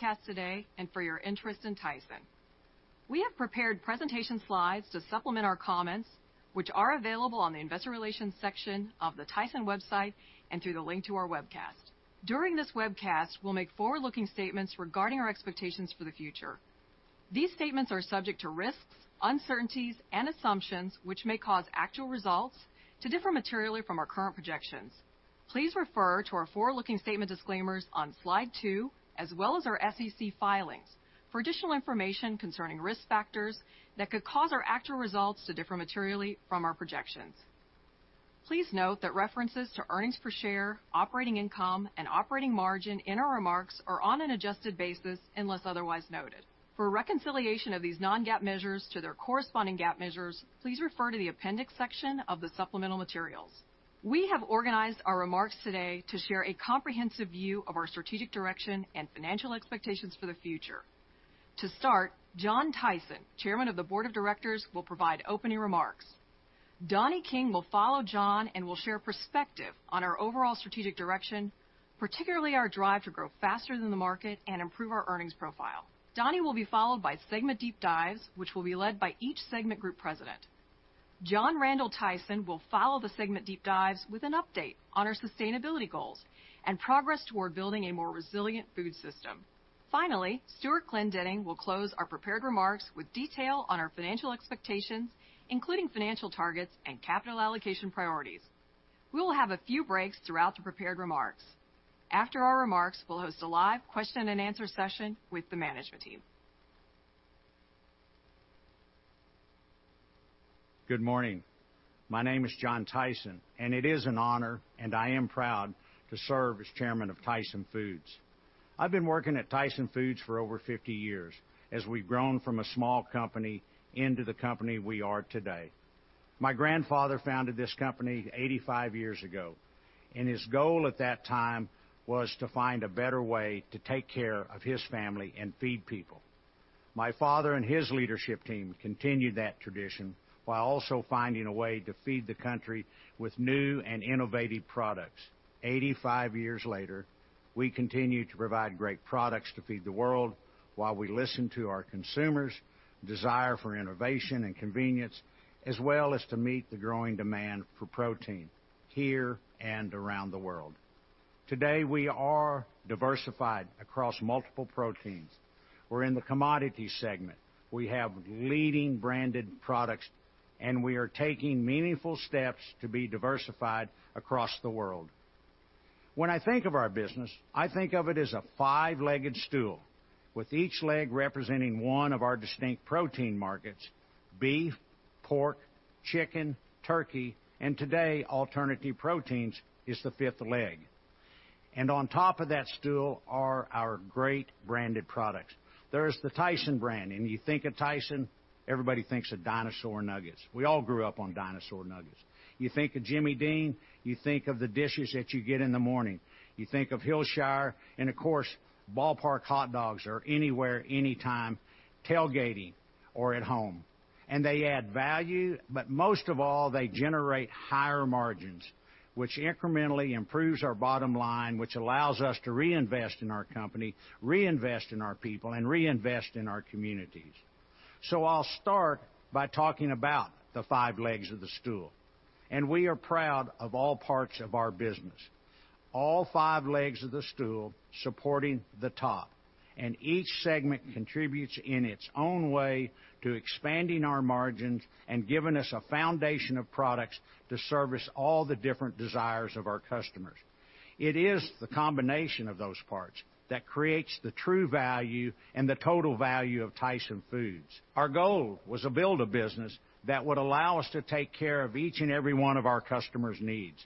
Webcast today and for your interest in Tyson. We have prepared presentation slides to supplement our comments, which are available on the Investor Relations section of the Tyson website and through the link to our webcast. During this webcast, we'll make forward-looking statements regarding our expectations for the future. These statements are subject to risks, uncertainties, and assumptions which may cause actual results to differ materially from our current projections. Please refer to our forward-looking statement disclaimers on Slide two, as well as our SEC filings for additional information concerning risk factors that could cause our actual results to differ materially from our projections. Please note that references to earnings per share, operating income, and operating margin in our remarks are on an adjusted basis, unless otherwise noted. For a reconciliation of these non-GAAP measures to their corresponding GAAP measures, please refer to the Appendix section of the supplemental materials. We have organized our remarks today to share a comprehensive view of our strategic direction and financial expectations for the future. To start, John Tyson, Chairman of the Board of Directors, will provide opening remarks. Donnie King will follow John and will share perspective on our overall strategic direction, particularly our drive to grow faster than the market and improve our earnings profile. Donnie will be followed by segment deep dives, which will be led by each segment group president. John R. Tyson will follow the segment deep dives with an update on our sustainability goals and progress toward building a more resilient food system. Finally, Stewart Glendinning will close our prepared remarks with detail on our financial expectations, including financial targets and capital allocation priorities. We will have a few breaks throughout the prepared remarks. After our remarks, we'll host a live question and answer session with the management team. Good morning. My name is John Tyson, and it is an honor, and I am proud to serve as chairman of Tyson Foods. I've been working at Tyson Foods for over 50 years as we've grown from a small company into the company we are today. My grandfather founded this company 85 years ago, and his goal at that time was to find a better way to take care of his family and feed people. My father and his leadership team continued that tradition while also finding a way to feed the country with new and innovative products. 85 years later, we continue to provide great products to feed the world while we listen to our consumers' desire for innovation and convenience, as well as to meet the growing demand for protein here and around the world. Today, we are diversified across multiple proteins. We're in the commodity segment. We have leading branded products, and we are taking meaningful steps to be diversified across the world. When I think of our business, I think of it as a five-legged stool, with each leg representing one of our distinct protein markets: beef, pork, chicken, turkey, and today, alternative proteins is the fifth leg. On top of that stool are our great branded products. There's the Tyson brand, and you think of Tyson, everybody thinks of dinosaur nuggets. We all grew up on dinosaur nuggets. You think of Jimmy Dean, you think of the dishes that you get in the morning. You think of Hillshire, and of course, Ball Park hot dogs are anywhere, anytime, tailgating or at home. They add value, but most of all, they generate higher margins, which incrementally improves our bottom line, which allows us to reinvest in our company, reinvest in our people, and reinvest in our communities. So I'll start by talking about the five legs of the stool, and we are proud of all parts of our business, all five legs of the stool supporting the top, and each segment contributes in its own way to expanding our margins and giving us a foundation of products to service all the different desires of our customers. It is the combination of those parts that creates the true value and the total value of Tyson Foods. Our goal was to build a business that would allow us to take care of each and every one of our customers' needs.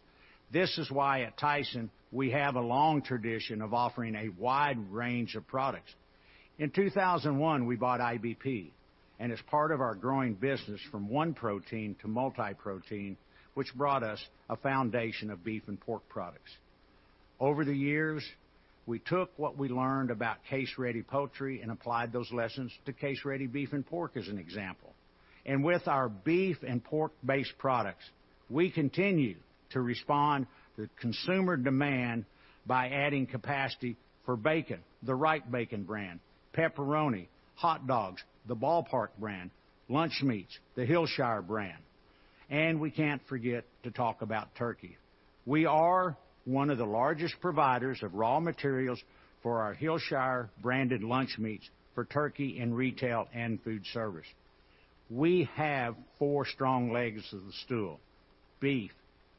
This is why, at Tyson, we have a long tradition of offering a wide range of products. In 2001, we bought IBP, and as part of our growing business from one protein to multi-protein, which brought us a foundation of beef and pork products. Over the years, we took what we learned about case-ready poultry and applied those lessons to case-ready beef and pork, as an example. With our beef and pork-based products, we continue to respond to consumer demand by adding capacity for bacon, the Wright bacon brand, pepperoni, hot dogs, the Ball Park brand, lunch meats, the Hillshire brand. We can't forget to talk about turkey. We are one of the largest providers of raw materials for our Hillshire branded lunch meats for turkey in retail and food service. We have four strong legs of the stool: beef,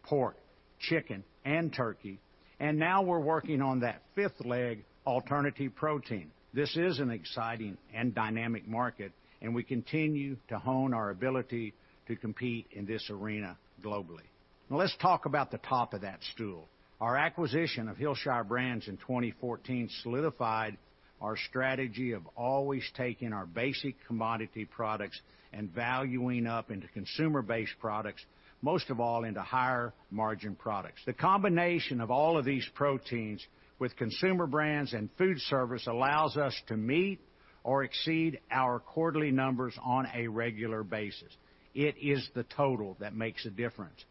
pork, chicken, and turkey, and now we're working on that fifth leg, alternative protein. This is an exciting and dynamic market, and we continue to hone our ability to compete in this arena globally. Now, let's talk about the top of that stool. Our acquisition of Hillshire Brands in 2014 solidified our strategy of always taking our basic commodity products and valuing up into consumer-based products, most of all into higher-margin products. The combination of all of these proteins with consumer brands and food service allows us to meet or exceed our quarterly numbers on a regular basis. It is the total that makes a difference.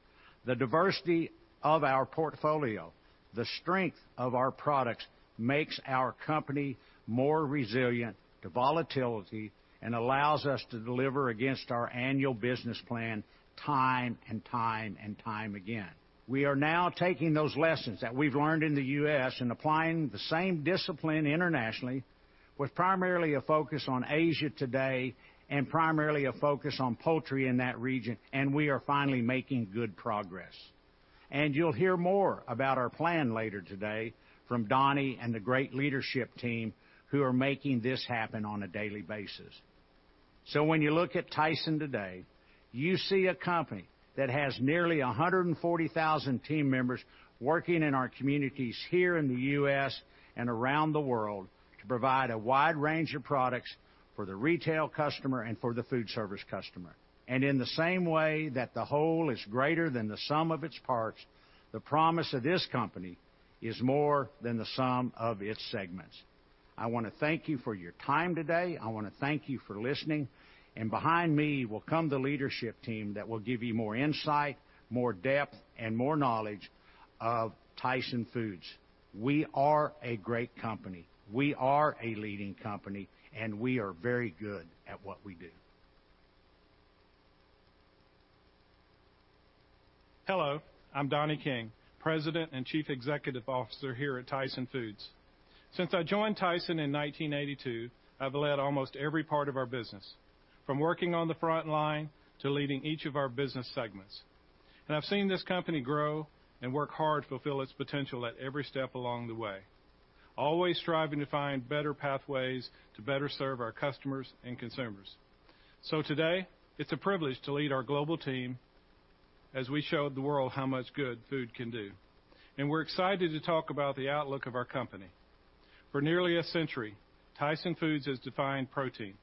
The diversity of our portfolio, the strength of our products, makes our company more resilient to volatility and allows us to deliver against our annual business plan, time and time and time again. We are now taking those lessons that we've learned in the U.S. and applying the same discipline internationally, with primarily a focus on Asia today and primarily a focus on poultry in that region, and we are finally making good progress. You'll hear more about our plan later today from Donnie and the great leadership team who are making this happen on a daily basis. When you look at Tyson today, you see a company that has nearly 140,000 team members working in our communities here in the U.S. and around the world to provide a wide range of products for the retail customer and for the food service customer. In the same way that the whole is greater than the sum of its parts, the promise of this company is more than the sum of its segments. I want to thank you for your time today. I want to thank you for listening, and behind me will come the leadership team that will give you more insight, more depth, and more knowledge of Tyson Foods. We are a great company, we are a leading company, and we are very good at what we do. Hello, I'm Donnie King, President and Chief Executive Officer here at Tyson Foods. Since I joined Tyson in 1982, I've led almost every part of our business, from working on the front line to leading each of our business segments. I've seen this company grow and work hard to fulfill its potential at every step along the way, always striving to find better pathways to better serve our customers and consumers. Today, it's a privilege to lead our global team as we show the world how much good food can do, and we're excited to talk about the outlook of our company. For nearly a century, Tyson Foods has defined protein.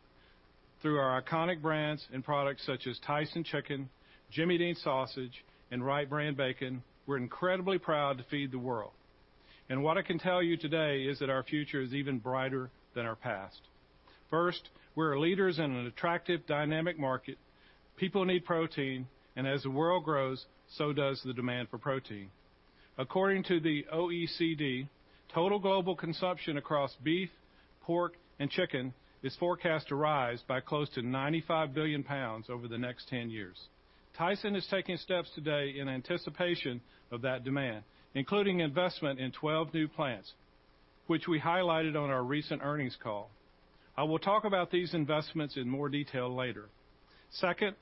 Through our iconic brands and products such as Tyson chicken, Jimmy Dean sausage, and Wright Brand Bacon, we're incredibly proud to feed the world. What I can tell you today is that our future is even brighter than our past. First, we're leaders in an attractive, dynamic market. People need protein, and as the world grows, so does the demand for protein. According to the OECD, total global consumption across beef, pork, and chicken is forecast to rise by close to 95 billion pounds over the next 10 years. Tyson is taking steps today in anticipation of that demand, including investment in 12 new plants, which we highlighted on our recent earnings call. I will talk about these investments in more detail later. Second,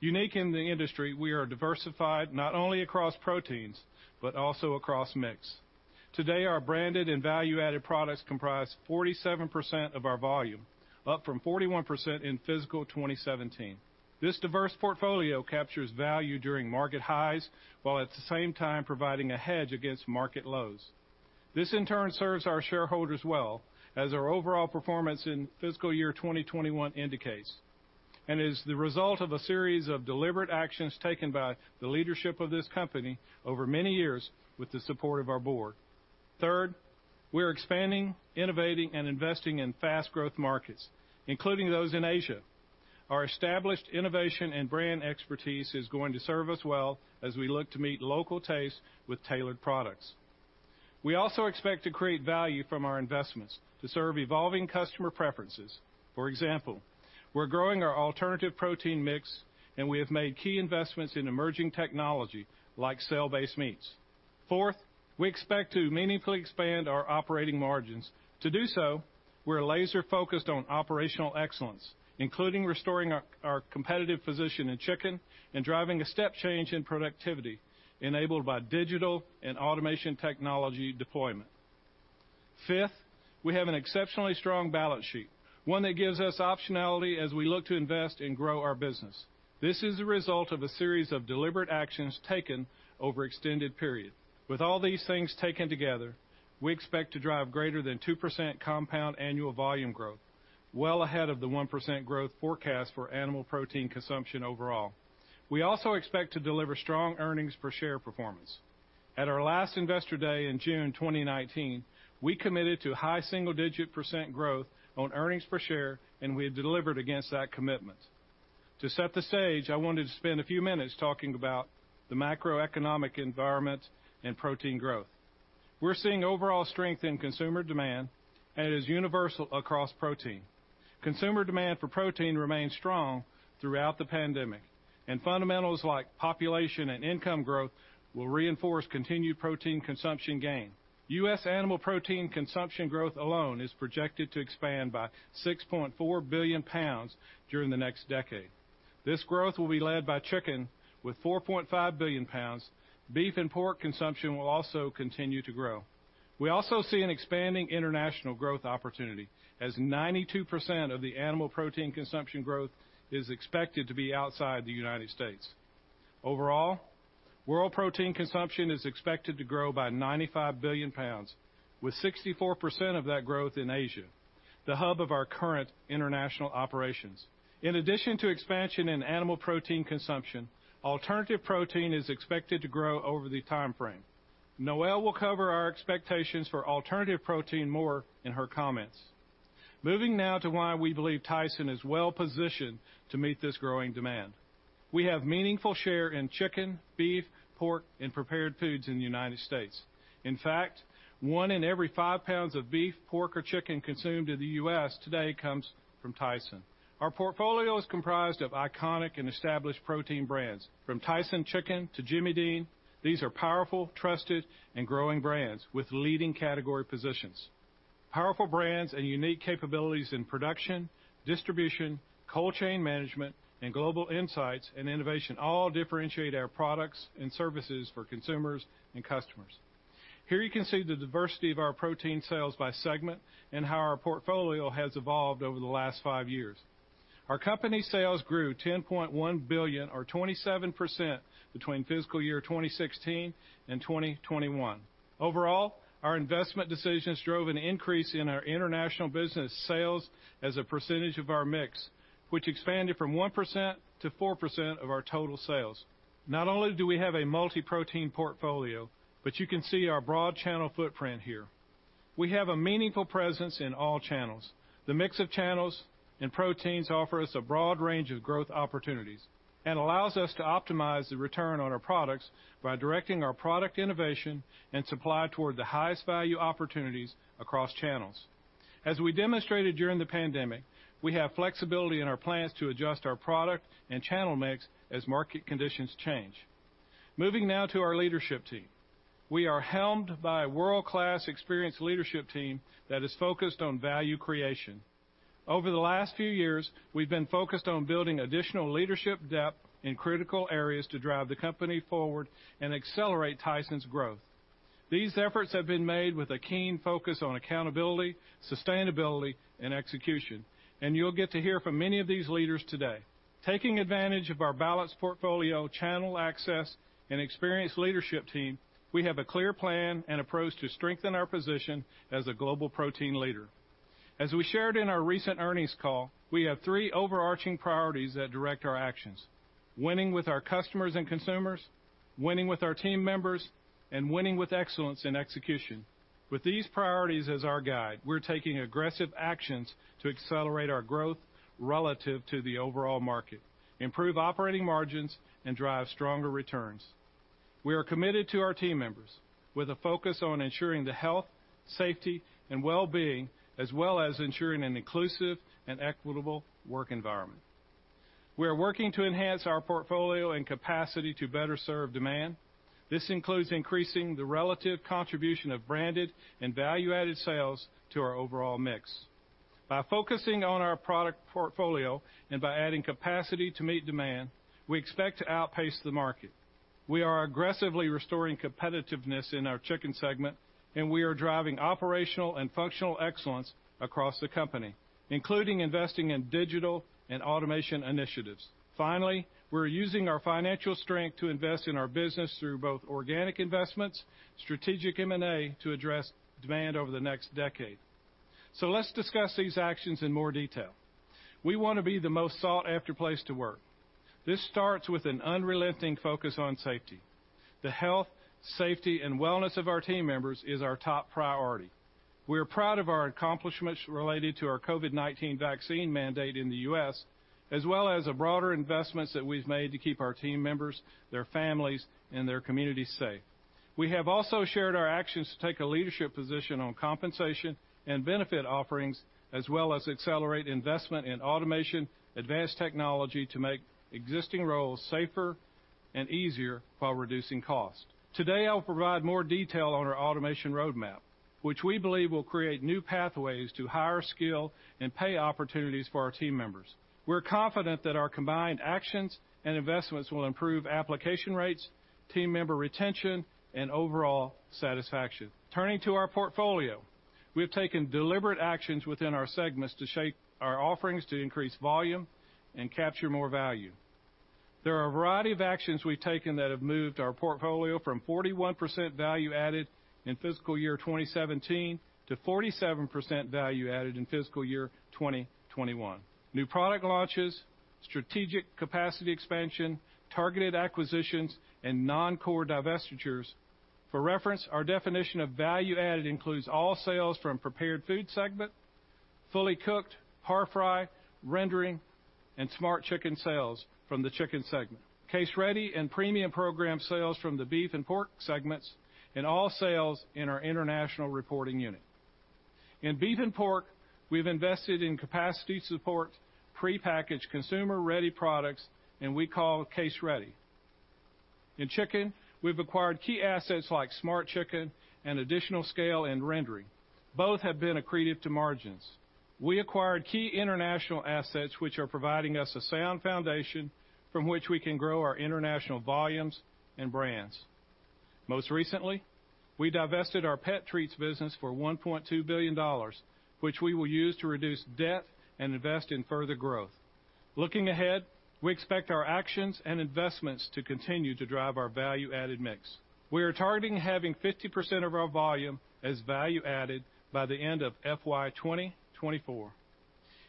unique in the industry, we are diversified not only across proteins, but also across mix. Today, our branded and value-added products comprise 47% of our volume, up from 41% in fiscal 2017. This diverse portfolio captures value during market highs, while at the same time providing a hedge against market lows. This, in turn, serves our shareholders well, as our overall performance in fiscal year 2021 indicates, and is the result of a series of deliberate actions taken by the leadership of this company over many years with the support of our board. Third, we are expanding, innovating, and investing in fast growth markets, including those in Asia. Our established innovation and brand expertise is going to serve us well as we look to meet local tastes with tailored products. We also expect to create value from our investments to serve evolving customer preferences. For example, we're growing our alternative protein mix, and we have made key investments in emerging technology like cell-based meats. Fourth, we expect to meaningfully expand our operating margins. To do so, we're laser-focused on operational excellence, including restoring our competitive position in chicken and driving a step change in productivity, enabled by digital and automation technology deployment. Fifth, we have an exceptionally strong balance sheet, one that gives us optionality as we look to invest and grow our business. This is the result of a series of deliberate actions taken over extended period. With all these things taken together, we expect to drive greater than 2% compound annual volume growth, well ahead of the 1% growth forecast for animal protein consumption overall. We also expect to deliver strong earnings per share performance. At our last Investor Day in June 2019, we committed to high single-digit % growth on earnings per share, and we have delivered against that commitment. To set the stage, I wanted to spend a few minutes talking about the macroeconomic environment and protein growth. We're seeing overall strength in consumer demand, and it is universal across protein. Consumer demand for protein remains strong throughout the pandemic, and fundamentals like population and income growth will reinforce continued protein consumption gain. U.S. animal protein consumption growth alone is projected to expand by 6.4 billion pounds during the next decade. This growth will be led by chicken, with 4.5 billion pounds. Beef and pork consumption will also continue to grow. We also see an expanding international growth opportunity, as 92% of the animal protein consumption growth is expected to be outside the United States. Overall, world protein consumption is expected to grow by 95 billion pounds, with 64% of that growth in Asia, the hub of our current international operations. In addition to expansion in animal protein consumption, alternative protein is expected to grow over the time frame. Noelle will cover our expectations for alternative protein more in her comments. Moving now to why we believe Tyson is well positioned to meet this growing demand. We have meaningful share in chicken, beef, pork, and Prepared Foods in the United States. In fact, one in every 5 pounds of beef, pork, or chicken consumed in the U.S. today comes from Tyson. Our portfolio is comprised of iconic and established protein brands, from Tyson chicken to Jimmy Dean. These are powerful, trusted, and growing brands with leading category positions. Powerful brands and unique capabilities in production, distribution, cold chain management, and global insights and innovation all differentiate our products and services for consumers and customers. Here you can see the diversity of our protein sales by segment and how our portfolio has evolved over the last five years. Our company sales grew $10.1 billion, or 27%, between fiscal year 2016 and 2021. Overall, our investment decisions drove an increase in our international business sales as a percentage of our mix, which expanded from 1% to 4% of our total sales. Not only do we have a multi-protein portfolio, but you can see our broad channel footprint here. We have a meaningful presence in all channels. The mix of channels and proteins offer us a broad range of growth opportunities and allows us to optimize the return on our products by directing our product innovation and supply toward the highest value opportunities across channels. As we demonstrated during the pandemic, we have flexibility in our plans to adjust our product and channel mix as market conditions change. Moving now to our leadership team. We are helmed by a world-class, experienced leadership team that is focused on value creation. Over the last few years, we've been focused on building additional leadership depth in critical areas to drive the company forward and accelerate Tyson's growth. These efforts have been made with a keen focus on accountability, sustainability, and execution, and you'll get to hear from many of these leaders today. Taking advantage of our balanced portfolio, channel access, and experienced leadership team, we have a clear plan and approach to strengthen our position as a global protein leader. As we shared in our recent earnings call, we have three overarching priorities that direct our actions: winning with our customers and consumers, winning with our team members, and winning with excellence in execution. With these priorities as our guide, we're taking aggressive actions to accelerate our growth relative to the overall market, improve operating margins, and drive stronger returns. We are committed to our team members with a focus on ensuring the health, safety, and well-being, as well as ensuring an inclusive and equitable work environment. We are working to enhance our portfolio and capacity to better serve demand. This includes increasing the relative contribution of branded and value-added sales to our overall mix. By focusing on our product portfolio and by adding capacity to meet demand, we expect to outpace the market. We are aggressively restoring competitiveness in our chicken segment, and we are driving operational and functional excellence across the company, including investing in digital and automation initiatives. Finally, we're using our financial strength to invest in our business through both organic investments, strategic M&A to address demand over the next decade. So let's discuss these actions in more detail. We want to be the most sought-after place to work. This starts with an unrelenting focus on safety. The health, safety, and wellness of our team members is our top priority. We are proud of our accomplishments related to our COVID-19 vaccine mandate in the U.S., as well as the broader investments that we've made to keep our team members, their families, and their communities safe. We have also shared our actions to take a leadership position on compensation and benefit offerings, as well as accelerate investment in automation, advanced technology to make existing roles safer and easier while reducing cost. Today, I'll provide more detail on our automation roadmap, which we believe will create new pathways to higher skill and pay opportunities for our team members. We're confident that our combined actions and investments will improve application rates, team member retention, and overall satisfaction. Turning to our portfolio, we have taken deliberate actions within our segments to shape our offerings to increase volume and capture more value. There are a variety of actions we've taken that have moved our portfolio from 41% value added in fiscal year 2017 to 47% value added in fiscal year 2021. New product launches, strategic capacity expansion, targeted acquisitions, and non-core divestitures. For reference, our definition of value-added includes all sales from prepared food segment, fully cooked, par-fry, rendering, and Smart Chicken sales from the chicken segment, case-ready and premium program sales from the beef and pork segments, and all sales in our international reporting unit. In beef and pork, we've invested in capacity support, prepackaged consumer-ready products, and we call case-ready. In chicken, we've acquired key assets like Smart Chicken and additional scale in rendering. Both have been accretive to margins. We acquired key international assets, which are providing us a sound foundation from which we can grow our international volumes and brands. Most recently, we divested our pet treats business for $1.2 billion, which we will use to reduce debt and invest in further growth. Looking ahead, we expect our actions and investments to continue to drive our value-added mix. We are targeting having 50% of our volume as value-added by the end of FY 2024.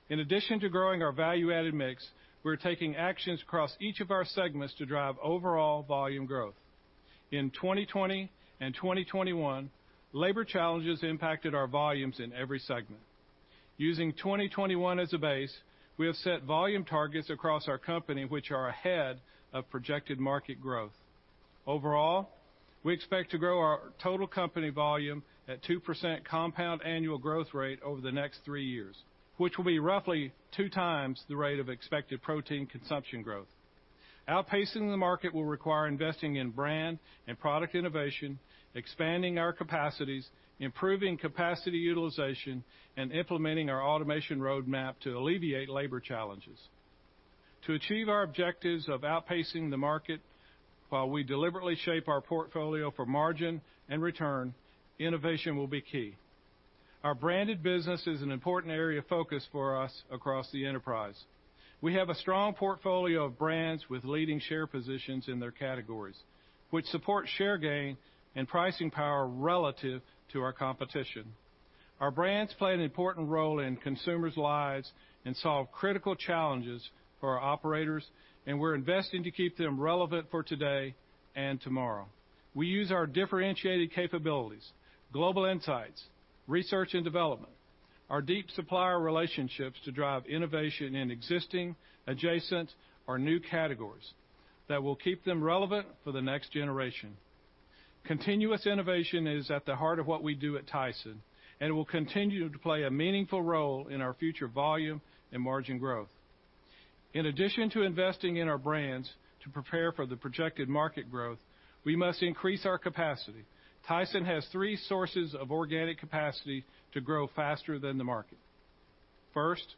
In addition to growing our value-added mix, we're taking actions across each of our segments to drive overall volume growth. In 2020 and 2021, labor challenges impacted our volumes in every segment. Using 2021 as a base, we have set volume targets across our company, which are ahead of projected market growth. Overall, we expect to grow our total company volume at 2% compound annual growth rate over the next three years, which will be roughly two times the rate of expected protein consumption growth. Outpacing the market will require investing in brand and product innovation, expanding our capacities, improving capacity utilization, and implementing our automation roadmap to alleviate labor challenges. To achieve our objectives of outpacing the market while we deliberately shape our portfolio for margin and return, innovation will be key. Our branded business is an important area of focus for us across the enterprise. We have a strong portfolio of brands with leading share positions in their categories, which support share gain and pricing power relative to our competition. Our brands play an important role in consumers' lives and solve critical challenges for our operators, and we're investing to keep them relevant for today and tomorrow. We use our differentiated capabilities, global insights, research and development, our deep supplier relationships to drive innovation in existing, adjacent, or new categories that will keep them relevant for the next generation. Continuous innovation is at the heart of what we do at Tyson, and it will continue to play a meaningful role in our future volume and margin growth. In addition to investing in our brands to prepare for the projected market growth, we must increase our capacity. Tyson has three sources of organic capacity to grow faster than the market. First,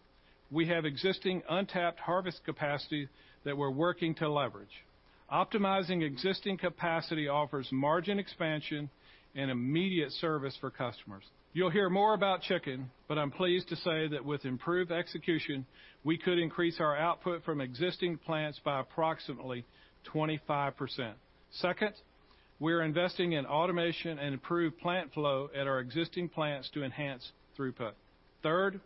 we have existing untapped harvest capacity that we're working to leverage. Optimizing existing capacity offers margin expansion and immediate service for customers. You'll hear more about chicken, but I'm pleased to say that with improved execution, we could increase our output from existing plants by approximately 25%. Second, we're investing in automation and improved plant flow at our existing plants to enhance throughput. Third,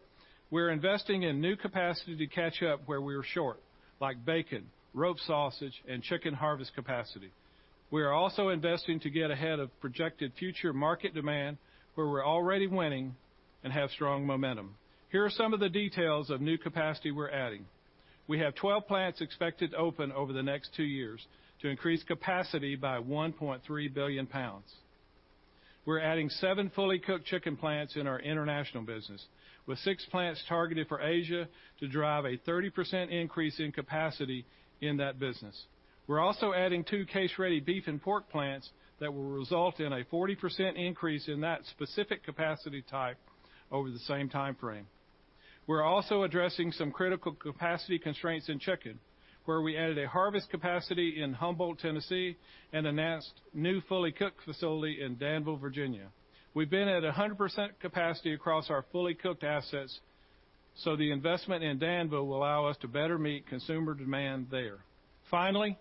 we're investing in new capacity to catch up where we are short, like bacon, rope sausage, and chicken harvest capacity. We are also investing to get ahead of projected future market demand, where we're already winning and have strong momentum. Here are some of the details of new capacity we're adding. We have 12 plants expected to open over the next 2 years to increase capacity by 1.3 billion pounds. We're adding 7 fully cooked chicken plants in our international business, with 6 plants targeted for Asia to drive a 30% increase in capacity in that business. We're also adding 2 case-ready beef and pork plants that will result in a 40% increase in that specific capacity type over the same time frame. We're also addressing some critical capacity constraints in chicken, where we added a harvest capacity in Humboldt, Tennessee, and announced new fully cooked facility in Danville, Virginia. We've been at 100% capacity across our fully cooked assets, so the investment in Danville will allow us to better meet consumer demand there. Finally,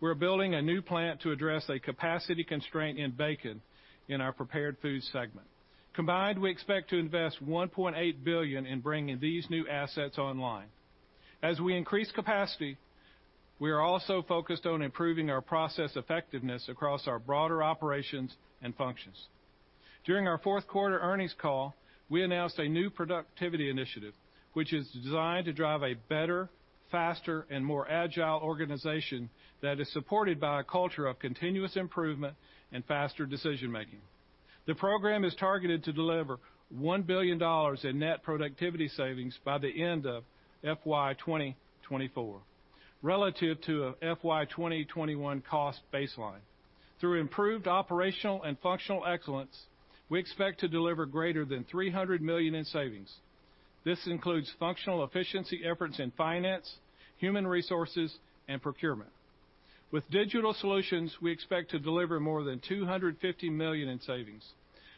we're building a new plant to address a capacity constraint in bacon in our prepared food segment. Combined, we expect to invest $1.8 billion in bringing these new assets online. As we increase capacity, we are also focused on improving our process effectiveness across our broader operations and functions. During our fourth quarter earnings call, we announced a new productivity initiative, which is designed to drive a better, faster, and more agile organization that is supported by a culture of continuous improvement and faster decision-making. The program is targeted to deliver $1 billion in net productivity savings by the end of FY 2024, relative to a FY 2021 cost baseline. Through improved operational and functional excellence, we expect to deliver greater than $300 million in savings. This includes functional efficiency efforts in finance, human resources, and procurement. With digital solutions, we expect to deliver more than $250 million in savings.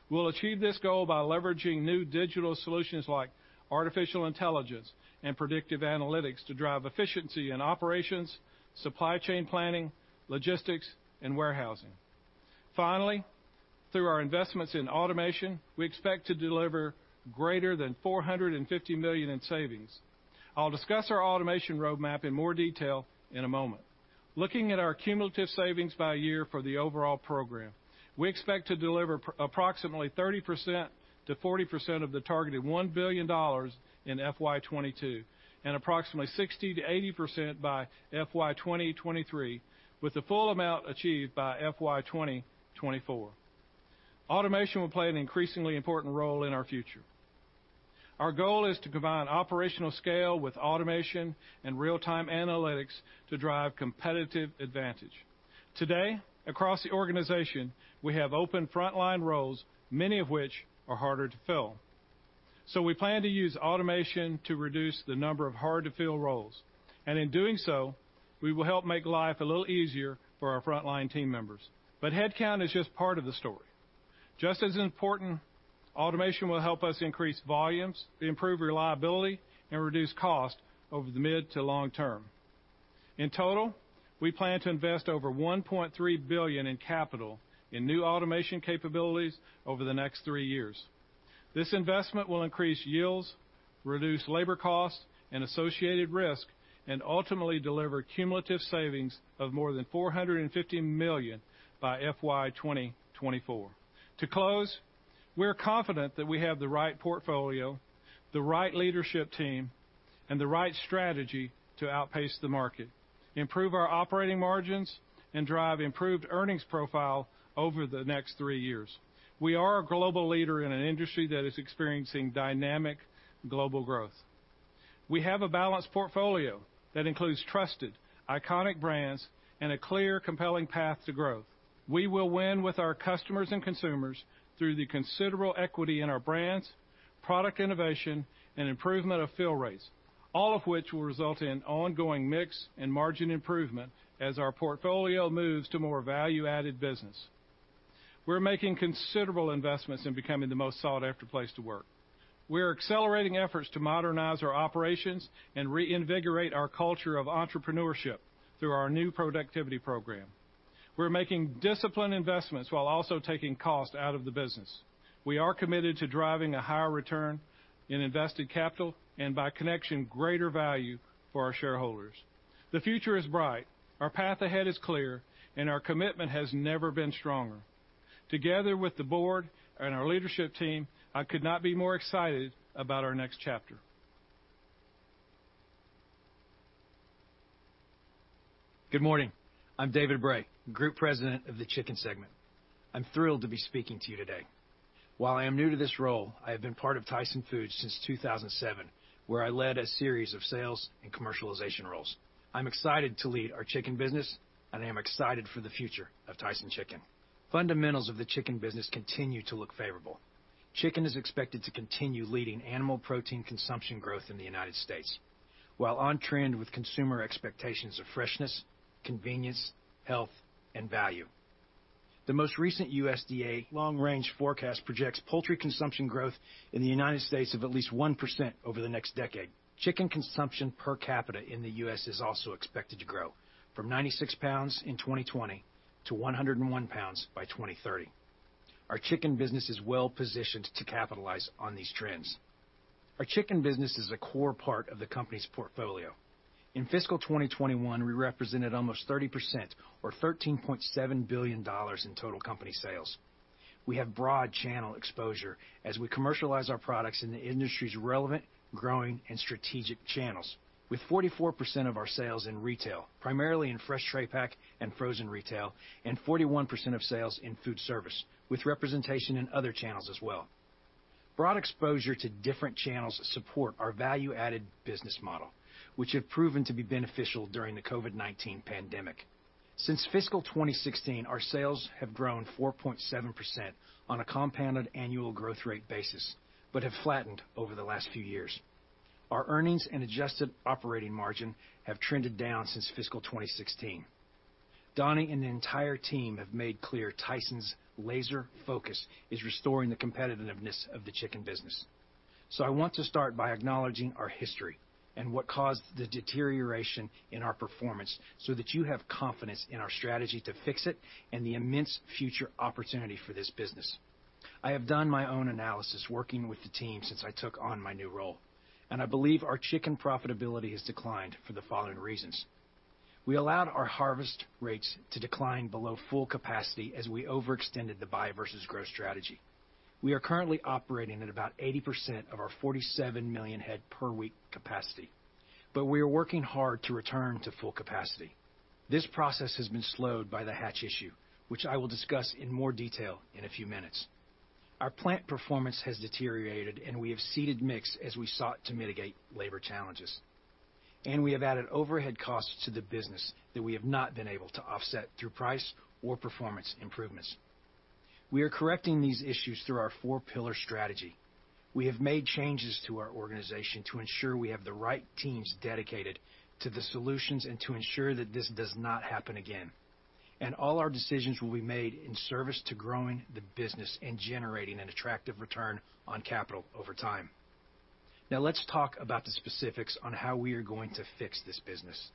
We'll achieve this goal by leveraging new digital solutions like artificial intelligence and predictive analytics to drive efficiency in operations, supply chain planning, logistics, and warehousing. Finally, through our investments in automation, we expect to deliver greater than $450 million in savings. I'll discuss our automation roadmap in more detail in a moment. Looking at our cumulative savings by year for the overall program, we expect to deliver approximately 30%-40% of the targeted $1 billion in FY 2022, and approximately 60%-80% by FY 2023, with the full amount achieved by FY 2024. Automation will play an increasingly important role in our future. Our goal is to combine operational scale with automation and real-time analytics to drive competitive advantage. Today, across the organization, we have open frontline roles, many of which are harder to fill. So we plan to use automation to reduce the number of hard-to-fill roles, and in doing so, we will help make life a little easier for our frontline team members. But headcount is just part of the story. Just as important, automation will help us increase volumes, improve reliability, and reduce cost over the mid- to long-term. In total, we plan to invest over $1.3 billion in capital in new automation capabilities over the next three years. This investment will increase yields, reduce labor costs and associated risk, and ultimately deliver cumulative savings of more than $450 million by FY 2024. To close, we're confident that we have the right portfolio, the right leadership team, and the right strategy to outpace the market, improve our operating margins, and drive improved earnings profile over the next three years. We are a global leader in an industry that is experiencing dynamic global growth. We have a balanced portfolio that includes trusted, iconic brands and a clear, compelling path to growth. We will win with our customers and consumers through the considerable equity in our brands, product innovation, and improvement of fill rates, all of which will result in ongoing mix and margin improvement as our portfolio moves to more value-added business. We're making considerable investments in becoming the most sought-after place to work. We are accelerating efforts to modernize our operations and reinvigorate our culture of entrepreneurship through our new productivity program. We're making disciplined investments while also taking cost out of the business. We are committed to driving a higher return in invested capital and, by connection, greater value for our shareholders. The future is bright, our path ahead is clear, and our commitment has never been stronger. Together with the board and our leadership team, I could not be more excited about our next chapter. Good morning. I'm David Bray, Group President of the Chicken segment. I'm thrilled to be speaking to you today. While I am new to this role, I have been part of Tyson Foods since 2007, where I led a series of sales and commercialization roles. I'm excited to lead our chicken business, and I am excited for the future of Tyson chicken. Fundamentals of the chicken business continue to look favorable. Chicken is expected to continue leading animal protein consumption growth in the United States, while on trend with consumer expectations of freshness, convenience, health, and value. The most recent USDA long-range forecast projects poultry consumption growth in the United States of at least 1% over the next decade. Chicken consumption per capita in the U.S. is also expected to grow from 96 pounds in 2020 to 101 pounds by 2030. Our chicken business is well positioned to capitalize on these trends. Our chicken business is a core part of the company's portfolio. In fiscal 2021, we represented almost 30% or $13.7 billion in total company sales. We have broad channel exposure as we commercialize our products in the industry's relevant, growing, and strategic channels, with 44% of our sales in retail, primarily in fresh tray pack and frozen retail, and 41% of sales in food service, with representation in other channels as well. Broad exposure to different channels support our value-added business model, which have proven to be beneficial during the COVID-19 pandemic. Since fiscal 2016, our sales have grown 4.7% on a compound annual growth rate basis, but have flattened over the last few years. Our earnings and adjusted operating margin have trended down since fiscal 2016. Donnie and the entire team have made clear Tyson's laser focus is restoring the competitiveness of the chicken business. So I want to start by acknowledging our history and what caused the deterioration in our performance, so that you have confidence in our strategy to fix it and the immense future opportunity for this business. I have done my own analysis working with the team since I took on my new role, and I believe our chicken profitability has declined for the following reasons: We allowed our harvest rates to decline below full capacity as we overextended the buy versus grow strategy. We are currently operating at about 80% of our 47 million head per week capacity, but we are working hard to return to full capacity. This process has been slowed by the hatch issue, which I will discuss in more detail in a few minutes. Our plant performance has deteriorated, and we have ceded mix as we sought to mitigate labor challenges. We have added overhead costs to the business that we have not been able to offset through price or performance improvements. We are correcting these issues through our four pillar strategy. We have made changes to our organization to ensure we have the right teams dedicated to the solutions and to ensure that this does not happen again. All our decisions will be made in service to growing the business and generating an attractive return on capital over time. Now, let's talk about the specifics on how we are going to fix this business.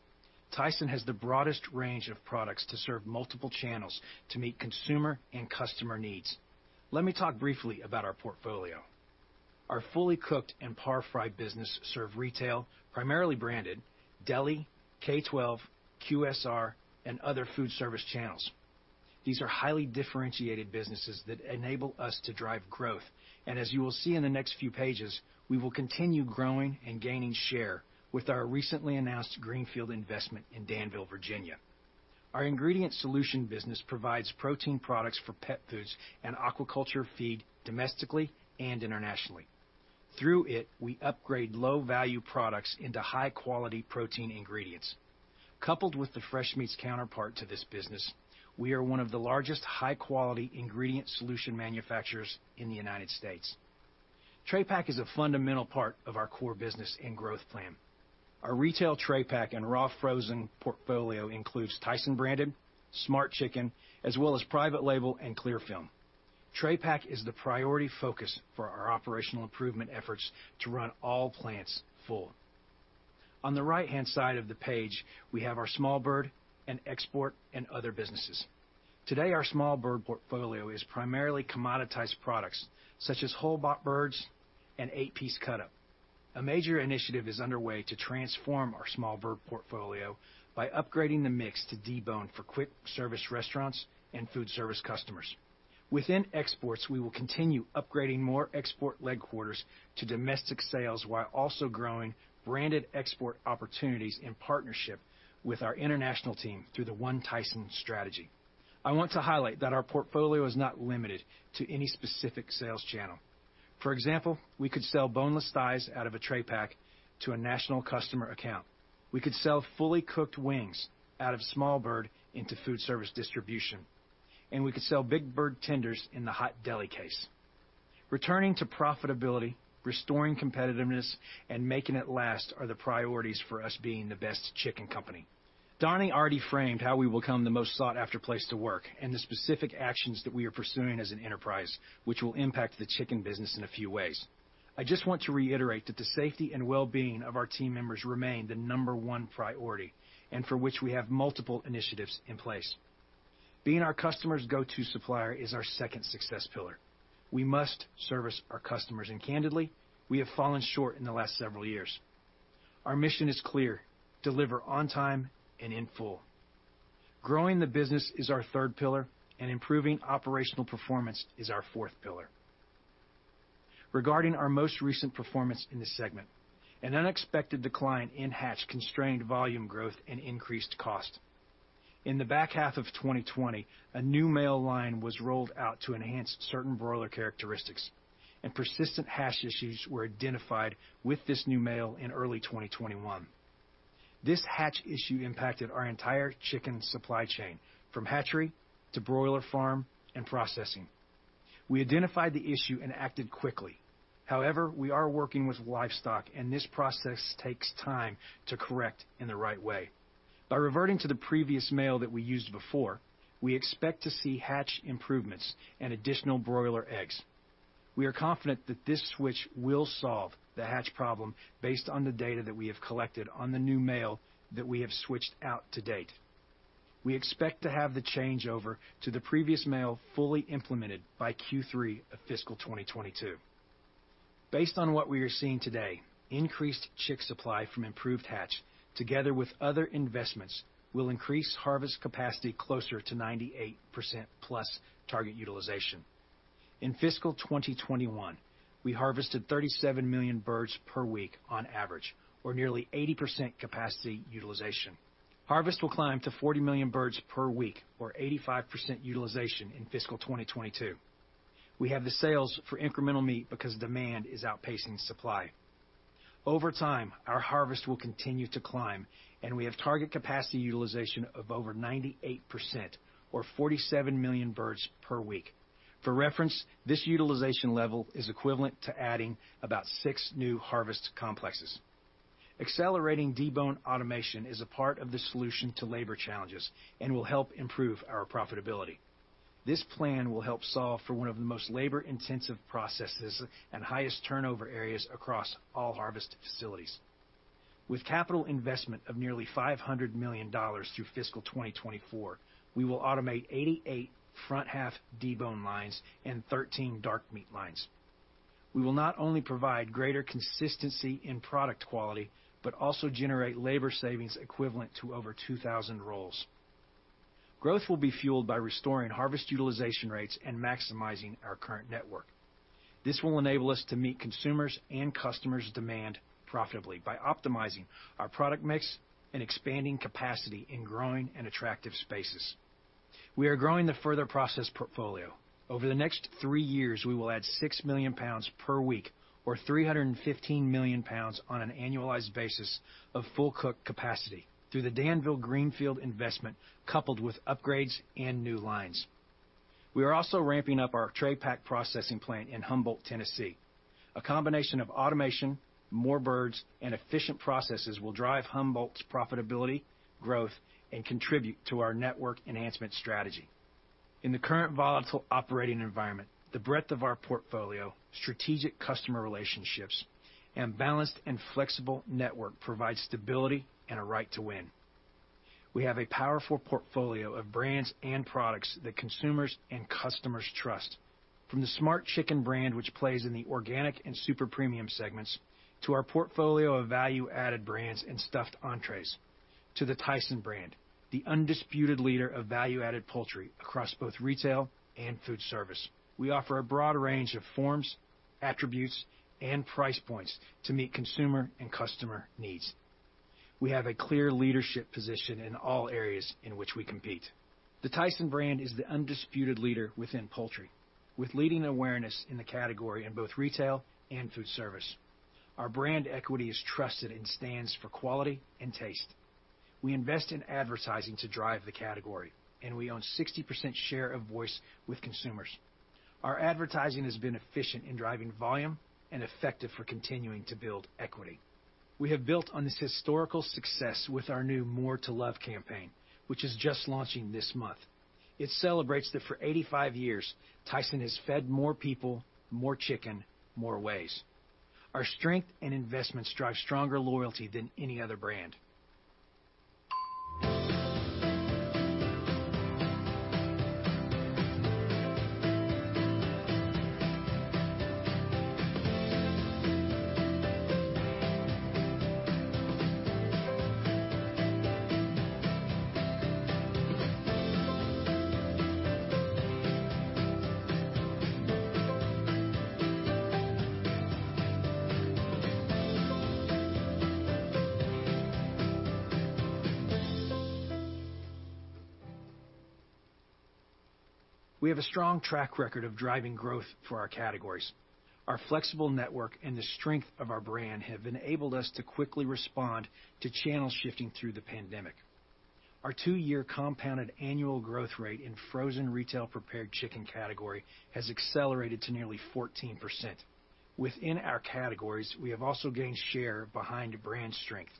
Tyson has the broadest range of products to serve multiple channels to meet consumer and customer needs. Let me talk briefly about our portfolio. Our fully cooked and par-fry business serve retail, primarily branded, deli, K-12, QSR, and other food service channels. These are highly differentiated businesses that enable us to drive growth, and as you will see in the next few pages, we will continue growing and gaining share with our recently announced greenfield investment in Danville, Virginia. Our ingredient solution business provides protein products for pet foods and aquaculture feed domestically and internationally. Through it, we upgrade low-value products into high-quality protein ingredients. Coupled with the fresh meats counterpart to this business, we are one of the largest high-quality ingredient solution manufacturers in the United States. Tray pack is a fundamental part of our core business and growth plan. Our retail tray pack and raw frozen portfolio includes Tyson branded, Smart Chicken, as well as private label and clear film. Tray pack is the priority focus for our operational improvement efforts to run all plants full. On the right-hand side of the page, we have our small bird and export and other businesses. Today, our small bird portfolio is primarily commoditized products, such as whole-bought birds and eight-piece cut up. A major initiative is underway to transform our small bird portfolio by upgrading the mix to debone for quick service restaurants and food service customers. Within exports, we will continue upgrading more export leg quarters to domestic sales, while also growing branded export opportunities in partnership with our international team through the One Tyson strategy. I want to highlight that our portfolio is not limited to any specific sales channel. For example, we could sell boneless thighs out of a tray pack to a national customer account. We could sell fully cooked wings out of small bird into food service distribution, and we could sell big bird tenders in the hot deli case. Returning to profitability, restoring competitiveness, and making it last are the priorities for us being the best chicken company. Donnie already framed how we will become the most sought-after place to work, and the specific actions that we are pursuing as an enterprise, which will impact the chicken business in a few ways. I just want to reiterate that the safety and well-being of our team members remain the number one priority, and for which we have multiple initiatives in place. Being our customers' go-to supplier is our second success pillar. We must service our customers, and candidly, we have fallen short in the last several years. Our mission is clear: deliver on time and in full. Growing the business is our third pillar, and improving operational performance is our fourth pillar. Regarding our most recent performance in this segment, an unexpected decline in hatch constrained volume growth and increased cost. In the back half of 2020, a new male line was rolled out to enhance certain broiler characteristics, and persistent hatch issues were identified with this new male in early 2021. This hatch issue impacted our entire chicken supply chain, from hatchery to broiler farm and processing. We identified the issue and acted quickly. However, we are working with livestock, and this process takes time to correct in the right way. By reverting to the previous male that we used before, we expect to see hatch improvements and additional broiler eggs. We are confident that this switch will solve the hatch problem based on the data that we have collected on the new male that we have switched out to date. We expect to have the changeover to the previous male fully implemented by Q3 of fiscal 2022. Based on what we are seeing today, increased chick supply from improved hatch, together with other investments, will increase harvest capacity closer to 98%+ target utilization. In fiscal 2021, we harvested 37 million birds per week on average, or nearly 80% capacity utilization. Harvest will climb to 40 million birds per week, or 85% utilization in fiscal 2022. We have the sales for incremental meat because demand is outpacing supply. Over time, our harvest will continue to climb, and we have target capacity utilization of over 98% or 47 million birds per week. For reference, this utilization level is equivalent to adding about 6 new harvest complexes. Accelerating debone automation is a part of the solution to labor challenges and will help improve our profitability. This plan will help solve for one of the most labor-intensive processes and highest turnover areas across all harvest facilities. With capital investment of nearly $500 million through fiscal 2024, we will automate 88 front half debone lines and 13 dark meat lines. We will not only provide greater consistency in product quality, but also generate labor savings equivalent to over 2,000 roles. Growth will be fueled by restoring harvest utilization rates and maximizing our current network. This will enable us to meet consumers' and customers' demand profitably by optimizing our product mix and expanding capacity in growing and attractive spaces. We are growing the further process portfolio. Over the next 3 years, we will add 6 million pounds per week, or 315 million pounds on an annualized basis of full cook capacity through the Danville greenfield investment, coupled with upgrades and new lines. We are also ramping up our tray pack processing plant in Humboldt, Tennessee. A combination of automation, more birds, and efficient processes will drive Humboldt's profitability, growth, and contribute to our network enhancement strategy. In the current volatile operating environment, the breadth of our portfolio, strategic customer relationships, and balanced and flexible network provide stability and a right to win. We have a powerful portfolio of brands and products that consumers and customers trust. From the Smart Chicken brand, which plays in the organic and super premium segments, to our portfolio of value-added brands and stuffed entrees, to the Tyson brand, the undisputed leader of value-added poultry across both retail and food service. We offer a broad range of forms, attributes, and price points to meet consumer and customer needs. We have a clear leadership position in all areas in which we compete. The Tyson brand is the undisputed leader within poultry, with leading awareness in the category in both retail and food service. Our brand equity is trusted and stands for quality and taste. We invest in advertising to drive the category, and we own 60% share of voice with consumers. Our advertising has been efficient in driving volume and effective for continuing to build equity. We have built on this historical success with our new More to Love campaign, which is just launching this month. It celebrates that for 85 years, Tyson has fed more people, more chicken, more ways. Our strength and investments drive stronger loyalty than any other brand. We have a strong track record of driving growth for our categories. Our flexible network and the strength of our brand have enabled us to quickly respond to channel shifting through the pandemic. Our two-year compounded annual growth rate in frozen retail prepared chicken category has accelerated to nearly 14%. Within our categories, we have also gained share behind brand strength,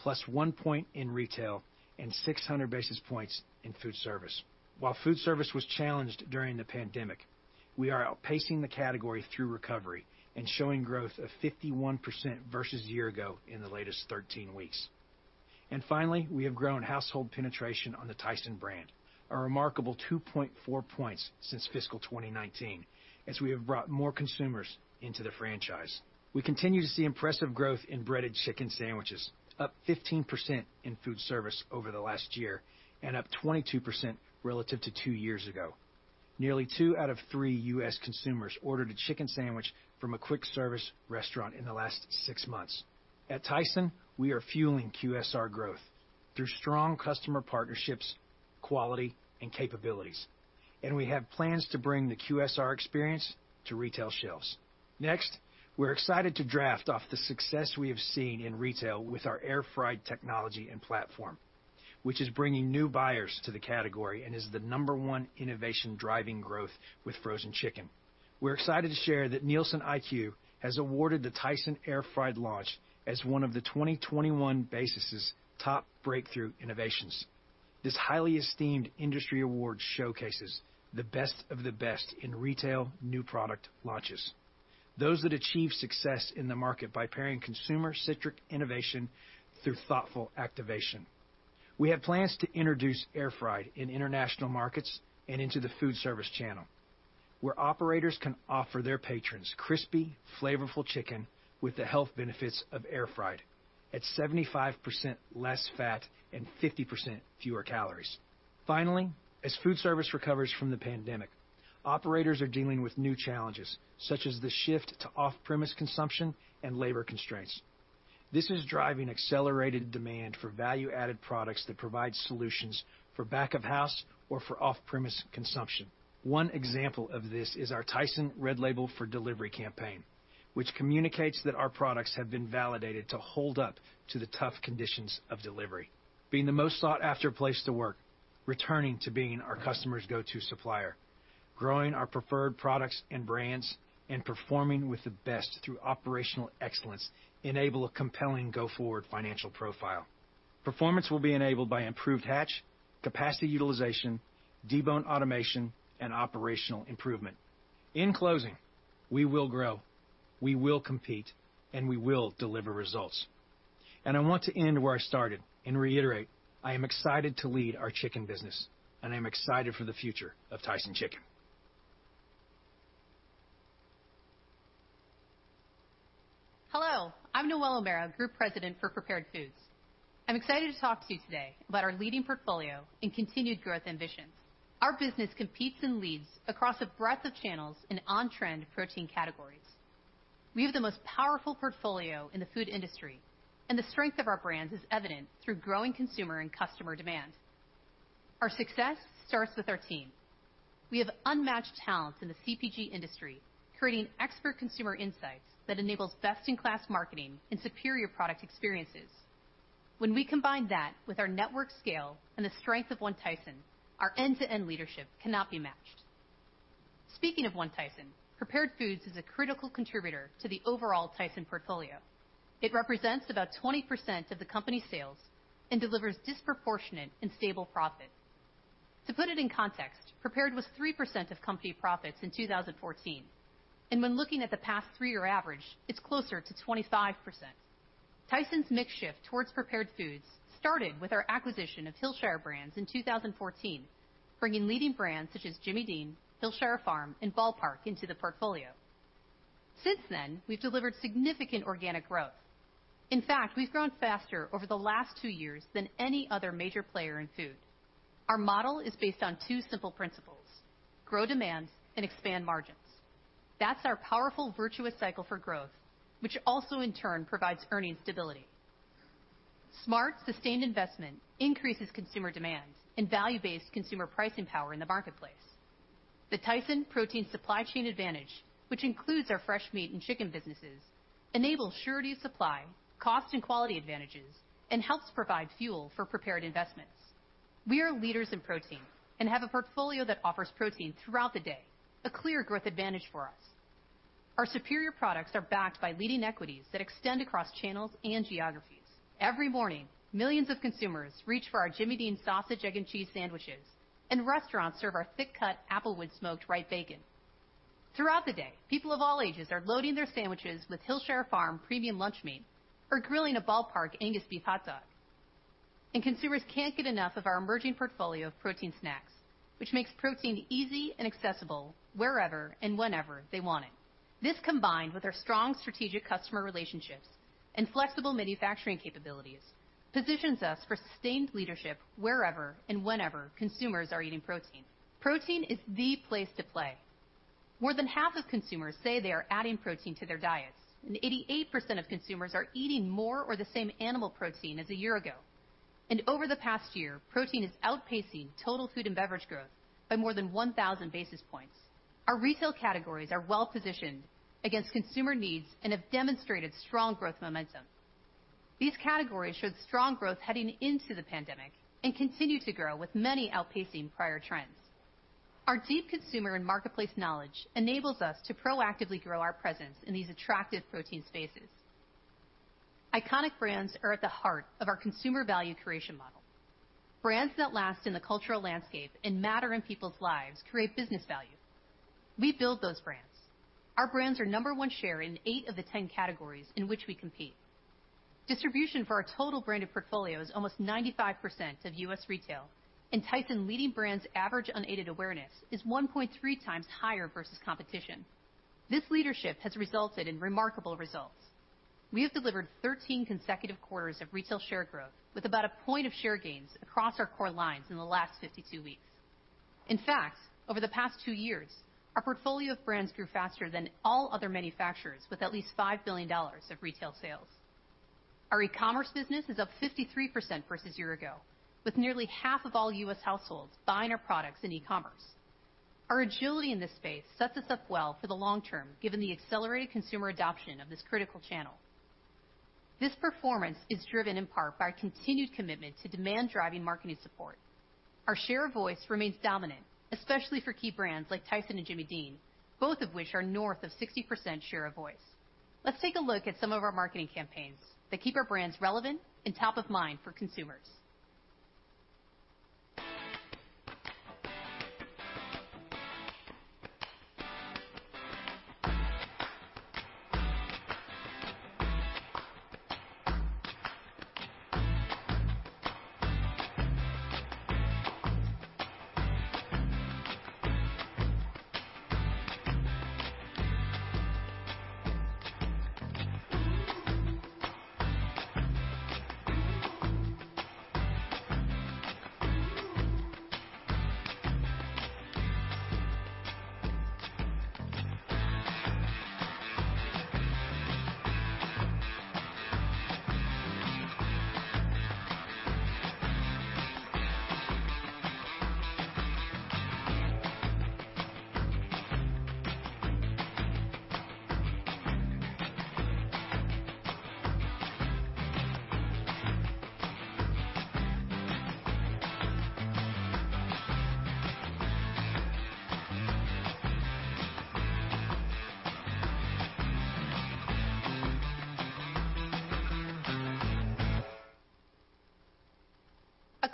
plus 1 point in retail and 600 basis points in food service. While food service was challenged during the pandemic, we are outpacing the category through recovery and showing growth of 51% versus a year ago in the latest 13 weeks. And finally, we have grown household penetration on the Tyson brand, a remarkable 2.4 points since fiscal 2019, as we have brought more consumers into the franchise. We continue to see impressive growth in breaded chicken sandwiches, up 15% in food service over the last year and up 22% relative to two years ago. Nearly two out of three U.S. consumers ordered a chicken sandwich from a quick service restaurant in the last six months. At Tyson, we are fueling QSR growth through strong customer partnerships, quality, and capabilities, and we have plans to bring the QSR experience to retail shelves. Next, we're excited to draft off the success we have seen in retail with our air-fried technology and platform, which is bringing new buyers to the category and is the number one innovation driving growth with frozen chicken. We're excited to share that NielsenIQ has awarded the Tyson Air Fried launch as one of the 2021's top breakthrough innovations. This highly esteemed industry award showcases the best of the best in retail new product launches, those that achieve success in the market by pairing consumer-centric innovation through thoughtful activation. We have plans to introduce air fried in international markets and into the food service channel, where operators can offer their patrons crispy, flavorful chicken with the health benefits of air fried at 75% less fat and 50% fewer calories. Finally, as food service recovers from the pandemic, operators are dealing with new challenges, such as the shift to off-premise consumption and labor constraints. This is driving accelerated demand for value-added products that provide solutions for back of house or for off-premise consumption. One example of this is our Tyson Red Label for Delivery campaign, which communicates that our products have been validated to hold up to the tough conditions of delivery. Being the most sought-after place to work, returning to being our customers' go-to supplier, growing our preferred products and brands, and performing with the best through operational excellence enable a compelling go-forward financial profile. Performance will be enabled by improved hatch, capacity utilization, debone automation, and operational improvement. In closing, we will grow, we will compete, and we will deliver results.I want to end where I started and reiterate, I am excited to lead our chicken business, and I'm excited for the future of Tyson chicken. Hello, I'm Noelle O'Mara, Group President for Prepared Foods. I'm excited to talk to you today about our leading portfolio and continued growth ambitions. Our business competes and leads across a breadth of channels in on-trend protein categories. We have the most powerful portfolio in the food industry, and the strength of our brands is evident through growing consumer and customer demand. Our success starts with our team. We have unmatched talent in the CPG industry, creating expert consumer insights that enables best-in-class marketing and superior product experiences. When we combine that with our network scale and the strength of One Tyson, our end-to-end leadership cannot be matched. Speaking of One Tyson, Prepared Foods is a critical contributor to the overall Tyson portfolio. It represents about 20% of the company's sales and delivers disproportionate and stable profits. To put it in context, Prepared was 3% of company profits in 2014, and when looking at the past three-year average, it's closer to 25%. Tyson's mix shift towards Prepared Foods started with our acquisition of Hillshire Brands in 2014, bringing leading brands such as Jimmy Dean, Hillshire Farm, and Ball Park into the portfolio. Since then, we've delivered significant organic growth. In fact, we've grown faster over the last two years than any other major player in food. Our model is based on two simple principles: grow demands and expand margins. That's our powerful, virtuous cycle for growth, which also, in turn, provides earnings stability. Smart, sustained investment increases consumer demand and value-based consumer pricing power in the marketplace. The Tyson protein supply chain advantage, which includes our fresh meat and chicken businesses, enables surety of supply, cost and quality advantages, and helps provide fuel for prepared investments. We are leaders in protein and have a portfolio that offers protein throughout the day, a clear growth advantage for us. Our superior products are backed by leading equities that extend across channels and geographies. Every morning, millions of consumers reach for our Jimmy Dean sausage, egg, and cheese sandwiches, and restaurants serve our thick-cut applewood smoked Wright bacon. Throughout the day, people of all ages are loading their sandwiches with Hillshire Farm premium lunch meat or grilling a Ball Park Angus beef hot dog. And consumers can't get enough of our emerging portfolio of protein snacks, which makes protein easy and accessible wherever and whenever they want it. This, combined with our strong strategic customer relationships and flexible manufacturing capabilities, positions us for sustained leadership wherever and whenever consumers are eating protein. Protein is the place to play. More than half of consumers say they are adding protein to their diets, and 88% of consumers are eating more or the same animal protein as a year ago. And over the past year, protein is outpacing total food and beverage growth by more than 1,000 basis points. Our retail categories are well-positioned against consumer needs and have demonstrated strong growth momentum. These categories showed strong growth heading into the pandemic and continue to grow, with many outpacing prior trends. Our deep consumer and marketplace knowledge enables us to proactively grow our presence in these attractive protein spaces. Iconic brands are at the heart of our consumer value creation model. Brands that last in the cultural landscape and matter in people's lives create business value. We build those brands. Our brands are No. 1 share in 8 of the 10 categories in which we compete. Distribution for our total branded portfolio is almost 95% of U.S. retail, and Tyson-leading brands’ average unaided awareness is 1.3 times higher versus competition. This leadership has resulted in remarkable results. We have delivered 13 consecutive quarters of retail share growth, with about a point of share gains across our core lines in the last 52 weeks. In fact, over the past 2 years, our portfolio of brands grew faster than all other manufacturers, with at least $5 billion of retail sales. Our e-commerce business is up 53% versus a year ago, with nearly half of all U.S. households buying our products in e-commerce. Our agility in this space sets us up well for the long term, given the accelerated consumer adoption of this critical channel. This performance is driven in part by our continued commitment to demand-driving marketing support. Our share of voice remains dominant, especially for key brands like Tyson and Jimmy Dean, both of which are north of 60% share of voice. Let's take a look at some of our marketing campaigns that keep our brands relevant and top of mind for consumers.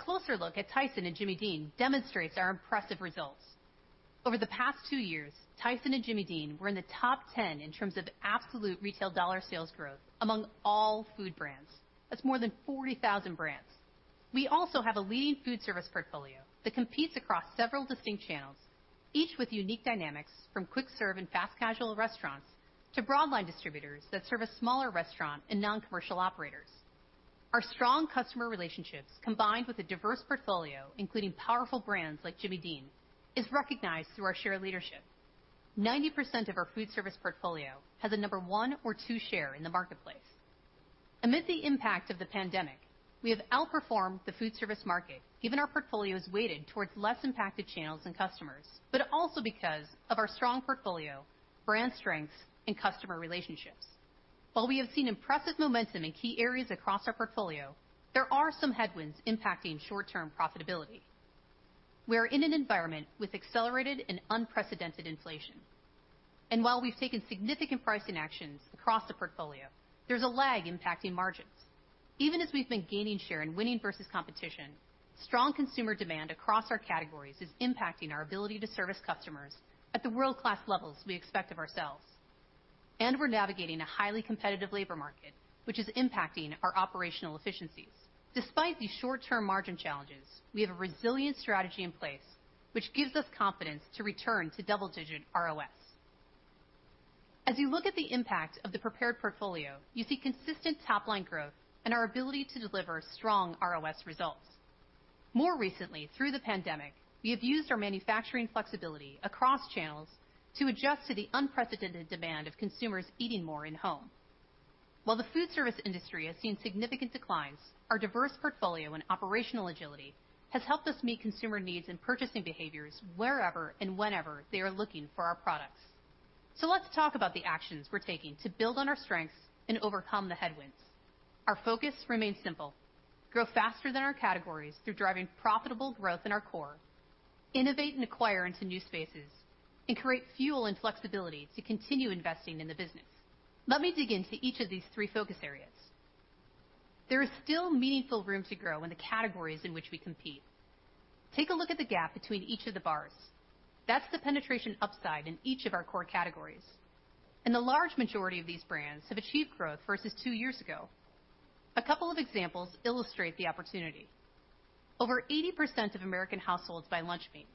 A closer look at Tyson and Jimmy Dean demonstrates our impressive results. Over the past two years, Tyson and Jimmy Dean were in the top 10 in terms of absolute retail dollar sales growth among all food brands. That's more than 40,000 brands. We also have a leading food service portfolio that competes across several distinct channels, each with unique dynamics, from quick-serve and fast casual restaurants to broad line distributors that serve a smaller restaurant and non-commercial operators. Our strong customer relationships, combined with a diverse portfolio, including powerful brands like Jimmy Dean, is recognized through our share leadership. 90% of our food service portfolio has a number one or two share in the marketplace. Amid the impact of the pandemic, we have outperformed the food service market, given our portfolio is weighted towards less impacted channels and customers, but also because of our strong portfolio, brand strength, and customer relationships. While we have seen impressive momentum in key areas across our portfolio, there are some headwinds impacting short-term profitability. We are in an environment with accelerated and unprecedented inflation, and while we've taken significant pricing actions across the portfolio, there's a lag impacting margins. Even as we've been gaining share and winning versus competition, strong consumer demand across our categories is impacting our ability to service customers at the world-class levels we expect of ourselves. We're navigating a highly competitive labor market, which is impacting our operational efficiencies. Despite these short-term margin challenges, we have a resilient strategy in place, which gives us confidence to return to double-digit ROS. As you look at the impact of the prepared portfolio, you see consistent top-line growth and our ability to deliver strong ROS results. More recently, through the pandemic, we have used our manufacturing flexibility across channels to adjust to the unprecedented demand of consumers eating more in home. While the food service industry has seen significant declines, our diverse portfolio and operational agility has helped us meet consumer needs and purchasing behaviors wherever and whenever they are looking for our products. So let's talk about the actions we're taking to build on our strengths and overcome the headwinds. Our focus remains simple: grow faster than our categories through driving profitable growth in our core, innovate and acquire into new spaces, and create fuel and flexibility to continue investing in the business. Let me dig into each of these three focus areas. There is still meaningful room to grow in the categories in which we compete. Take a look at the gap between each of the bars. That's the penetration upside in each of our core categories, and the large majority of these brands have achieved growth versus two years ago. A couple of examples illustrate the opportunity. Over 80% of American households buy lunch meat.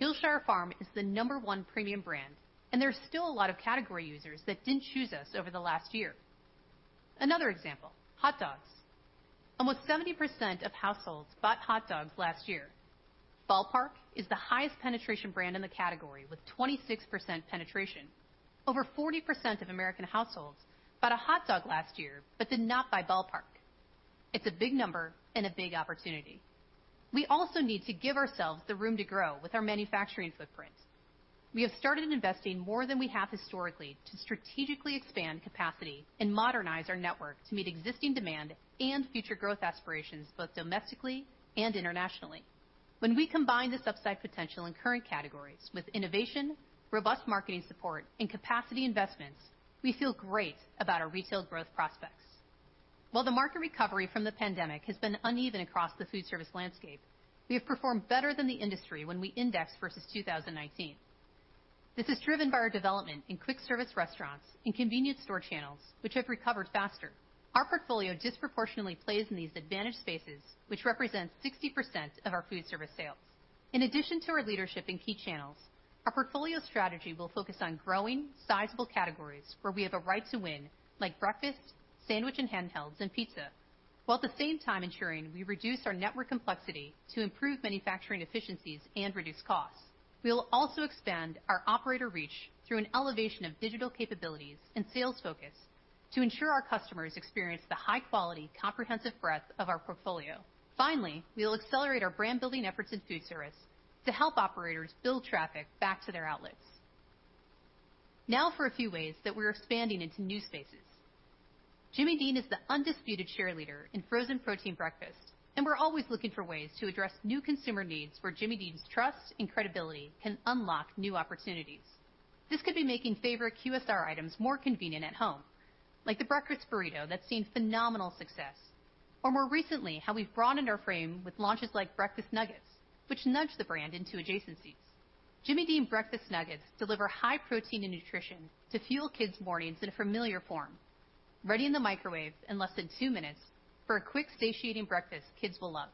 Hillshire Farm is the number one premium brand, and there are still a lot of category users that didn't choose us over the last year. Another example, hot dogs. Almost 70% of households bought hot dogs last year. Ball Park is the highest penetration brand in the category, with 26% penetration. Over 40% of American households bought a hot dog last year, but did not buy Ball Park. It's a big number and a big opportunity. We also need to give ourselves the room to grow with our manufacturing footprint. We have started investing more than we have historically to strategically expand capacity and modernize our network to meet existing demand and future growth aspirations, both domestically and internationally. When we combine this upside potential in current categories with innovation, robust marketing support, and capacity investments, we feel great about our retail growth prospects. While the market recovery from the pandemic has been uneven across the food service landscape, we have performed better than the industry when we index versus 2019. This is driven by our development in quick service restaurants and convenience store channels, which have recovered faster. Our portfolio disproportionately plays in these advantage spaces, which represents 60% of our food service sales. In addition to our leadership in key channels, our portfolio strategy will focus on growing sizable categories where we have a right to win, like breakfast, sandwich and handhelds, and pizza, while at the same time ensuring we reduce our network complexity to improve manufacturing efficiencies and reduce costs. We'll also expand our operator reach through an elevation of digital capabilities and sales focus to ensure our customers experience the high quality, comprehensive breadth of our portfolio. Finally, we will accelerate our brand building efforts in food service to help operators build traffic back to their outlets. Now for a few ways that we're expanding into new spaces. Jimmy Dean is the undisputed share leader in frozen protein breakfast, and we're always looking for ways to address new consumer needs where Jimmy Dean's trust and credibility can unlock new opportunities. This could be making favorite QSR items more convenient at home, like the breakfast burrito that's seen phenomenal success, or more recently, how we've broadened our frame with launches like breakfast nuggets, which nudge the brand into adjacencies. Jimmy Dean breakfast nuggets deliver high protein and nutrition to fuel kids' mornings in a familiar form, ready in the microwave in less than 2 minutes for a quick, satiating breakfast kids will love.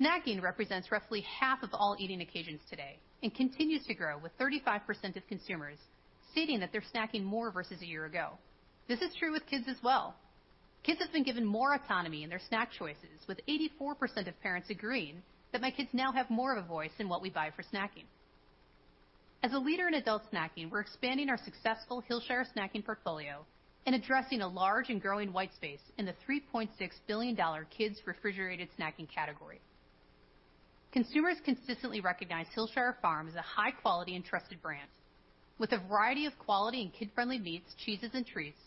Snacking represents roughly half of all eating occasions today and continues to grow, with 35% of consumers stating that they're snacking more versus a year ago. This is true with kids as well. Kids have been given more autonomy in their snack choices, with 84% of parents agreeing that my kids now have more of a voice in what we buy for snacking. As a leader in adult snacking, we're expanding our successful Hillshire Snacking portfolio and addressing a large and growing white space in the $3.6 billion kids refrigerated snacking category. Consumers consistently recognize Hillshire Farm as a high quality and trusted brand. With a variety of quality and kid-friendly meats, cheeses, and treats,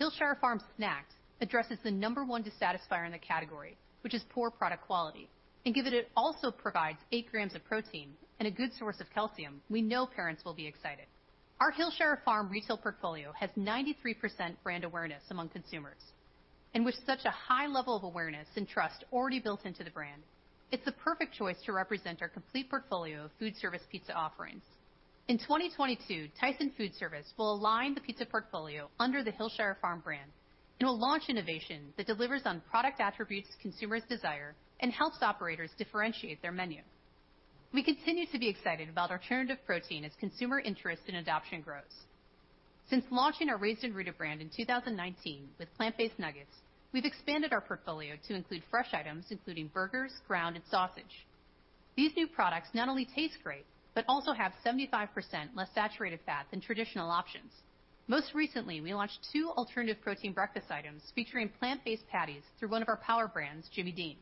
Hillshire Farm Snacks addresses the number 1 dissatisfier in the category, which is poor product quality. Given it also provides 8 grams of protein and a good source of calcium, we know parents will be excited. Our Hillshire Farm retail portfolio has 93% brand awareness among consumers. With such a high level of awareness and trust already built into the brand, it's the perfect choice to represent our complete portfolio of food service pizza offerings. In 2022, Tyson Foodservice will align the pizza portfolio under the Hillshire Farm brand and will launch innovation that delivers on product attributes consumers desire and helps operators differentiate their menu. We continue to be excited about alternative protein as consumer interest and adoption grows. Since launching our Raised & Rooted brand in 2019 with plant-based nuggets, we've expanded our portfolio to include fresh items, including burgers, ground, and sausage. These new products not only taste great, but also have 75% less saturated fat than traditional options. Most recently, we launched two alternative protein breakfast items featuring plant-based patties through one of our power brands, Jimmy Dean.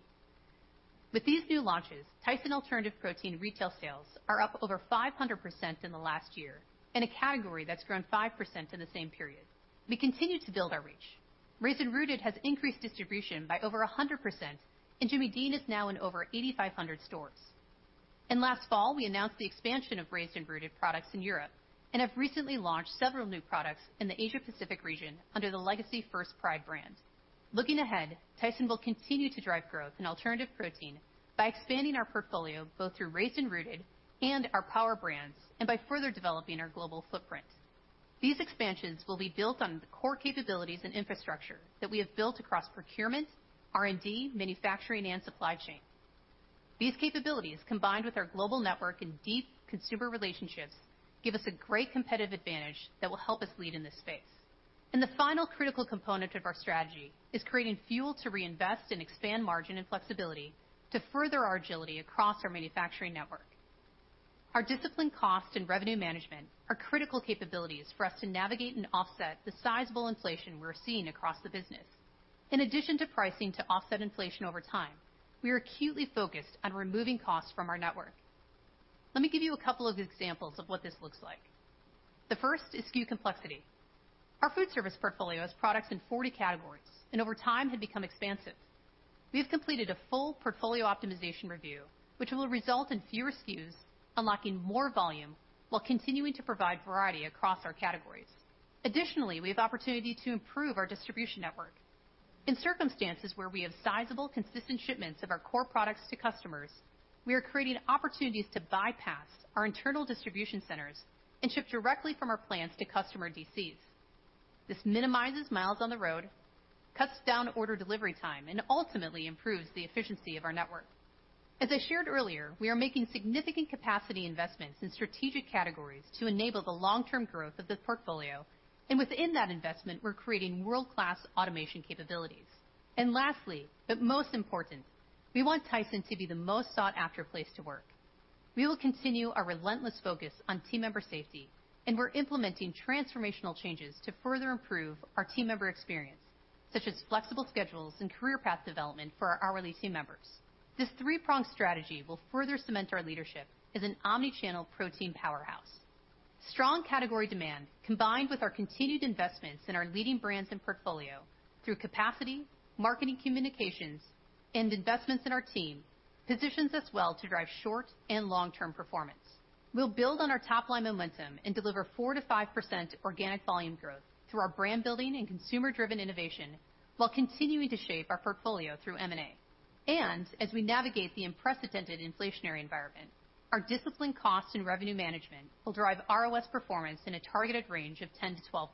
With these new launches, Tyson alternative protein retail sales are up over 500% in the last year, in a category that's grown 5% in the same period. We continue to build our reach. Raised & Rooted has increased distribution by over 100%, and Jimmy Dean is now in over 8,500 stores. Last fall, we announced the expansion of Raised & Rooted products in Europe and have recently launched several new products in the Asia Pacific region under the legacy First Pride brand. Looking ahead, Tyson will continue to drive growth in alternative protein by expanding our portfolio, both through Raised & Rooted and our power brands, and by further developing our global footprint. These expansions will be built on the core capabilities and infrastructure that we have built across procurement, R&D, manufacturing, and supply chain. These capabilities, combined with our global network and deep consumer relationships, give us a great competitive advantage that will help us lead in this space. The final critical component of our strategy is creating fuel to reinvest and expand margin and flexibility to further our agility across our manufacturing network. Our disciplined cost and revenue management are critical capabilities for us to navigate and offset the sizable inflation we're seeing across the business. In addition to pricing to offset inflation over time, we are acutely focused on removing costs from our network. Let me give you a couple of examples of what this looks like. The first is SKU complexity. Our food service portfolio has products in 40 categories, and over time have become expansive. We have completed a full portfolio optimization review, which will result in fewer SKUs, unlocking more volume while continuing to provide variety across our categories. Additionally, we have opportunity to improve our distribution network. In circumstances where we have sizable, consistent shipments of our core products to customers, we are creating opportunities to bypass our internal distribution centers and ship directly from our plants to customer DCs. This minimizes miles on the road, cuts down order delivery time, and ultimately improves the efficiency of our network. As I shared earlier, we are making significant capacity investments in strategic categories to enable the long-term growth of this portfolio, and within that investment, we're creating world-class automation capabilities. And lastly, but most important, we want Tyson to be the most sought-after place to work. We will continue our relentless focus on team member safety, and we're implementing transformational changes to further improve our team member experience, such as flexible schedules and career path development for our hourly team members. This three-pronged strategy will further cement our leadership as an omni-channel protein powerhouse. Strong category demand, combined with our continued investments in our leading brands and portfolio through capacity, marketing communications, and investments in our team, positions us well to drive short and long-term performance. We'll build on our top line momentum and deliver 4%-5% organic volume growth through our brand building and consumer-driven innovation while continuing to shape our portfolio through M&A. As we navigate the unprecedented inflationary environment, our disciplined cost and revenue management will drive ROS performance in a targeted range of 10%-12%.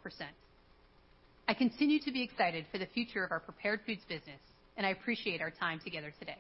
I continue to be excited for the future of our Prepared Foods business, and I appreciate our time together today.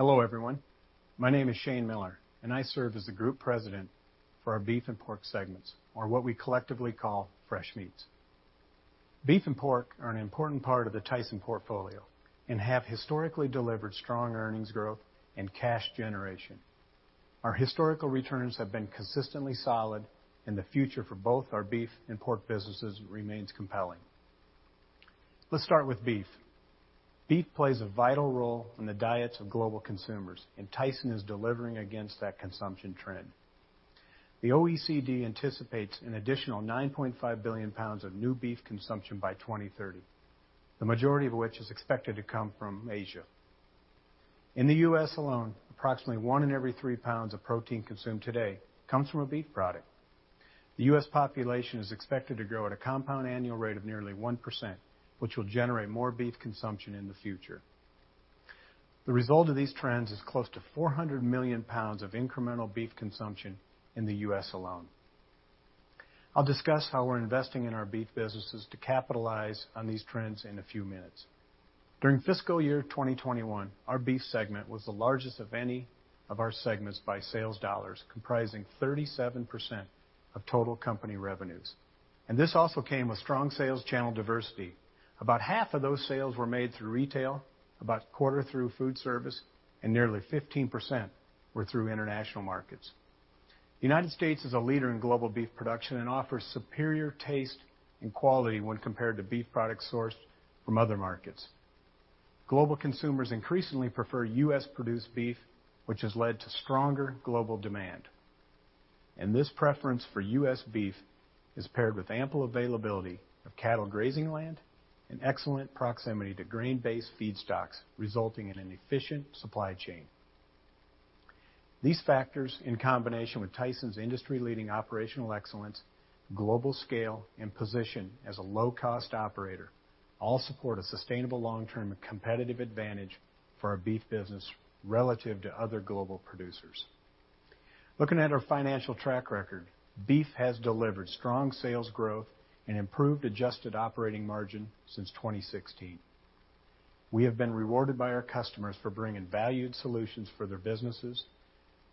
Hello, everyone. My name is Shane Miller, and I serve as the Group President for our Beef and Pork segments, or what we collectively call Fresh Meats. Beef and pork are an important part of the Tyson portfolio and have historically delivered strong earnings growth and cash generation. Our historical returns have been consistently solid, and the future for both our beef and pork businesses remains compelling. Let's start with beef. Beef plays a vital role in the diets of global consumers, and Tyson is delivering against that consumption trend. The OECD anticipates an additional 9.5 billion pounds of new beef consumption by 2030, the majority of which is expected to come from Asia. In the U.S. alone, approximately one in every three pounds of protein consumed today comes from a beef product. The U.S. population is expected to grow at a compound annual rate of nearly 1%, which will generate more beef consumption in the future. The result of these trends is close to 400 million pounds of incremental beef consumption in the U.S. alone. I'll discuss how we're investing in our beef businesses to capitalize on these trends in a few minutes. During fiscal year 2021, our beef segment was the largest of any of our segments by sales dollars, comprising 37% of total company revenues. This also came with strong sales channel diversity. About half of those sales were made through retail, about a quarter through food service, and nearly 15% were through international markets. The United States is a leader in global beef production and offers superior taste and quality when compared to beef products sourced from other markets. Global consumers increasingly prefer U.S.-produced beef, which has led to stronger global demand. This preference for U.S. beef is paired with ample availability of cattle grazing land and excellent proximity to grain-based feedstocks, resulting in an efficient supply chain. These factors, in combination with Tyson's industry-leading operational excellence, global scale, and position as a low-cost operator, all support a sustainable long-term competitive advantage for our beef business relative to other global producers. Looking at our financial track record, beef has delivered strong sales growth and improved adjusted operating margin since 2016. We have been rewarded by our customers for bringing valued solutions for their businesses.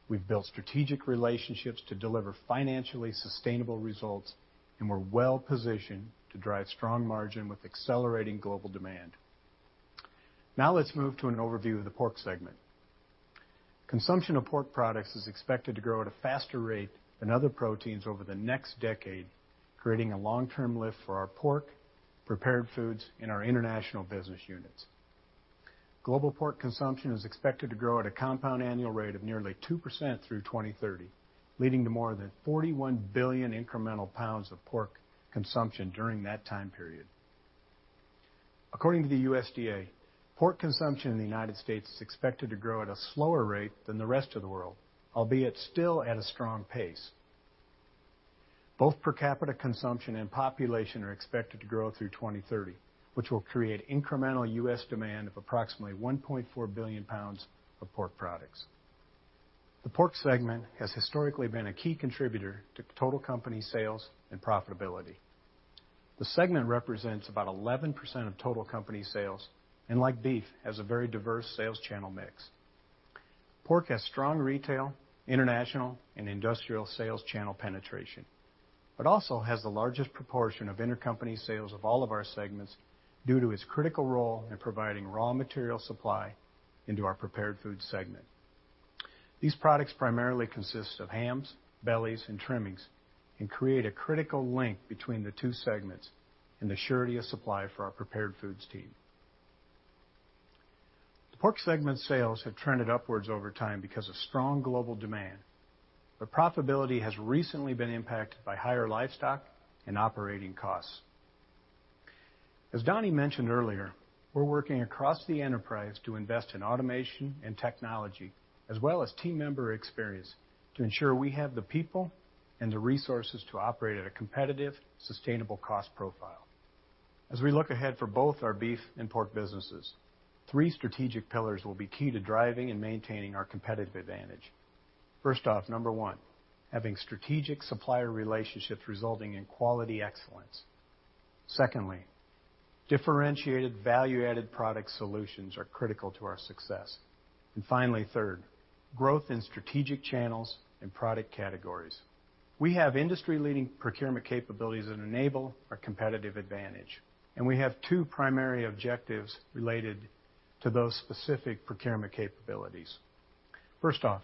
We've built strategic relationships to deliver financially sustainable results, and we're well positioned to drive strong margin with accelerating global demand. Now let's move to an overview of the pork segment. Consumption of pork products is expected to grow at a faster rate than other proteins over the next decade, creating a long-term lift for our pork, Prepared Foods, and our international business units. Global pork consumption is expected to grow at a compound annual rate of nearly 2% through 2030, leading to more than 41 billion incremental pounds of pork consumption during that time period. According to the USDA, pork consumption in the United States is expected to grow at a slower rate than the rest of the world, albeit still at a strong pace. Both per capita consumption and population are expected to grow through 2030, which will create incremental U.S. demand of approximately 1.4 billion pounds of pork products. The pork segment has historically been a key contributor to total company sales and profitability. The segment represents about 11% of total company sales, and like beef, has a very diverse sales channel mix. Pork has strong retail, international, and industrial sales channel penetration, but also has the largest proportion of intercompany sales of all of our segments due to its critical role in providing raw material supply into our prepared food segment. These products primarily consist of hams, bellies, and trimmings, and create a critical link between the two segments and the surety of supply for our Prepared Foods team. The pork segment sales have trended upwards over time because of strong global demand, but profitability has recently been impacted by higher livestock and operating costs. As Donnie mentioned earlier, we're working across the enterprise to invest in automation and technology, as well as team member experience, to ensure we have the people and the resources to operate at a competitive, sustainable cost profile. As we look ahead for both our beef and pork businesses, three strategic pillars will be key to driving and maintaining our competitive advantage. First off, number one, having strategic supplier relationships resulting in quality excellence. Secondly, differentiated value-added product solutions are critical to our success. And finally, third, growth in strategic channels and product categories. We have industry-leading procurement capabilities that enable our competitive advantage, and we have two primary objectives related to those specific procurement capabilities. First off,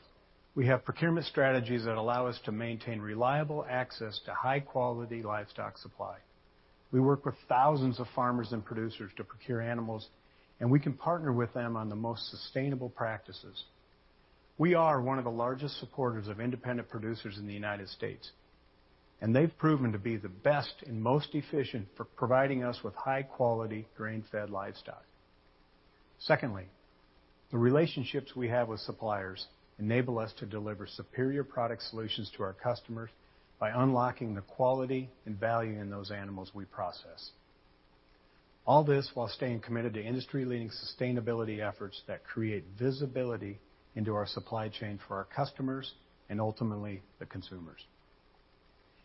we have procurement strategies that allow us to maintain reliable access to high-quality livestock supply. We work with thousands of farmers and producers to procure animals, and we can partner with them on the most sustainable practices. We are one of the largest supporters of independent producers in the United States, and they've proven to be the best and most efficient for providing us with high-quality, grain-fed livestock. Secondly, the relationships we have with suppliers enable us to deliver superior product solutions to our customers by unlocking the quality and value in those animals we process. All this while staying committed to industry-leading sustainability efforts that create visibility into our supply chain for our customers and, ultimately, the consumers.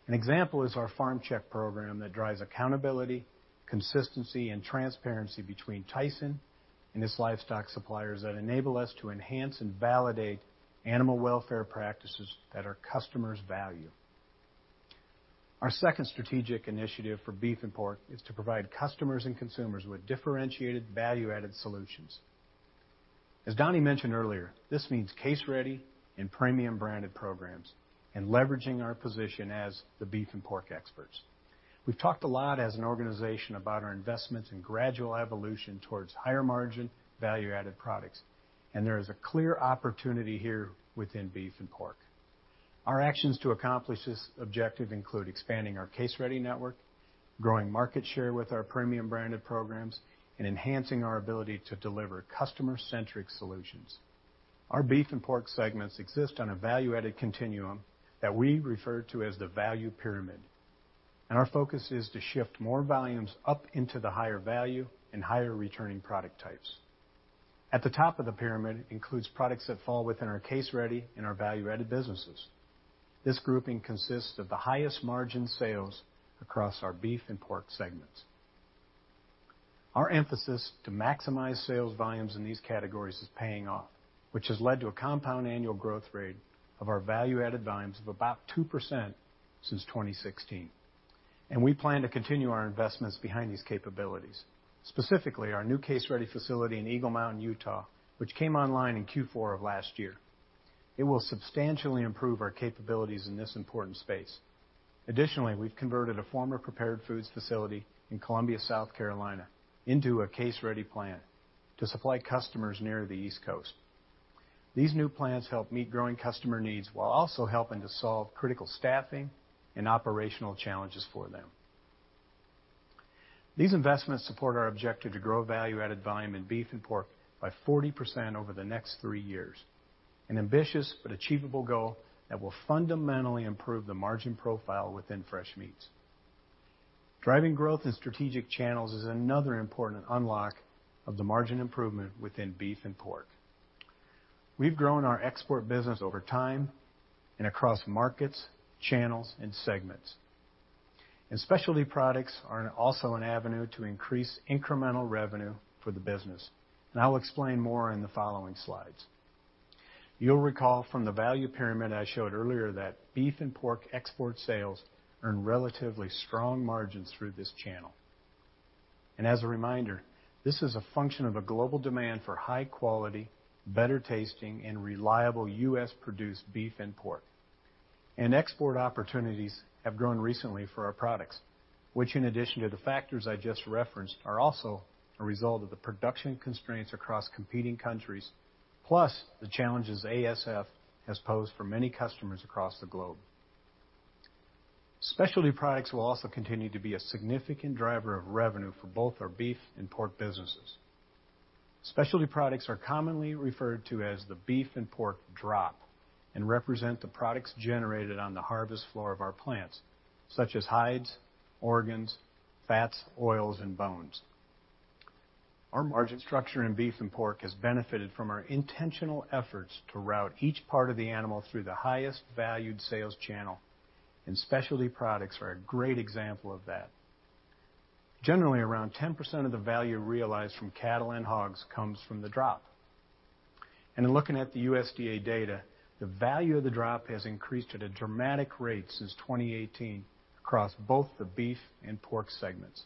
An example is our FarmCheck program that drives accountability, consistency, and transparency between Tyson and its livestock suppliers that enable us to enhance and validate animal welfare practices that our customers value. Our second strategic initiative for beef and pork is to provide customers and consumers with differentiated, value-added solutions. As Donnie mentioned earlier, this means case-ready and premium-branded programs, and leveraging our position as the beef and pork experts. We've talked a lot as an organization about our investments and gradual evolution towards higher-margin, value-added products, and there is a clear opportunity here within beef and pork. Our actions to accomplish this objective include expanding our case-ready network, growing market share with our premium branded programs, and enhancing our ability to deliver customer-centric solutions. Our beef and pork segments exist on a value-added continuum that we refer to as the value pyramid, and our focus is to shift more volumes up into the higher-value and higher-returning product types. At the top of the pyramid includes products that fall within our case-ready and our value-added businesses. This grouping consists of the highest margin sales across our beef and pork segments. Our emphasis to maximize sales volumes in these categories is paying off, which has led to a compound annual growth rate of our value-added volumes of about 2% since 2016. We plan to continue our investments behind these capabilities, specifically our new case-ready facility in Eagle Mountain, Utah, which came online in Q4 of last year. It will substantially improve our capabilities in this important space. Additionally, we've converted a former Prepared Foods facility in Columbia, South Carolina, into a case-ready plant to supply customers near the East Coast. These new plants help meet growing customer needs while also helping to solve critical staffing and operational challenges for them. These investments support our objective to grow value-added volume in beef and pork by 40% over the next 3 years, an ambitious but achievable goal that will fundamentally improve the margin profile within fresh meats. Driving growth in strategic channels is another important unlock of the margin improvement within beef and pork. We've grown our export business over time and across markets, channels, and segments. Specialty products are also an avenue to increase incremental revenue for the business, and I'll explain more in the following slides. You'll recall from the value pyramid I showed earlier, that beef and pork export sales earn relatively strong margins through this channel. As a reminder, this is a function of a global demand for high-quality, better-tasting, and reliable U.S.-produced beef and pork. Export opportunities have grown recently for our products, which, in addition to the factors I just referenced, are also a result of the production constraints across competing countries, plus the challenges ASF has posed for many customers across the globe. Specialty products will also continue to be a significant driver of revenue for both our beef and pork businesses. Specialty products are commonly referred to as the beef and pork drop, and represent the products generated on the harvest floor of our plants, such as hides, organs, fats, oils, and bones. Our margin structure in beef and pork has benefited from our intentional efforts to route each part of the animal through the highest valued sales channel, and specialty products are a great example of that. Generally, around 10% of the value realized from cattle and hogs comes from the drop. In looking at the USDA data, the value of the drop has increased at a dramatic rate since 2018 across both the beef and pork segments.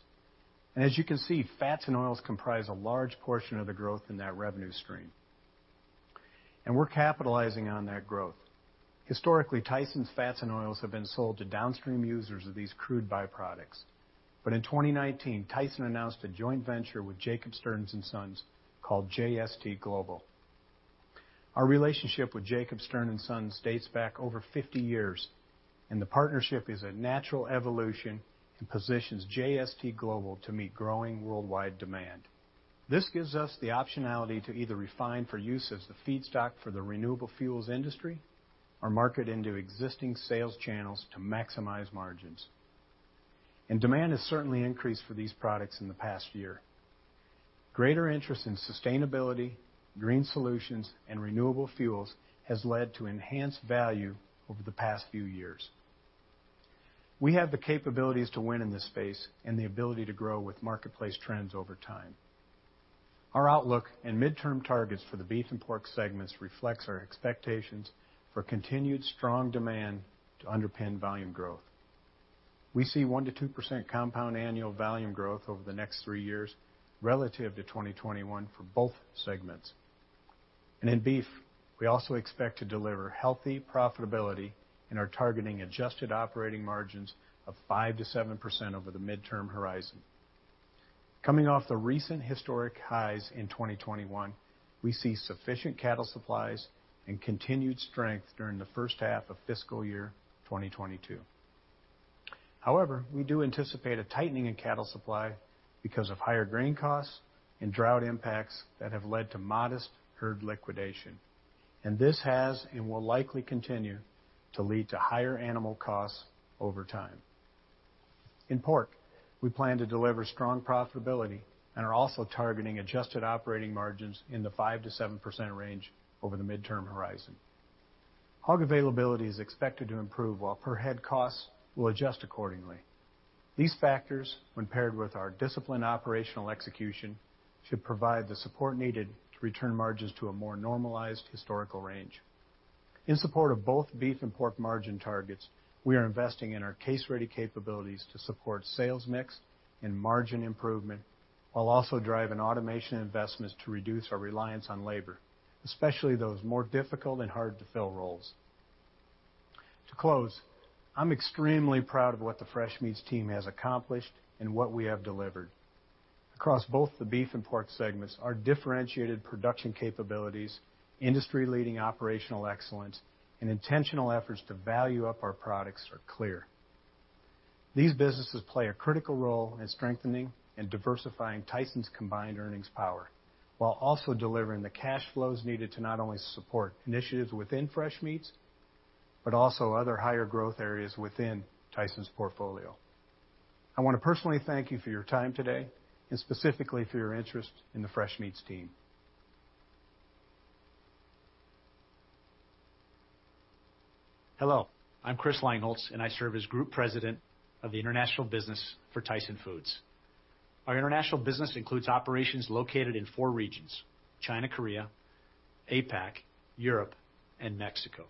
As you can see, fats and oils comprise a large portion of the growth in that revenue stream, and we're capitalizing on that growth. Historically, Tyson's fats and oils have been sold to downstream users of these crude byproducts. But in 2019, Tyson announced a joint venture with Jacob Stern & Sons, called JST Global. Our relationship with Jacob Stern & Sons dates back over 50 years, and the partnership is a natural evolution and positions JST Global to meet growing worldwide demand. This gives us the optionality to either refine for use as the feedstock for the renewable fuels industry or market into existing sales channels to maximize margins. Demand has certainly increased for these products in the past year. Greater interest in sustainability, green solutions, and renewable fuels has led to enhanced value over the past few years. We have the capabilities to win in this space and the ability to grow with marketplace trends over time. Our outlook and midterm targets for the beef and pork segments reflects our expectations for continued strong demand to underpin volume growth. We see 1%-2% compound annual volume growth over the next 3 years relative to 2021 for both segments. And in beef, we also expect to deliver healthy profitability and are targeting adjusted operating margins of 5%-7% over the midterm horizon. Coming off the recent historic highs in 2021, we see sufficient cattle supplies and continued strength during the first half of fiscal year 2022. However, we do anticipate a tightening in cattle supply because of higher grain costs and drought impacts that have led to modest herd liquidation, and this has and will likely continue to lead to higher animal costs over time. In pork, we plan to deliver strong profitability and are also targeting adjusted operating margins in the 5%-7% range over the midterm horizon. Hog availability is expected to improve, while per head costs will adjust accordingly. These factors, when paired with our disciplined operational execution, should provide the support needed to return margins to a more normalized historical range. In support of both beef and pork margin targets, we are investing in our case-ready capabilities to support sales mix and margin improvement, while also driving automation investments to reduce our reliance on labor, especially those more difficult and hard-to-fill roles. To close, I'm extremely proud of what the fresh meats team has accomplished and what we have delivered. Across both the beef and pork segments, our differentiated production capabilities, industry-leading operational excellence, and intentional efforts to value up our products are clear. These businesses play a critical role in strengthening and diversifying Tyson's combined earnings power, while also delivering the cash flows needed to not only support initiatives within fresh meats, but also other higher growth areas within Tyson's portfolio. I want to personally thank you for your time today, and specifically for your interest in the fresh meats team. Hello, I'm Chris Langholz, and I serve as Group President of the International Business for Tyson Foods. Our international business includes operations located in four regions, China-Korea, APAC, Europe, and Mexico.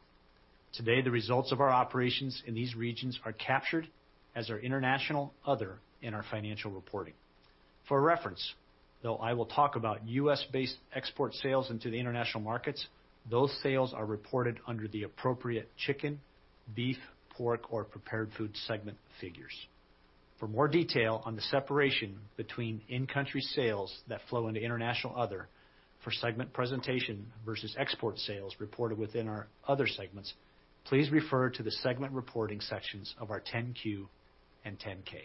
Today, the results of our operations in these regions are captured as our international other in our financial reporting. For reference, though, I will talk about U.S.-based export sales into the international markets. Those sales are reported under the appropriate chicken, beef, pork, or prepared food segment figures. For more detail on the separation between in-country sales that flow into international other for segment presentation versus export sales reported within our other segments, please refer to the segment reporting sections of our 10-Q and 10-K.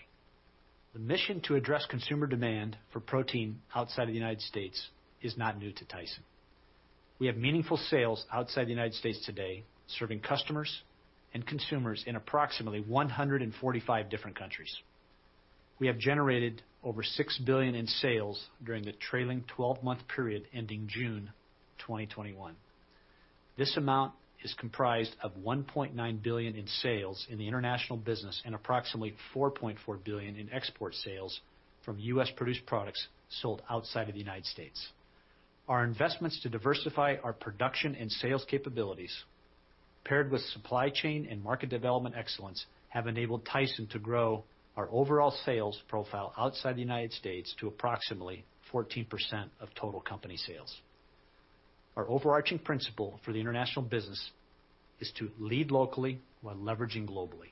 The mission to address consumer demand for protein outside of the United States is not new to Tyson. We have meaningful sales outside the United States today, serving customers and consumers in approximately 145 different countries. We have generated over $6 billion in sales during the trailing twelve-month period ending June 2021. This amount is comprised of $1.9 billion in sales in the international business and approximately $4.4 billion in export sales from U.S.-produced products sold outside of the United States. Our investments to diversify our production and sales capabilities, paired with supply chain and market development excellence, have enabled Tyson to grow our overall sales profile outside the United States to approximately 14% of total company sales. Our overarching principle for the international business is to lead locally while leveraging globally,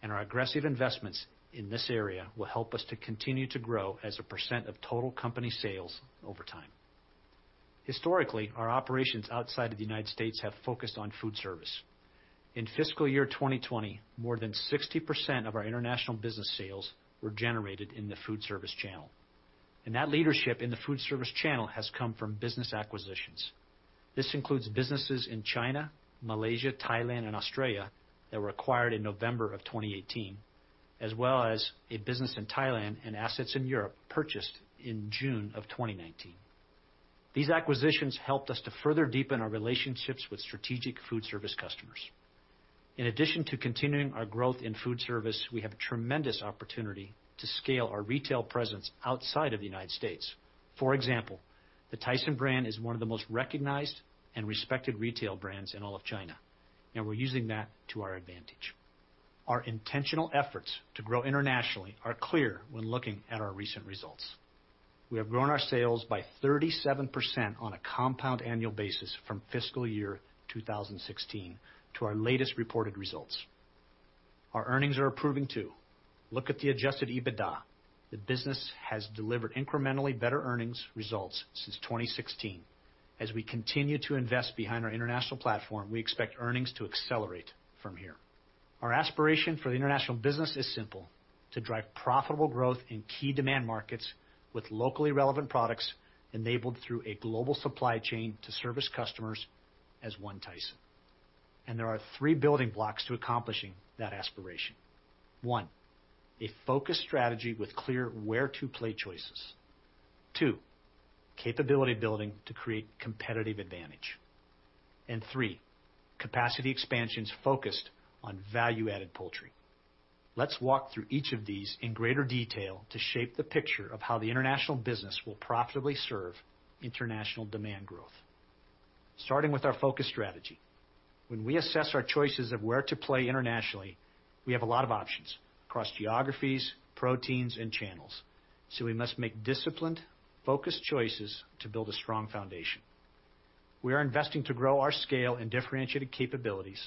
and our aggressive investments in this area will help us to continue to grow as a percent of total company sales over time. Historically, our operations outside of the United States have focused on food service. In fiscal year 2020, more than 60% of our international business sales were generated in the food service channel, and that leadership in the food service channel has come from business acquisitions. This includes businesses in China, Malaysia, Thailand, and Australia that were acquired in November of 2018, as well as a business in Thailand and assets in Europe purchased in June of 2019. These acquisitions helped us to further deepen our relationships with strategic food service customers. In addition to continuing our growth in food service, we have a tremendous opportunity to scale our retail presence outside of the United States. For example, the Tyson brand is one of the most recognized and respected retail brands in all of China, and we're using that to our advantage. Our intentional efforts to grow internationally are clear when looking at our recent results. We have grown our sales by 37% on a compound annual basis from fiscal year 2016 to our latest reported results. Our earnings are improving, too. Look at the adjusted EBITDA. The business has delivered incrementally better earnings results since 2016. As we continue to invest behind our international platform, we expect earnings to accelerate from here. Our aspiration for the international business is simple, to drive profitable growth in key demand markets with locally relevant products, enabled through a global supply chain to service customers as One Tyson. And there are three building blocks to accomplishing that aspiration. One, a focused strategy with clear where-to-play choices. Two, capability building to create competitive advantage. And three, capacity expansions focused on value-added poultry. Let's walk through each of these in greater detail to shape the picture of how the international business will profitably serve international demand growth. Starting with our focus strategy. When we assess our choices of where to play internationally, we have a lot of options across geographies, proteins, and channels. So we must make disciplined, focused choices to build a strong foundation. We are investing to grow our scale and differentiated capabilities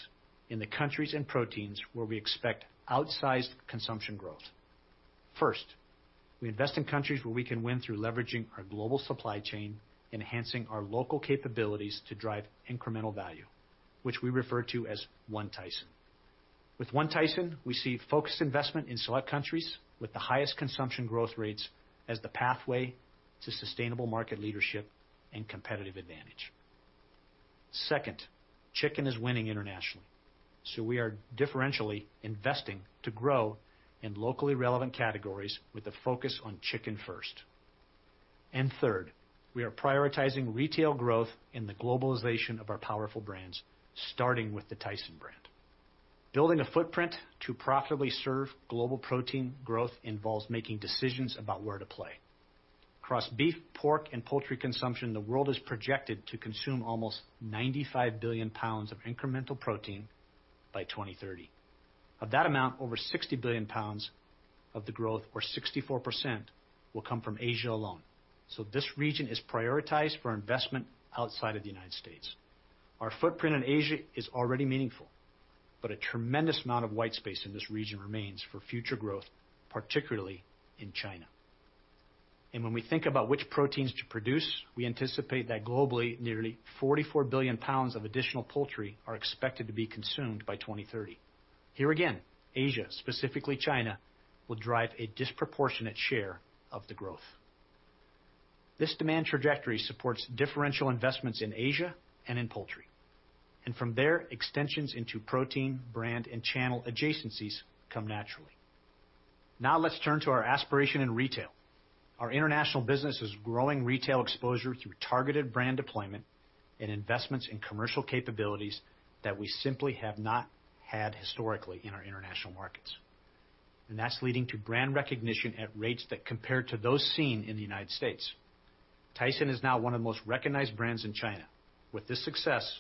in the countries and proteins where we expect outsized consumption growth. First, we invest in countries where we can win through leveraging our global supply chain, enhancing our local capabilities to drive incremental value, which we refer to as One Tyson. With One Tyson, we see focused investment in select countries with the highest consumption growth rates as the pathway to sustainable market leadership and competitive advantage. Second, chicken is winning internationally, so we are differentially investing to grow in locally relevant categories with a focus on chicken first. Third, we are prioritizing retail growth in the globalization of our powerful brands, starting with the Tyson brand. Building a footprint to profitably serve global protein growth involves making decisions about where to play. Across beef, pork, and poultry consumption, the world is projected to consume almost 95 billion pounds of incremental protein by 2030. Of that amount, over 60 billion pounds of the growth, or 64%, will come from Asia alone. This region is prioritized for investment outside of the United States. Our footprint in Asia is already meaningful, but a tremendous amount of white space in this region remains for future growth, particularly in China. When we think about which proteins to produce, we anticipate that globally, nearly 44 billion pounds of additional poultry are expected to be consumed by 2030. Here again, Asia, specifically China, will drive a disproportionate share of the growth. This demand trajectory supports differential investments in Asia and in poultry, and from there, extensions into protein, brand, and channel adjacencies come naturally. Now let's turn to our aspiration in retail. Our international business is growing retail exposure through targeted brand deployment and investments in commercial capabilities that we simply have not had historically in our international markets. And that's leading to brand recognition at rates that compare to those seen in the United States. Tyson is now one of the most recognized brands in China. With this success,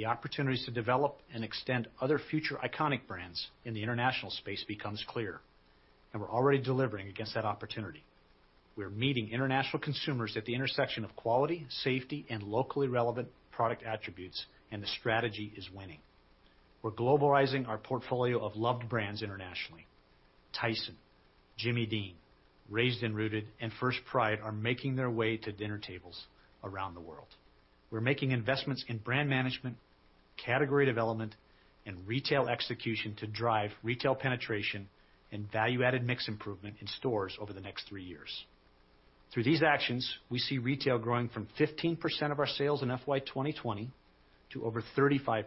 the opportunities to develop and extend other future iconic brands in the international space becomes clear, and we're already delivering against that opportunity. We're meeting international consumers at the intersection of quality, safety, and locally relevant product attributes, and the strategy is winning. We're globalizing our portfolio of loved brands internationally. Tyson, Jimmy Dean, Raised & Rooted, and First Pride are making their way to dinner tables around the world. We're making investments in brand management, category development, and retail execution to drive retail penetration and value-added mix improvement in stores over the next three years. Through these actions, we see retail growing from 15% of our sales in FY 2020 to over 35%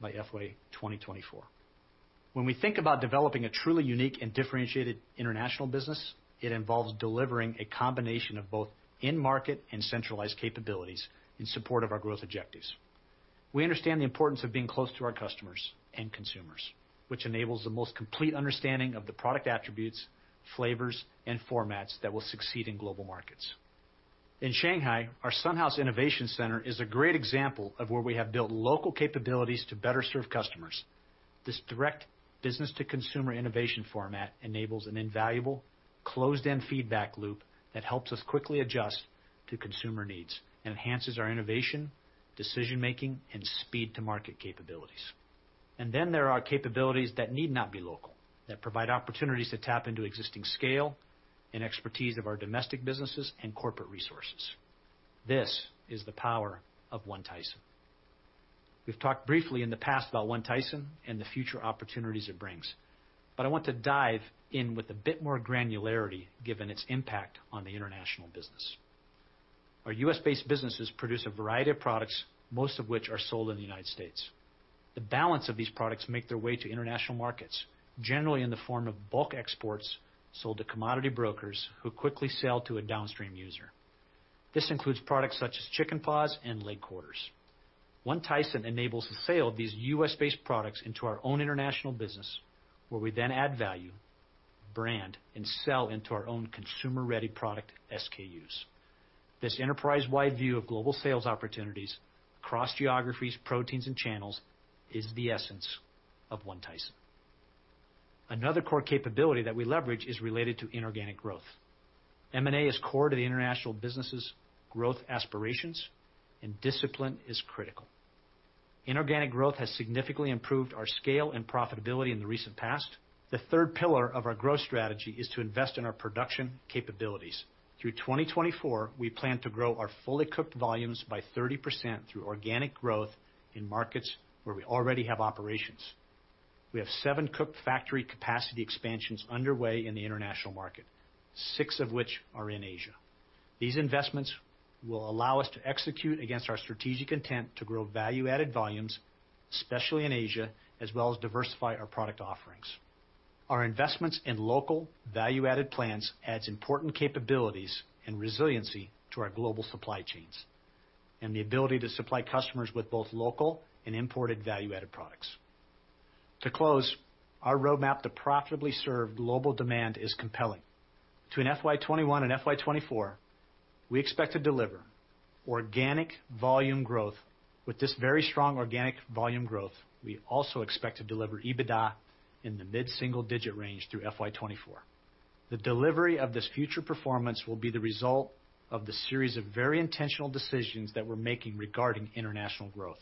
by FY 2024. When we think about developing a truly unique and differentiated international business, it involves delivering a combination of both in-market and centralized capabilities in support of our growth objectives. We understand the importance of being close to our customers and consumers, which enables the most complete understanding of the product attributes, flavors, and formats that will succeed in global markets. In Shanghai, our Sun House Innovation Center is a great example of where we have built local capabilities to better serve customers. This direct business to consumer innovation format enables an invaluable closed-end feedback loop that helps us quickly adjust to consumer needs and enhances our innovation, decision-making, and speed-to-market capabilities. And then there are capabilities that need not be local, that provide opportunities to tap into existing scale and expertise of our domestic businesses and corporate resources. This is the power of One Tyson. We've talked briefly in the past about One Tyson and the future opportunities it brings, but I want to dive in with a bit more granularity, given its impact on the international business. Our U.S.-based businesses produce a variety of products, most of which are sold in the United States. The balance of these products make their way to international markets, generally in the form of bulk exports sold to commodity brokers who quickly sell to a downstream user. This includes products such as chicken paws and leg quarters. One Tyson enables the sale of these U.S.-based products into our own international business, where we then add value, brand, and sell into our own consumer-ready product, SKUs. This enterprise-wide view of global sales opportunities across geographies, proteins, and channels is the essence of One Tyson. Another core capability that we leverage is related to inorganic growth. M&A is core to the international business's growth aspirations, and discipline is critical. Inorganic growth has significantly improved our scale and profitability in the recent past. The third pillar of our growth strategy is to invest in our production capabilities. Through 2024, we plan to grow our fully cooked volumes by 30% through organic growth in markets where we already have operations. We have 7 cook factory capacity expansions underway in the international market, 6 of which are in Asia. These investments will allow us to execute against our strategic intent to grow value-added volumes, especially in Asia, as well as diversify our product offerings. Our investments in local value-added plans adds important capabilities and resiliency to our global supply chains and the ability to supply customers with both local and imported value-added products. To close, our roadmap to profitably serve global demand is compelling. Between FY 2021 and FY 2024, we expect to deliver organic volume growth. With this very strong organic volume growth, we also expect to deliver EBITDA in the mid-single-digit range through FY 2024. The delivery of this future performance will be the result of the series of very intentional decisions that we're making regarding international growth.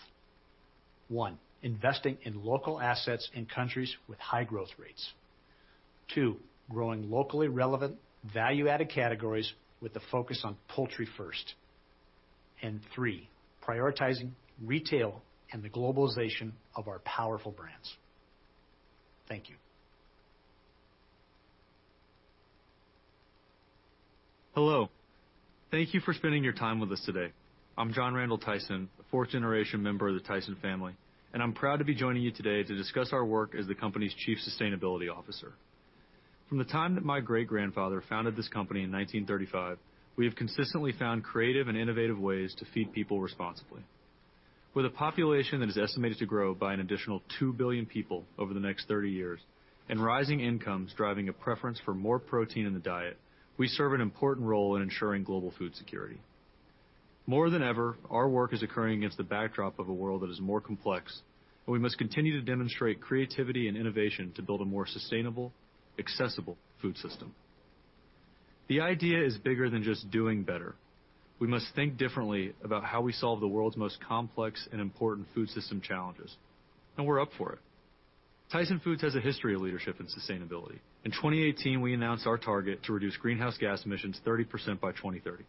One, investing in local assets in countries with high growth rates. Two, growing locally relevant, value-added categories with a focus on poultry first. And three, prioritizing retail and the globalization of our powerful brands. Thank you. Hello. Thank you for spending your time with us today. I'm John Randall Tyson, a fourth-generation member of the Tyson family, and I'm proud to be joining you today to discuss our work as the company's Chief Sustainability Officer. From the time that my great-grandfather founded this company in 1935, we have consistently found creative and innovative ways to feed people responsibly. With a population that is estimated to grow by an additional 2 billion people over the next 30 years, and rising incomes driving a preference for more protein in the diet, we serve an important role in ensuring global food security. More than ever, our work is occurring against the backdrop of a world that is more complex, and we must continue to demonstrate creativity and innovation to build a more sustainable, accessible food system. The idea is bigger than just doing better. We must think differently about how we solve the world's most complex and important food system challenges, and we're up for it. Tyson Foods has a history of leadership and sustainability. In 2018, we announced our target to reduce greenhouse gas emissions 30% by 2030.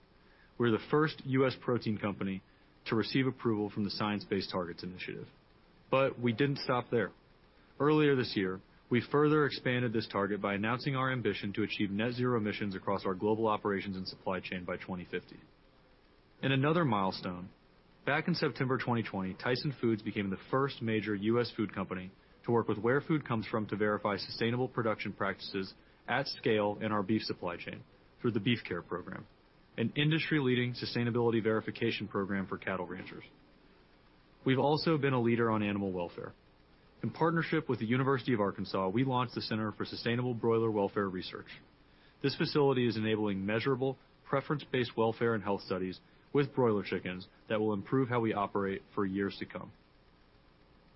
We're the first U.S. protein company to receive approval from the Science Based Targets initiative, but we didn't stop there. Earlier this year, we further expanded this target by announcing our ambition to achieve net zero emissions across our global operations and supply chain by 2050. In another milestone, back in September 2020, Tyson Foods became the first major U.S. food company to work with Where Food Comes From to verify sustainable production practices at scale in our beef supply chain through the BeefCARE Program, an industry-leading sustainability verification program for cattle ranchers. We've also been a leader on animal welfare. In partnership with the University of Arkansas, we launched the Center for Sustainable Broiler Welfare Research. This facility is enabling measurable, preference-based welfare and health studies with broiler chickens that will improve how we operate for years to come.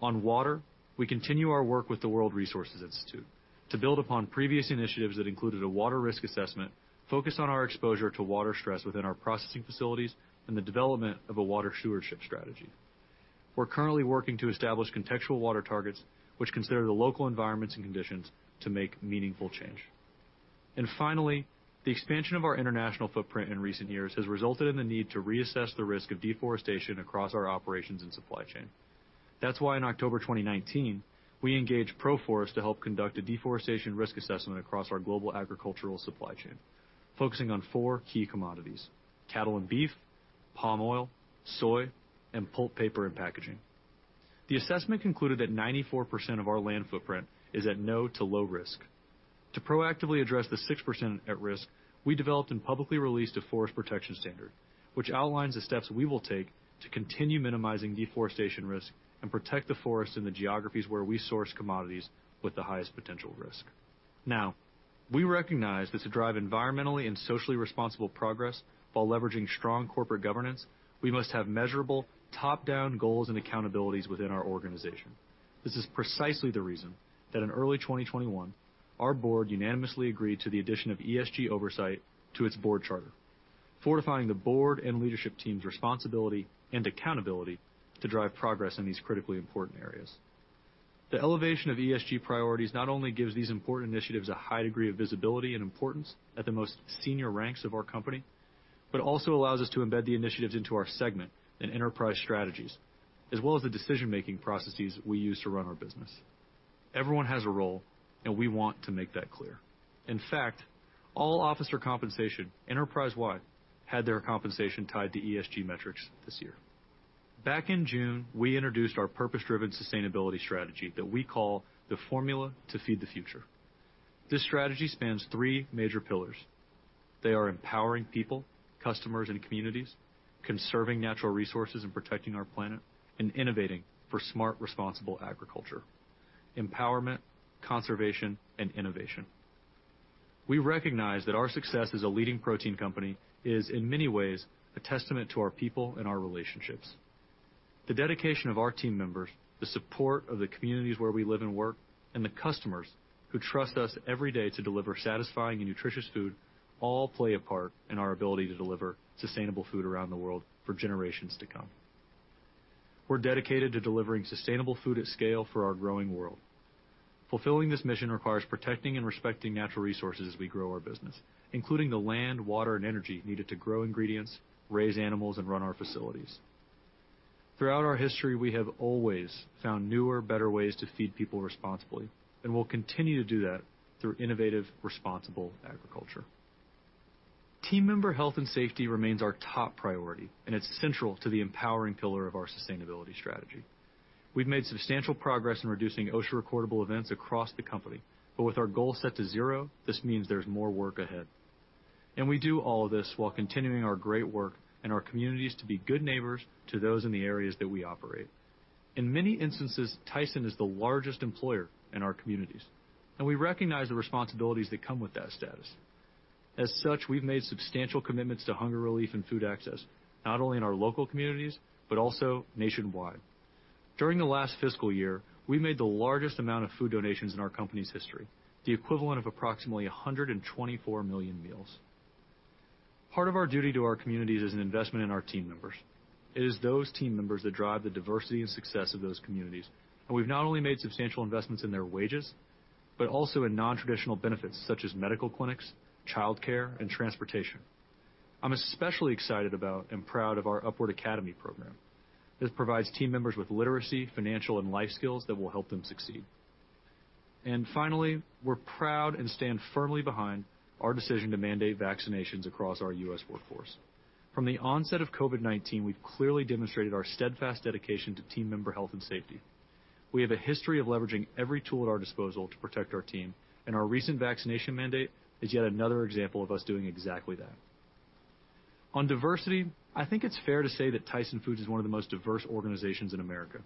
On water, we continue our work with the World Resources Institute to build upon previous initiatives that included a water risk assessment, focused on our exposure to water stress within our processing facilities, and the development of a water stewardship strategy. We're currently working to establish contextual water targets, which consider the local environments and conditions to make meaningful change. And finally, the expansion of our international footprint in recent years has resulted in the need to reassess the risk of deforestation across our operations and supply chain. That's why in October 2019, we engaged Proforest to help conduct a deforestation risk assessment across our global agricultural supply chain, focusing on four key commodities: cattle and beef, palm oil, soy, and pulp, paper, and packaging. The assessment concluded that 94% of our land footprint is at no to low risk. To proactively address the 6% at risk, we developed and publicly released a forest protection standard, which outlines the steps we will take to continue minimizing deforestation risk and protect the forests in the geographies where we source commodities with the highest potential risk. Now, we recognize that to drive environmentally and socially responsible progress while leveraging strong corporate governance, we must have measurable top-down goals and accountabilities within our organization. This is precisely the reason that in early 2021, our board unanimously agreed to the addition of ESG oversight to its board charter, fortifying the board and leadership team's responsibility and accountability to drive progress in these critically important areas. The elevation of ESG priorities not only gives these important initiatives a high degree of visibility and importance at the most senior ranks of our company, but also allows us to embed the initiatives into our segment and enterprise strategies, as well as the decision-making processes we use to run our business. Everyone has a role, and we want to make that clear. In fact, all officer compensation, enterprise-wide, had their compensation tied to ESG metrics this year. Back in June, we introduced our purpose-driven sustainability strategy that we call the Formula to Feed the Future. This strategy spans three major pillars. They are empowering people, customers, and communities, conserving natural resources and protecting our planet, and innovating for smart, responsible agriculture. Empowerment, conservation, and innovation. We recognize that our success as a leading protein company is, in many ways, a testament to our people and our relationships. The dedication of our team members, the support of the communities where we live and work, and the customers who trust us every day to deliver satisfying and nutritious food, all play a part in our ability to deliver sustainable food around the world for generations to come. We're dedicated to delivering sustainable food at scale for our growing world. Fulfilling this mission requires protecting and respecting natural resources as we grow our business, including the land, water, and energy needed to grow ingredients, raise animals, and run our facilities. Throughout our history, we have always found newer, better ways to feed people responsibly, and we'll continue to do that through innovative, responsible agriculture. Team member health and safety remains our top priority, and it's central to the empowering pillar of our sustainability strategy. We've made substantial progress in reducing OSHA recordable events across the company, but with our goal set to zero, this means there's more work ahead. We do all of this while continuing our great work in our communities to be good neighbors to those in the areas that we operate. In many instances, Tyson is the largest employer in our communities, and we recognize the responsibilities that come with that status. As such, we've made substantial commitments to hunger relief and food access, not only in our local communities, but also nationwide. During the last fiscal year, we made the largest amount of food donations in our company's history, the equivalent of approximately 124 million meals. Part of our duty to our communities is an investment in our team members. It is those team members that drive the diversity and success of those communities, and we've not only made substantial investments in their wages, but also in non-traditional benefits such as medical clinics, childcare, and transportation. I'm especially excited about and proud of our Upward Academy program. This provides team members with literacy, financial, and life skills that will help them succeed. And finally, we're proud and stand firmly behind our decision to mandate vaccinations across our U.S. workforce. From the onset of COVID-19, we've clearly demonstrated our steadfast dedication to team member health and safety. We have a history of leveraging every tool at our disposal to protect our team, and our recent vaccination mandate is yet another example of us doing exactly that. On diversity, I think it's fair to say that Tyson Foods is one of the most diverse organizations in America.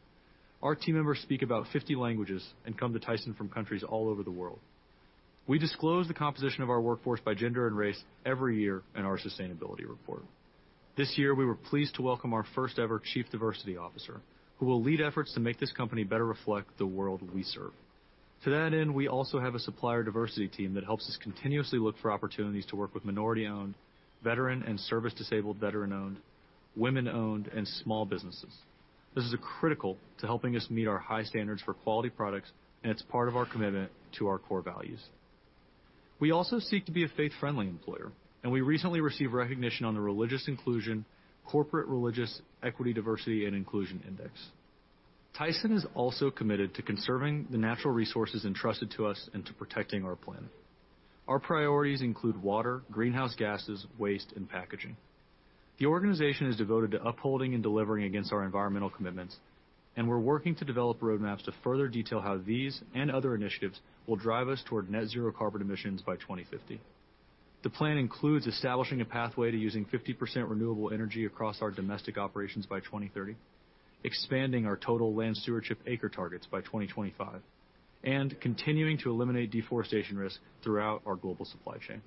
Our team members speak about 50 languages and come to Tyson from countries all over the world. We disclose the composition of our workforce by gender and race every year in our sustainability report. This year, we were pleased to welcome our first ever Chief Diversity Officer, who will lead efforts to make this company better reflect the world we serve. To that end, we also have a supplier diversity team that helps us continuously look for opportunities to work with minority-owned, veteran- and service-disabled veteran-owned, women-owned, and small businesses. This is critical to helping us meet our high standards for quality products, and it's part of our commitment to our core values. We also seek to be a faith-friendly employer, and we recently received recognition on the religious inclusion; Corporate Religious Equity, Diversity, and Inclusion Index. Tyson is also committed to conserving the natural resources entrusted to us and to protecting our planet. Our priorities include water, greenhouse gases, waste, and packaging. The organization is devoted to upholding and delivering against our environmental commitments, and we're working to develop roadmaps to further detail how these and other initiatives will drive us toward net zero carbon emissions by 2050. The plan includes establishing a pathway to using 50% renewable energy across our domestic operations by 2030, expanding our total land stewardship acre targets by 2025, and continuing to eliminate deforestation risk throughout our global supply chain.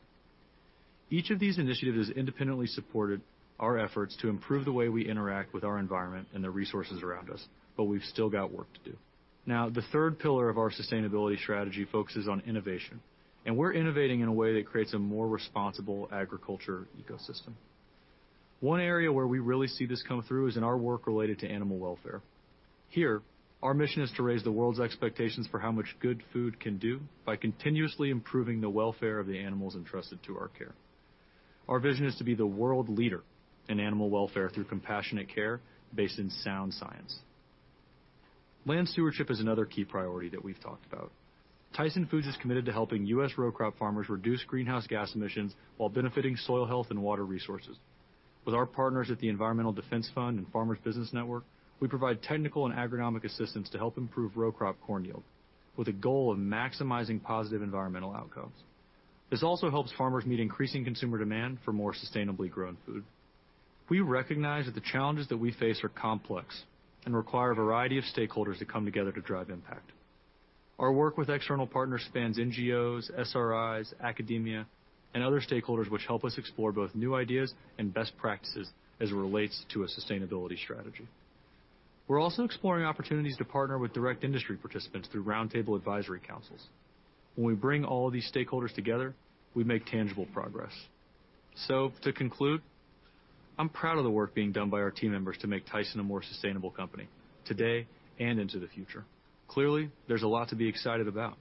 Each of these initiatives independently supported our efforts to improve the way we interact with our environment and the resources around us, but we've still got work to do. Now, the third pillar of our sustainability strategy focuses on innovation, and we're innovating in a way that creates a more responsible agriculture ecosystem. One area where we really see this come through is in our work related to animal welfare. Here, our mission is to raise the world's expectations for how much good food can do by continuously improving the welfare of the animals entrusted to our care. Our vision is to be the world leader in animal welfare through compassionate care based in sound science. Land stewardship is another key priority that we've talked about. Tyson Foods is committed to helping U.S. row crop farmers reduce greenhouse gas emissions while benefiting soil health and water resources. With our partners at the Environmental Defense Fund and Farmers Business Network, we provide technical and agronomic assistance to help improve row crop corn yield with a goal of maximizing positive environmental outcomes. This also helps farmers meet increasing consumer demand for more sustainably grown food. We recognize that the challenges that we face are complex and require a variety of stakeholders to come together to drive impact. Our work with external partners spans NGOs, SRIs, academia, and other stakeholders, which help us explore both new ideas and best practices as it relates to a sustainability strategy. We're also exploring opportunities to partner with direct industry participants through roundtable advisory councils. When we bring all of these stakeholders together, we make tangible progress. So to conclude, I'm proud of the work being done by our team members to make Tyson a more sustainable company today and into the future. Clearly, there's a lot to be excited about.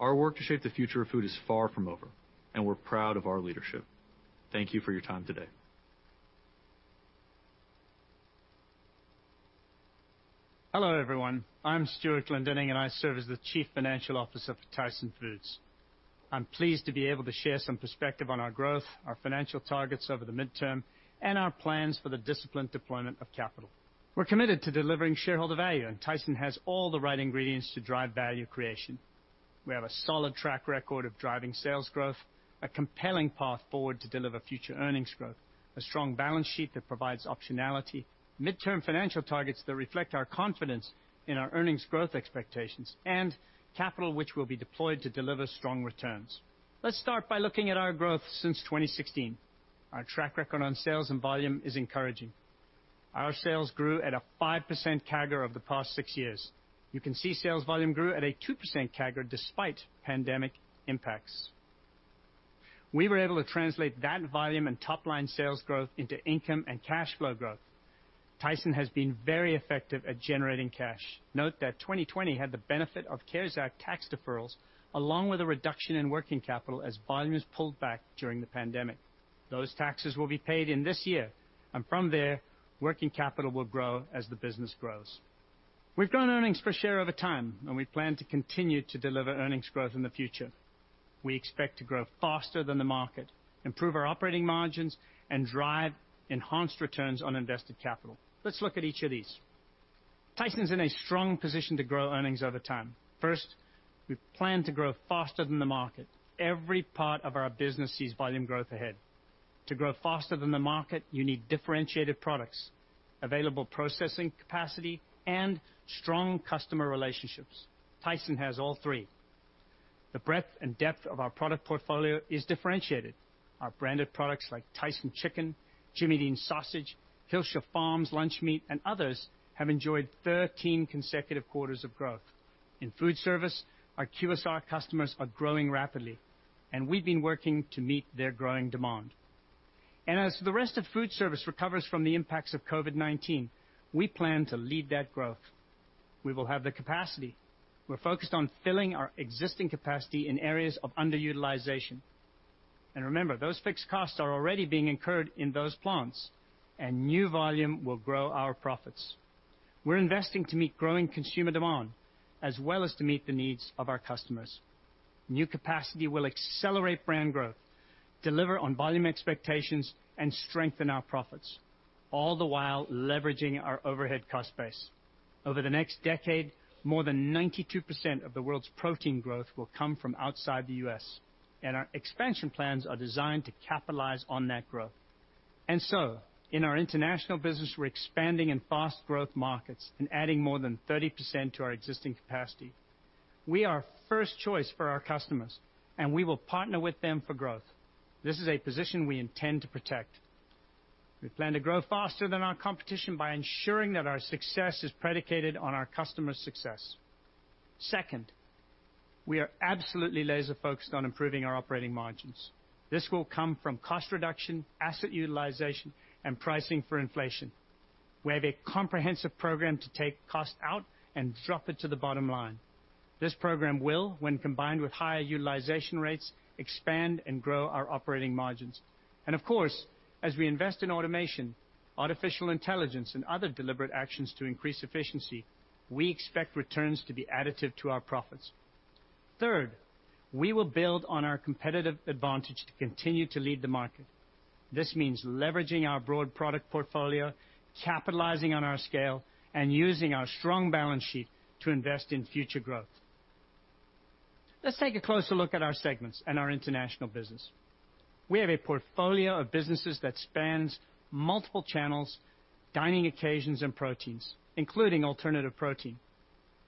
Our work to shape the future of food is far from over, and we're proud of our leadership. Thank you for your time today. Hello, everyone. I'm Stewart Glendinning, and I serve as the Chief Financial Officer for Tyson Foods. I'm pleased to be able to share some perspective on our growth, our financial targets over the midterm, and our plans for the disciplined deployment of capital. We're committed to delivering shareholder value, and Tyson has all the right ingredients to drive value creation. We have a solid track record of driving sales growth, a compelling path forward to deliver future earnings growth, a strong balance sheet that provides optionality, midterm financial targets that reflect our confidence in our earnings growth expectations, and capital, which will be deployed to deliver strong returns. Let's start by looking at our growth since 2016. Our track record on sales and volume is encouraging. Our sales grew at a 5% CAGR over the past 6 years. You can see sales volume grew at a 2% CAGR despite pandemic impacts. We were able to translate that volume and top-line sales growth into income and cash flow growth. Tyson has been very effective at generating cash. Note that 2020 had the benefit of CARES Act tax deferrals, along with a reduction in working capital as volumes pulled back during the pandemic. Those taxes will be paid in this year, and from there, working capital will grow as the business grows. We've grown earnings per share over time, and we plan to continue to deliver earnings growth in the future. We expect to grow faster than the market, improve our operating margins, and drive enhanced returns on invested capital. Let's look at each of these. Tyson's in a strong position to grow earnings over time. First, we plan to grow faster than the market. Every part of our business sees volume growth ahead. To grow faster than the market, you need differentiated products, available processing capacity, and strong customer relationships. Tyson has all three. The breadth and depth of our product portfolio is differentiated. Our branded products, like Tyson chicken, Jimmy Dean sausage, Hillshire Farm lunch meat, and others, have enjoyed 13 consecutive quarters of growth. In food service, our QSR customers are growing rapidly, and we've been working to meet their growing demand. As the rest of food service recovers from the impacts of COVID-19, we plan to lead that growth. We will have the capacity. We're focused on filling our existing capacity in areas of underutilization. Remember, those fixed costs are already being incurred in those plants, and new volume will grow our profits. We're investing to meet growing consumer demand, as well as to meet the needs of our customers. New capacity will accelerate brand growth, deliver on volume expectations, and strengthen our profits, all the while leveraging our overhead cost base. Over the next decade, more than 92% of the world's protein growth will come from outside the U.S., and our expansion plans are designed to capitalize on that growth. And so, in our international business, we're expanding in fast growth markets and adding more than 30% to our existing capacity. We are first choice for our customers, and we will partner with them for growth. This is a position we intend to protect. We plan to grow faster than our competition by ensuring that our success is predicated on our customers' success. Second, we are absolutely laser-focused on improving our operating margins. This will come from cost reduction, asset utilization, and pricing for inflation. We have a comprehensive program to take cost out and drop it to the bottom line. This program will, when combined with higher utilization rates, expand and grow our operating margins. Of course, as we invest in automation, artificial intelligence, and other deliberate actions to increase efficiency, we expect returns to be additive to our profits. Third, we will build on our competitive advantage to continue to lead the market. This means leveraging our broad product portfolio, capitalizing on our scale, and using our strong balance sheet to invest in future growth. Let's take a closer look at our segments and our international business. We have a portfolio of businesses that spans multiple channels, dining occasions, and proteins, including alternative protein.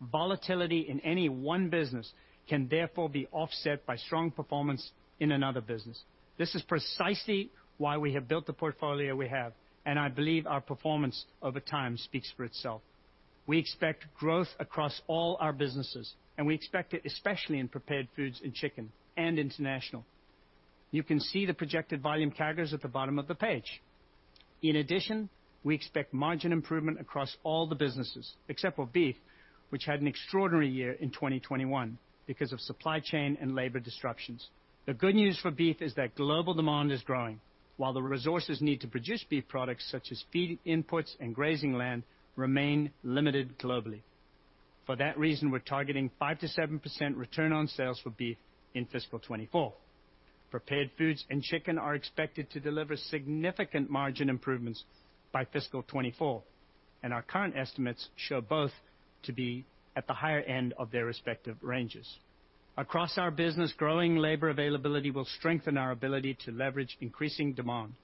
Volatility in any one business can therefore be offset by strong performance in another business. This is precisely why we have built the portfolio we have, and I believe our performance over time speaks for itself. We expect growth across all our businesses, and we expect it especially in Prepared Foods and chicken and international. You can see the projected volume CAGRs at the bottom of the page. In addition, we expect margin improvement across all the businesses, except for beef, which had an extraordinary year in 2021 because of supply chain and labor disruptions. The good news for beef is that global demand is growing, while the resources needed to produce beef products, such as feed imports and grazing land, remain limited globally. For that reason, we're targeting 5%-7% return on sales for beef in fiscal 2024. Prepared Foods and chicken are expected to deliver significant margin improvements by fiscal 2024, and our current estimates show both to be at the higher end of their respective ranges. Across our business, growing labor availability will strengthen our ability to leverage increasing demand.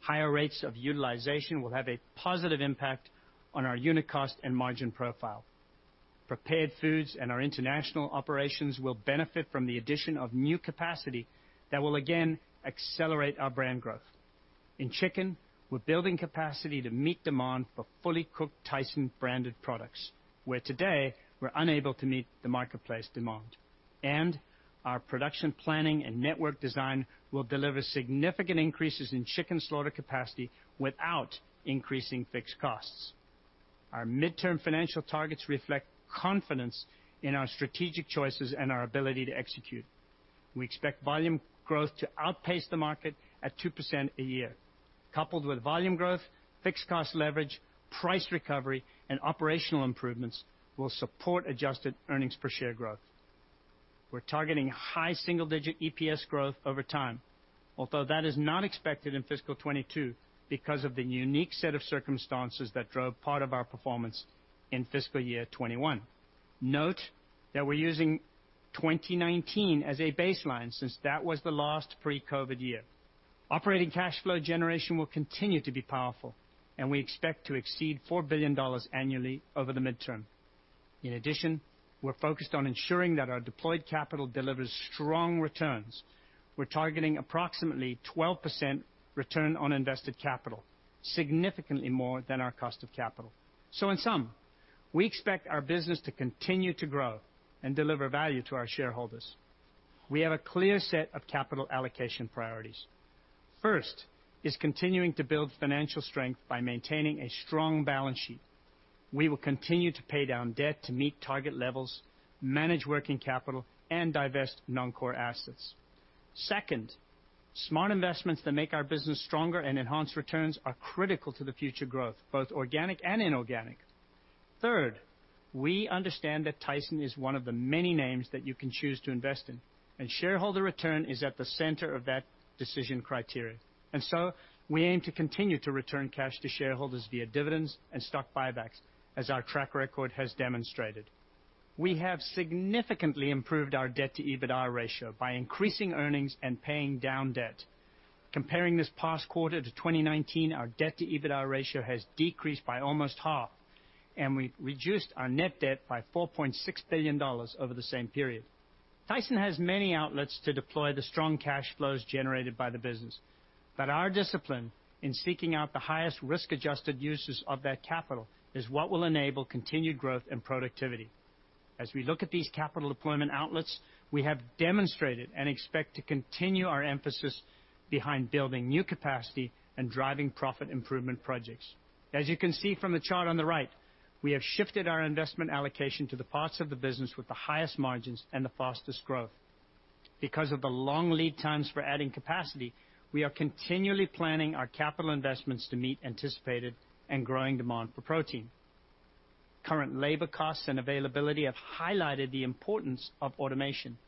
Higher rates of utilization will have a positive impact on our unit cost and margin profile. Prepared Foods and our international operations will benefit from the addition of new capacity that will again accelerate our brand growth. In chicken, we're building capacity to meet demand for fully cooked Tyson-branded products, where today, we're unable to meet the marketplace demand. Our production planning and network design will deliver significant increases in chicken slaughter capacity without increasing fixed costs. Our midterm financial targets reflect confidence in our strategic choices and our ability to execute. We expect volume growth to outpace the market at 2% a year. Coupled with volume growth, fixed cost leverage, price recovery, and operational improvements will support adjusted earnings per share growth. We're targeting high single-digit EPS growth over time, although that is not expected in fiscal 2022 because of the unique set of circumstances that drove part of our performance in fiscal year 2021. Note that we're using 2019 as a baseline, since that was the last pre-COVID year. Operating cash flow generation will continue to be powerful, and we expect to exceed $4 billion annually over the midterm. In addition, we're focused on ensuring that our deployed capital delivers strong returns. We're targeting approximately 12% return on invested capital, significantly more than our cost of capital. So in sum, we expect our business to continue to grow and deliver value to our shareholders. We have a clear set of capital allocation priorities. First is continuing to build financial strength by maintaining a strong balance sheet. We will continue to pay down debt to meet target levels, manage working capital, and divest non-core assets. Second, smart investments that make our business stronger and enhance returns are critical to the future growth, both organic and inorganic. Third. We understand that Tyson is one of the many names that you can choose to invest in, and shareholder return is at the center of that decision criteria. And so we aim to continue to return cash to shareholders via dividends and stock buybacks, as our track record has demonstrated. We have significantly improved our debt to EBITDA ratio by increasing earnings and paying down debt. Comparing this past quarter to 2019, our debt to EBITDA ratio has decreased by almost half, and we've reduced our net debt by $4.6 billion over the same period. Tyson has many outlets to deploy the strong cash flows generated by the business, but our discipline in seeking out the highest risk-adjusted uses of that capital is what will enable continued growth and productivity. As we look at these capital deployment outlets, we have demonstrated and expect to continue our emphasis behind building new capacity and driving profit improvement projects. As you can see from the chart on the right, we have shifted our investment allocation to the parts of the business with the highest margins and the fastest growth. Because of the long lead times for adding capacity, we are continually planning our capital investments to meet anticipated and growing demand for protein. Current labor costs and availability have highlighted the importance of automation.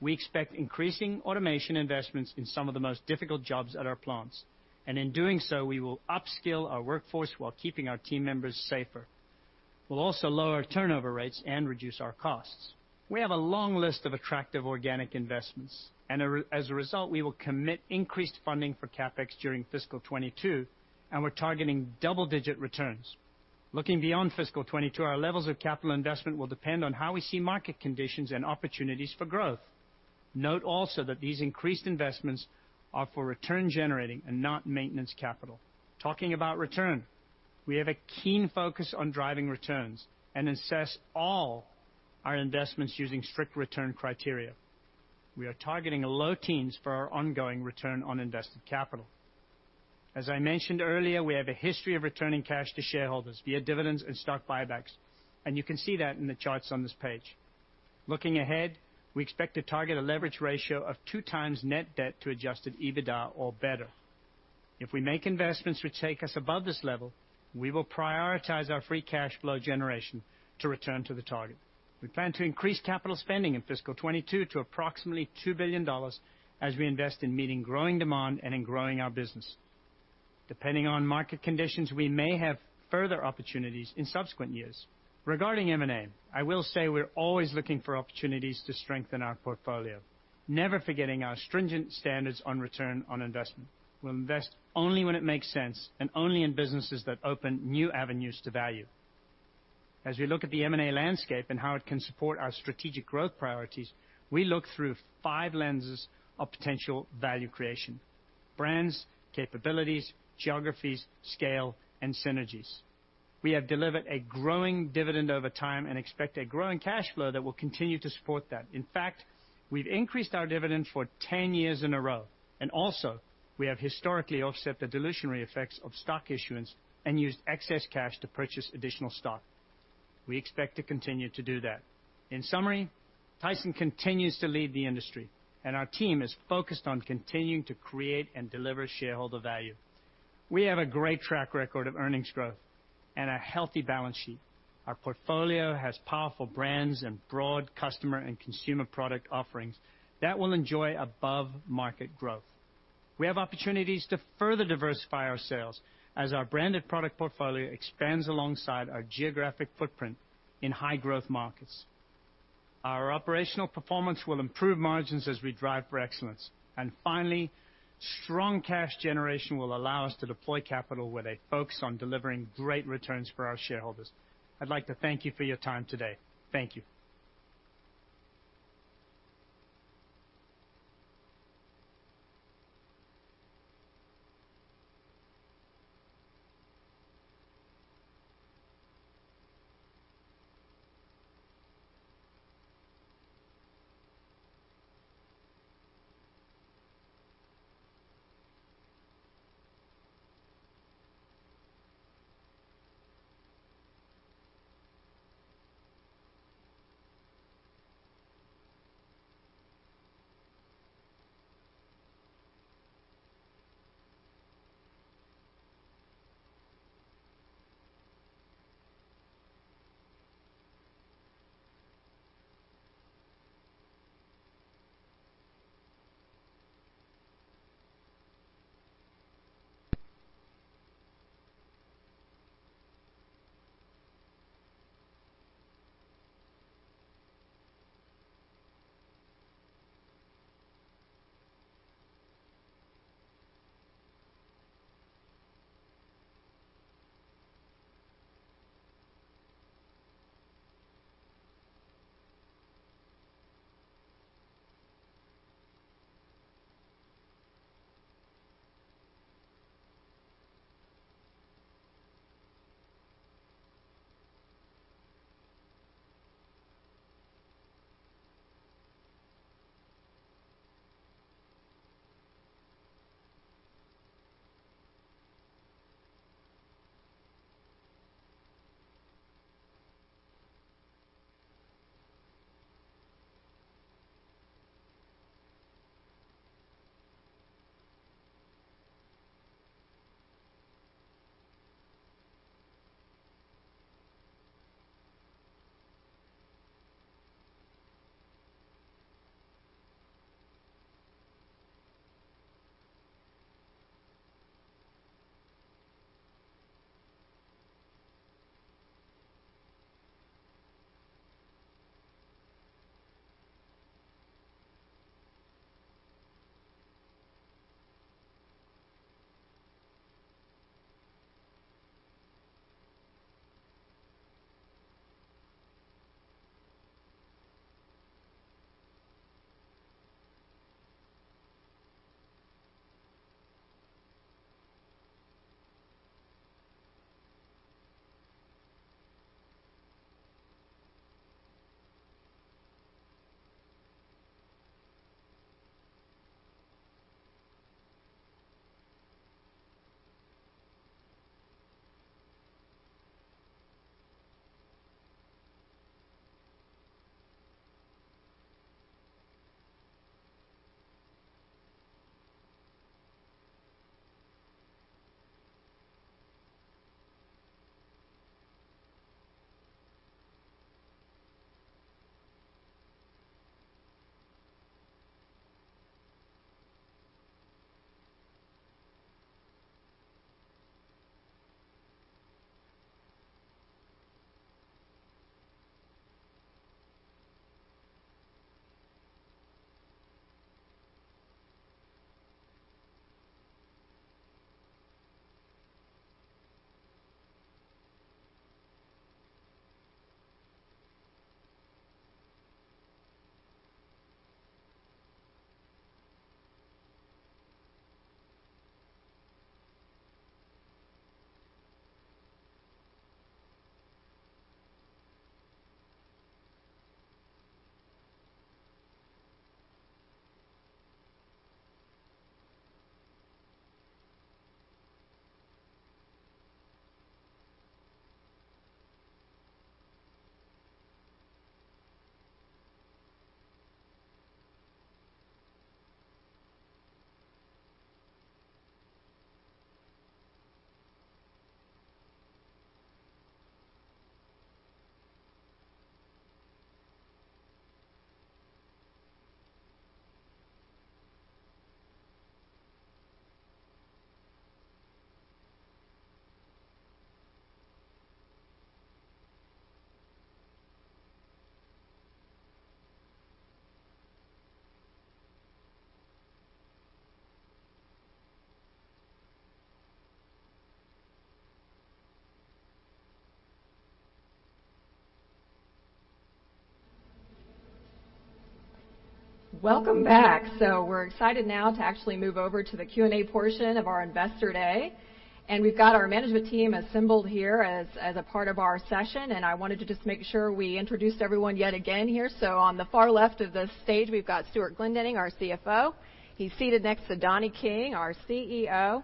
We expect increasing automation investments in some of the most difficult jobs at our plants, and in doing so, we will upskill our workforce while keeping our team members safer. We'll also lower our turnover rates and reduce our costs. We have a long list of attractive organic investments, and as a result, we will commit increased funding for CapEx during fiscal 2022, and we're targeting double-digit returns. Looking beyond fiscal 2022, our levels of capital investment will depend on how we see market conditions and opportunities for growth. Note also that these increased investments are for return-generating and not maintenance capital. Talking about return, we have a keen focus on driving returns and assess all our investments using strict return criteria. We are targeting a low teens for our ongoing return on invested capital. As I mentioned earlier, we have a history of returning cash to shareholders via dividends and stock buybacks, and you can see that in the charts on this page. Looking ahead, we expect to target a leverage ratio of 2x net debt to adjusted EBITDA or better. If we make investments, which take us above this level, we will prioritize our free cash flow generation to return to the target. We plan to increase capital spending in fiscal 2022 to approximately $2 billion as we invest in meeting growing demand and in growing our business. Depending on market conditions, we may have further opportunities in subsequent years. Regarding M&A, I will say we're always looking for opportunities to strengthen our portfolio, never forgetting our stringent standards on return on investment. We'll invest only when it makes sense and only in businesses that open new avenues to value. As we look at the M&A landscape and how it can support our strategic growth priorities, we look through 5 lenses of potential value creation: brands, capabilities, geographies, scale, and synergies. We have delivered a growing dividend over time and expect a growing cash flow that will continue to support that. In fact, we've increased our dividend for 10 years in a row, and also we have historically offset the dilutionary effects of stock issuance and used excess cash to purchase additional stock. We expect to continue to do that. In summary, Tyson continues to lead the industry, and our team is focused on continuing to create and deliver shareholder value. We have a great track record of earnings growth and a healthy balance sheet. Our portfolio has powerful brands and broad customer and consumer product offerings that will enjoy above-market growth. We have opportunities to further diversify our sales as our branded product portfolio expands alongside our geographic footprint in high-growth markets. Our operational performance will improve margins as we drive for excellence. And finally, strong cash generation will allow us to deploy capital with a focus on delivering great returns for our shareholders. I'd like to thank you for your time today. Thank you. Welcome back! So we're excited now to actually move over to the Q&A portion of our Investor Day. We've got our management team assembled here as a part of our session, and I wanted to just make sure we introduced everyone yet again here. On the far left of the stage, we've got Stewart Glendinning, our CFO. He's seated next to Donnie King, our CEO.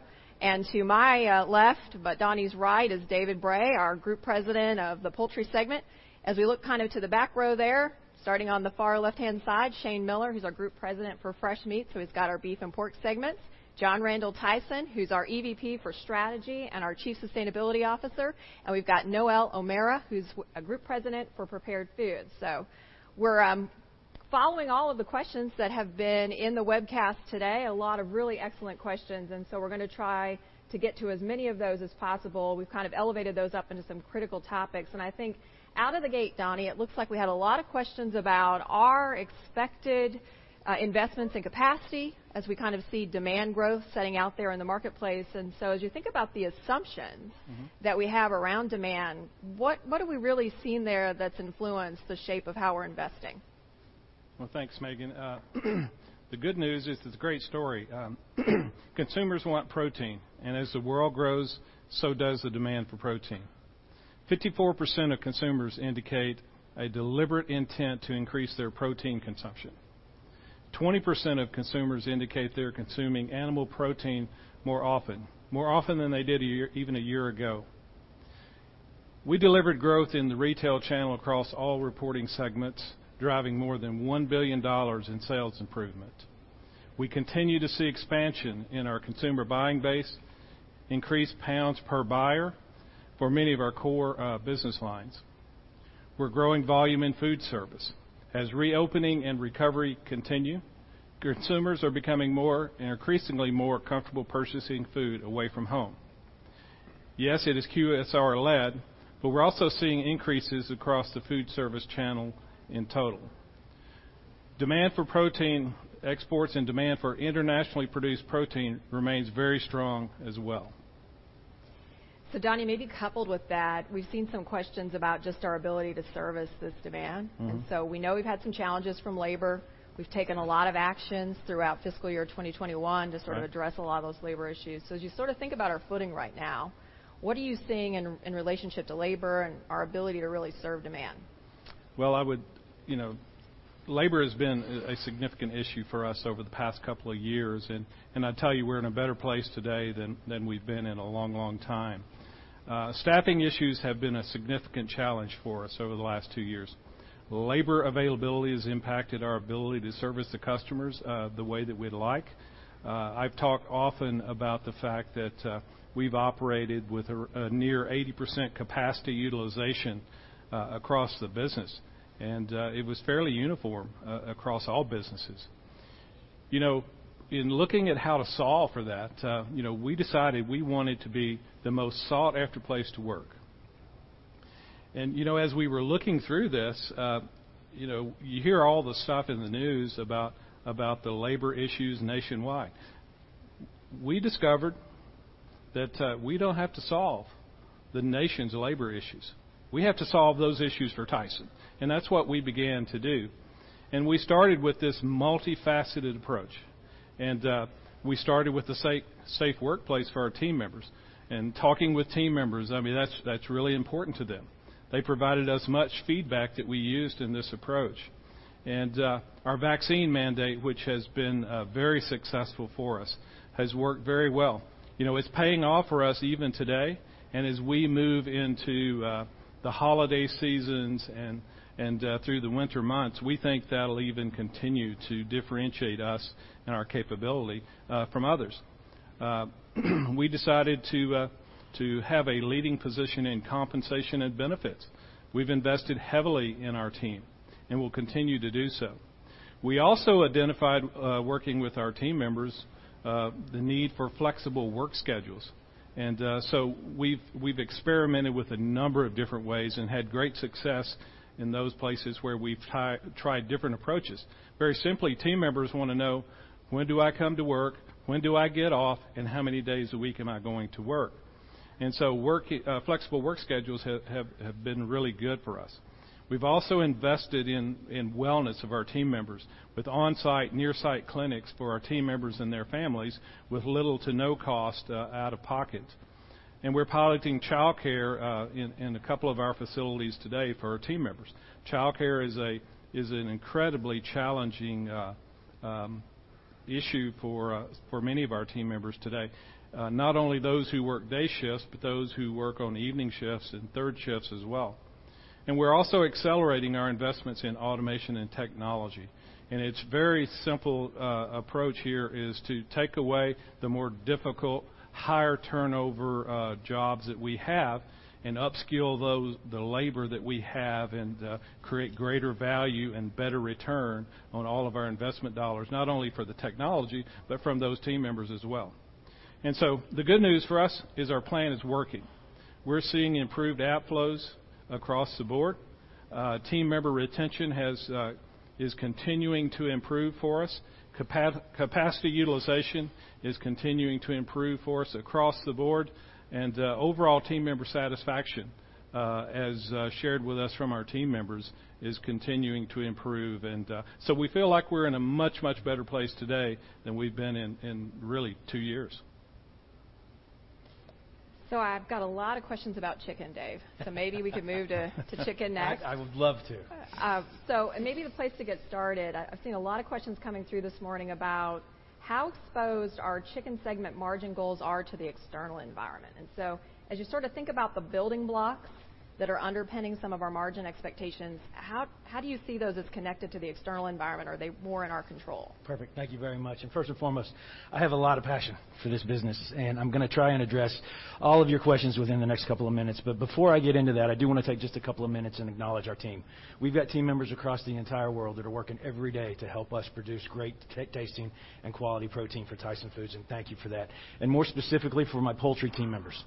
To my left, but Donnie's right, is David Bray, our Group President of the Poultry segment. As we look kind of to the back row there, starting on the far left-hand side, Shane Miller, who's our Group President for Fresh Meats, so he's got our beef and pork segments. John R. Tyson, who's our EVP for Strategy and our Chief Sustainability Officer, and we've got Noelle O'Mara, who's a Group President for Prepared Foods. So we're following all of the questions that have been in the webcast today, a lot of really excellent questions, and so we're going to try to get to as many of those as possible. We've kind of elevated those up into some critical topics. And I think out of the gate, Donnie, it looks like we had a lot of questions about our expected investments and capacity as we kind of see demand growth setting out there in the marketplace. And so as you think about the assumptions that we have around demand, what, what have we really seen there that's influenced the shape of how we're investing? Well, thanks, Megan. The good news is it's a great story. Consumers want protein, and as the world grows, so does the demand for protein. 54% of consumers indicate a deliberate intent to increase their protein consumption. 20% of consumers indicate they're consuming animal protein more often, more often than they did a year—even a year ago. We delivered growth in the retail channel across all reporting segments, driving more than $1 billion in sales improvement. We continue to see expansion in our consumer buying base, increased pounds per buyer for many of our core business lines. We're growing volume in food service. As reopening and recovery continue, consumers are becoming more and increasingly more comfortable purchasing food away from home. Yes, it is QSR-led, but we're also seeing increases across the food service channel in total. Demand for protein exports and demand for internationally produced protein remains very strong as well. So, Donnie, maybe coupled with that, we've seen some questions about just our ability to service this demand. Mm-hmm. We know we've had some challenges from labor. We've taken a lot of actions throughout fiscal year 2021 to sort of address a lot of those labor issues. So as you sort of think about our footing right now, what are you seeing in relationship to labor and our ability to really serve demand? Well, I would. You know, labor has been a significant issue for us over the past couple of years, and I tell you, we're in a better place today than we've been in a long, long time. Staffing issues have been a significant challenge for us over the last two years. Labor availability has impacted our ability to service the customers the way that we'd like. I've talked often about the fact that we've operated with a near 80% capacity utilization across the business, and it was fairly uniform across all businesses. You know, in looking at how to solve for that, you know, we decided we wanted to be the most sought-after place to work. And, you know, as we were looking through this, you know, you hear all the stuff in the news about, about the labor issues nationwide. We discovered that, we don't have to solve the nation's labor issues. We have to solve those issues for Tyson, and that's what we began to do, and we started with this multifaceted approach. And, we started with a safe, safe workplace for our team members. And talking with team members, I mean, that's, that's really important to them. They provided us much feedback that we used in this approach. And, our vaccine mandate, which has been, very successful for us, has worked very well. You know, it's paying off for us even today, and as we move into the holiday seasons and through the winter months, we think that'll even continue to differentiate us and our capability from others. We decided to have a leading position in compensation and benefits. We've invested heavily in our team, and we'll continue to do so. We also identified, working with our team members, the need for flexible work schedules, and so we've experimented with a number of different ways and had great success in those places where we've tried different approaches. Very simply, team members wanna know, when do I come to work? When do I get off? And how many days a week am I going to work? And so flexible work schedules have been really good for us. We've also invested in wellness of our team members with on-site, near-site clinics for our team members and their families, with little to no cost out of pocket. We're piloting childcare in a couple of our facilities today for our team members. Childcare is an incredibly challenging issue for many of our team members today, not only those who work day shifts, but those who work on evening shifts and third shifts as well. We're also accelerating our investments in automation and technology. It's very simple approach here is to take away the more difficult, higher turnover jobs that we have and upskill those, the labor that we have, and create greater value and better return on all of our investment dollars, not only for the technology, but from those team members as well. So the good news for us is our plan is working. We're seeing improved outflows across the board. Team member retention has is continuing to improve for us. Capacity utilization is continuing to improve for us across the board, and overall team member satisfaction as shared with us from our team members, is continuing to improve. So we feel like we're in a much, much better place today than we've been in, really, two years. So I've got a lot of questions about chicken, Dave. Maybe we can move to chicken next. I would love to. So maybe the place to get started, I've seen a lot of questions coming through this morning about: How exposed our chicken segment margin goals are to the external environment? And so as you sort of think about the building blocks that are underpinning some of our margin expectations, how do you see those as connected to the external environment? Are they more in our control? Perfect. Thank you very much. First and foremost, I have a lot of passion for this business, and I'm gonna try and address all of your questions within the next couple of minutes. But before I get into that, I do wanna take just a couple of minutes and acknowledge our team. We've got team members across the entire world that are working every day to help us produce great-tasting and quality protein for Tyson Foods, and thank you for that. More specifically for my poultry team members,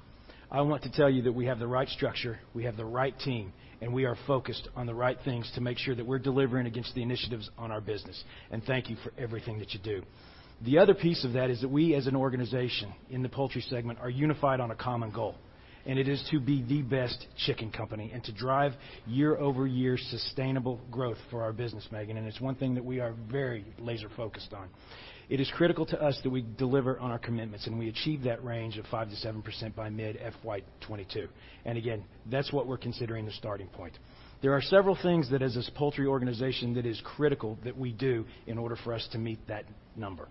I want to tell you that we have the right structure, we have the right team, and we are focused on the right things to make sure that we're delivering against the initiatives on our business. Thank you for everything that you do. The other piece of that is that we, as an organization in the poultry segment, are unified on a common goal, and it is to be the best chicken company and to drive year-over-year sustainable growth for our business, Megan, and it's one thing that we are very laser-focused on. It is critical to us that we deliver on our commitments, and we achieve that range of 5%-7% by mid-FY 2022. And again, that's what we're considering the starting point. There are several things that as a poultry organization that is critical that we do in order for us to meet that number.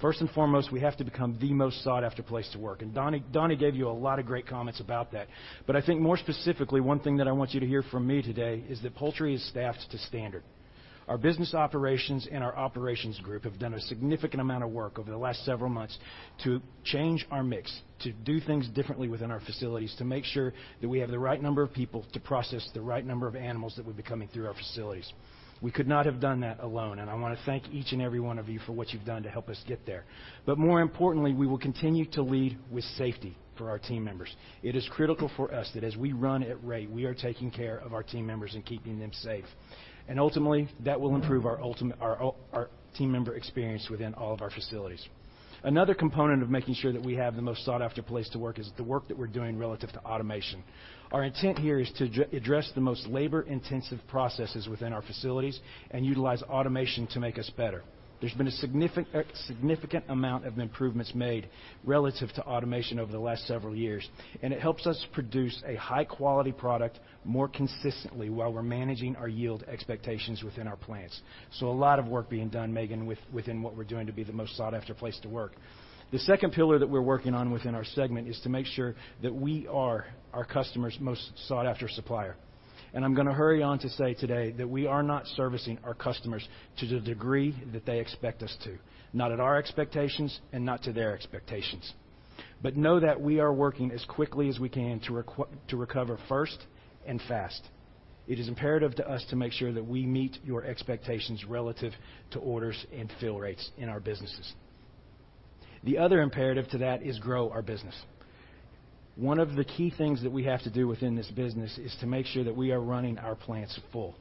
First and foremost, we have to become the most sought-after place to work, and Donnie, Donnie gave you a lot of great comments about that. But I think more specifically, one thing that I want you to hear from me today is that poultry is staffed to standard. Our business operations and our operations group have done a significant amount of work over the last several months to change our mix, to do things differently within our facilities, to make sure that we have the right number of people to process the right number of animals that will be coming through our facilities. We could not have done that alone, and I wanna thank each and every one of you for what you've done to help us get there. But more importantly, we will continue to lead with safety for our team members. It is critical for us that as we run at rate, we are taking care of our team members and keeping them safe. Ultimately, that will improve our overall team member experience within all of our facilities. Another component of making sure that we have the most sought-after place to work is the work that we're doing relative to automation. Our intent here is to address the most labor-intensive processes within our facilities and utilize automation to make us better. There's been a significant, significant amount of improvements made relative to automation over the last several years, and it helps us produce a high-quality product more consistently while we're managing our yield expectations within our plants. So a lot of work being done, Megan, within what we're doing to be the most sought-after place to work. The second pillar that we're working on within our segment is to make sure that we are our customers' most sought-after supplier. I'm gonna hurry on to say today that we are not servicing our customers to the degree that they expect us to, not at our expectations and not to their expectations. But know that we are working as quickly as we can to recover first and fast. It is imperative to us to make sure that we meet your expectations relative to orders and fill rates in our businesses. The other imperative to that is grow our business. One of the key things that we have to do within this business is to make sure that we are running our plants full.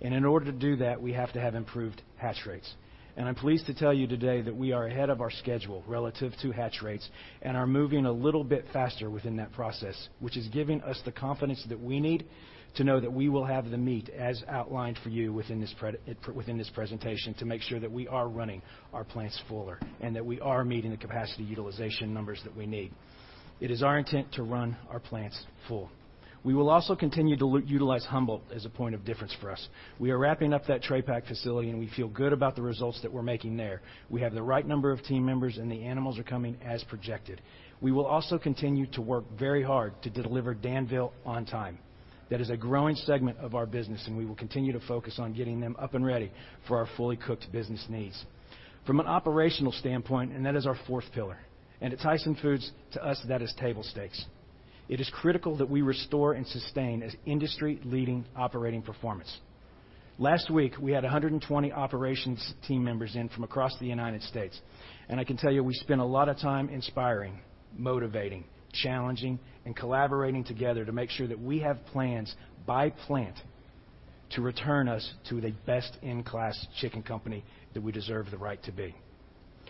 And in order to do that, we have to have improved hatch rates. I'm pleased to tell you today that we are ahead of our schedule relative to hatch rates and are moving a little bit faster within that process, which is giving us the confidence that we need to know that we will have the meat as outlined for you within this presentation, to make sure that we are running our plants fuller and that we are meeting the capacity utilization numbers that we need. It is our intent to run our plants full. We will also continue to utilize Humboldt as a point of difference for us. We are wrapping up that tray pack facility, and we feel good about the results that we're making there. We have the right number of team members, and the animals are coming as projected. We will also continue to work very hard to deliver Danville on time. That is a growing segment of our business, and we will continue to focus on getting them up and ready for our fully cooked business needs. From an operational standpoint, and that is our fourth pillar, and at Tyson Foods, to us, that is table stakes. It is critical that we restore and sustain as industry-leading operating performance. Last week, we had 120 operations team members in from across the United States, and I can tell you, we spent a lot of time inspiring, motivating, challenging, and collaborating together to make sure that we have plans by plant to return us to the best-in-class chicken company that we deserve the right to be.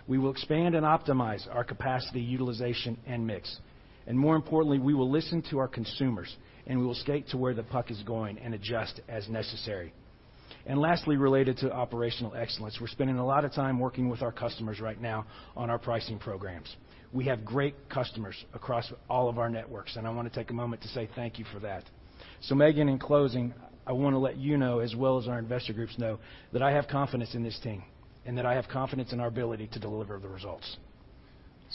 We will expand and optimize our capacity, utilization, and mix. And more importantly, we will listen to our consumers, and we will skate to where the puck is going and adjust as necessary. Lastly, related to operational excellence, we're spending a lot of time working with our customers right now on our pricing programs. We have great customers across all of our networks, and I want to take a moment to say thank you for that. Megan, in closing, I want to let you know, as well as our investor groups know, that I have confidence in this team and that I have confidence in our ability to deliver the results.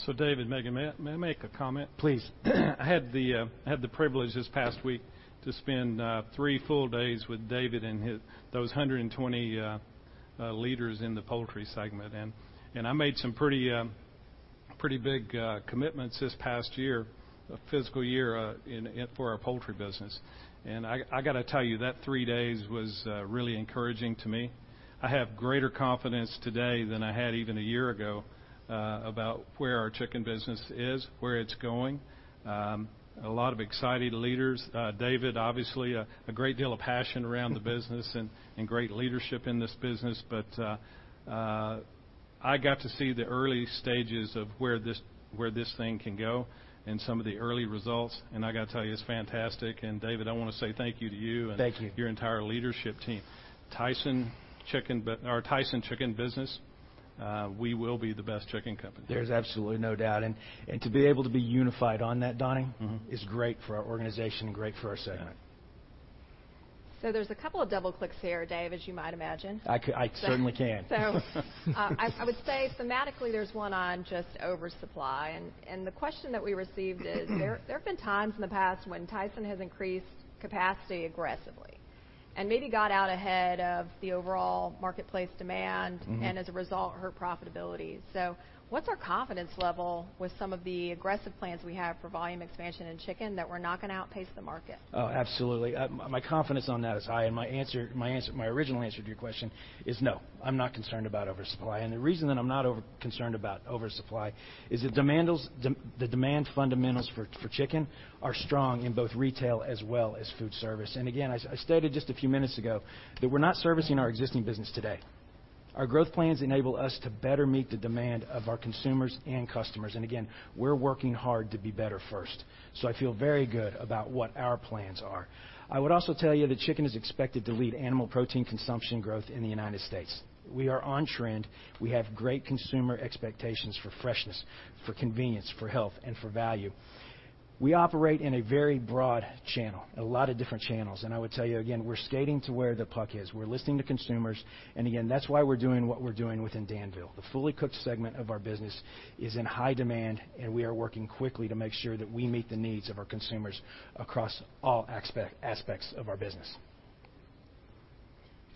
So, David, Megan, may I, may I make a comment? Please. I had the privilege this past week to spend 3 full days with David and his those 120 leaders in the poultry segment. I made some pretty big commitments this past year, a fiscal year, for our poultry business. I got to tell you, that 3 days was really encouraging to me. I have greater confidence today than I had even a year ago about where our chicken business is, where it's going. A lot of excited leaders. David, obviously, a great deal of passion around the business and great leadership in this business, but I got to see the early stages of where this, where this thing can go and some of the early results, and I got to tell you, it's fantastic. David, I want to say thank you to you... Thank you. ...and your entire leadership team. Our Tyson chicken business, we will be the best chicken company. There's absolutely no doubt. And, to be able to be unified on that, Donnie, is great for our organization and great for our segment. There's a couple of double clicks here, Dave, as you might imagine. I certainly can. So, I would say thematically, there's one on just oversupply. And the question that we received is there have been times in the past when Tyson has increased capacity aggressively and maybe got out ahead of the overall marketplace demandand as a result, hurt profitability. So what's our confidence level with some of the aggressive plans we have for volume expansion and chicken, that we're not going to outpace the market? Oh, absolutely. My confidence on that is high, and my original answer to your question is no, I'm not concerned about oversupply. The reason that I'm not concerned about oversupply is the demand fundamentals for chicken are strong in both retail as well as food service. Again, I stated just a few minutes ago that we're not servicing our existing business today. Our growth plans enable us to better meet the demand of our consumers and customers. Again, we're working hard to be better first. So I feel very good about what our plans are. I would also tell you that chicken is expected to lead animal protein consumption growth in the United States. We are on trend. We have great consumer expectations for freshness, for convenience, for health, and for value. We operate in a very broad channel, a lot of different channels, and I would tell you again, we're skating to where the puck is. We're listening to consumers, and again, that's why we're doing what we're doing within Danville. The fully cooked segment of our business is in high demand, and we are working quickly to make sure that we meet the needs of our consumers across all aspects of our business.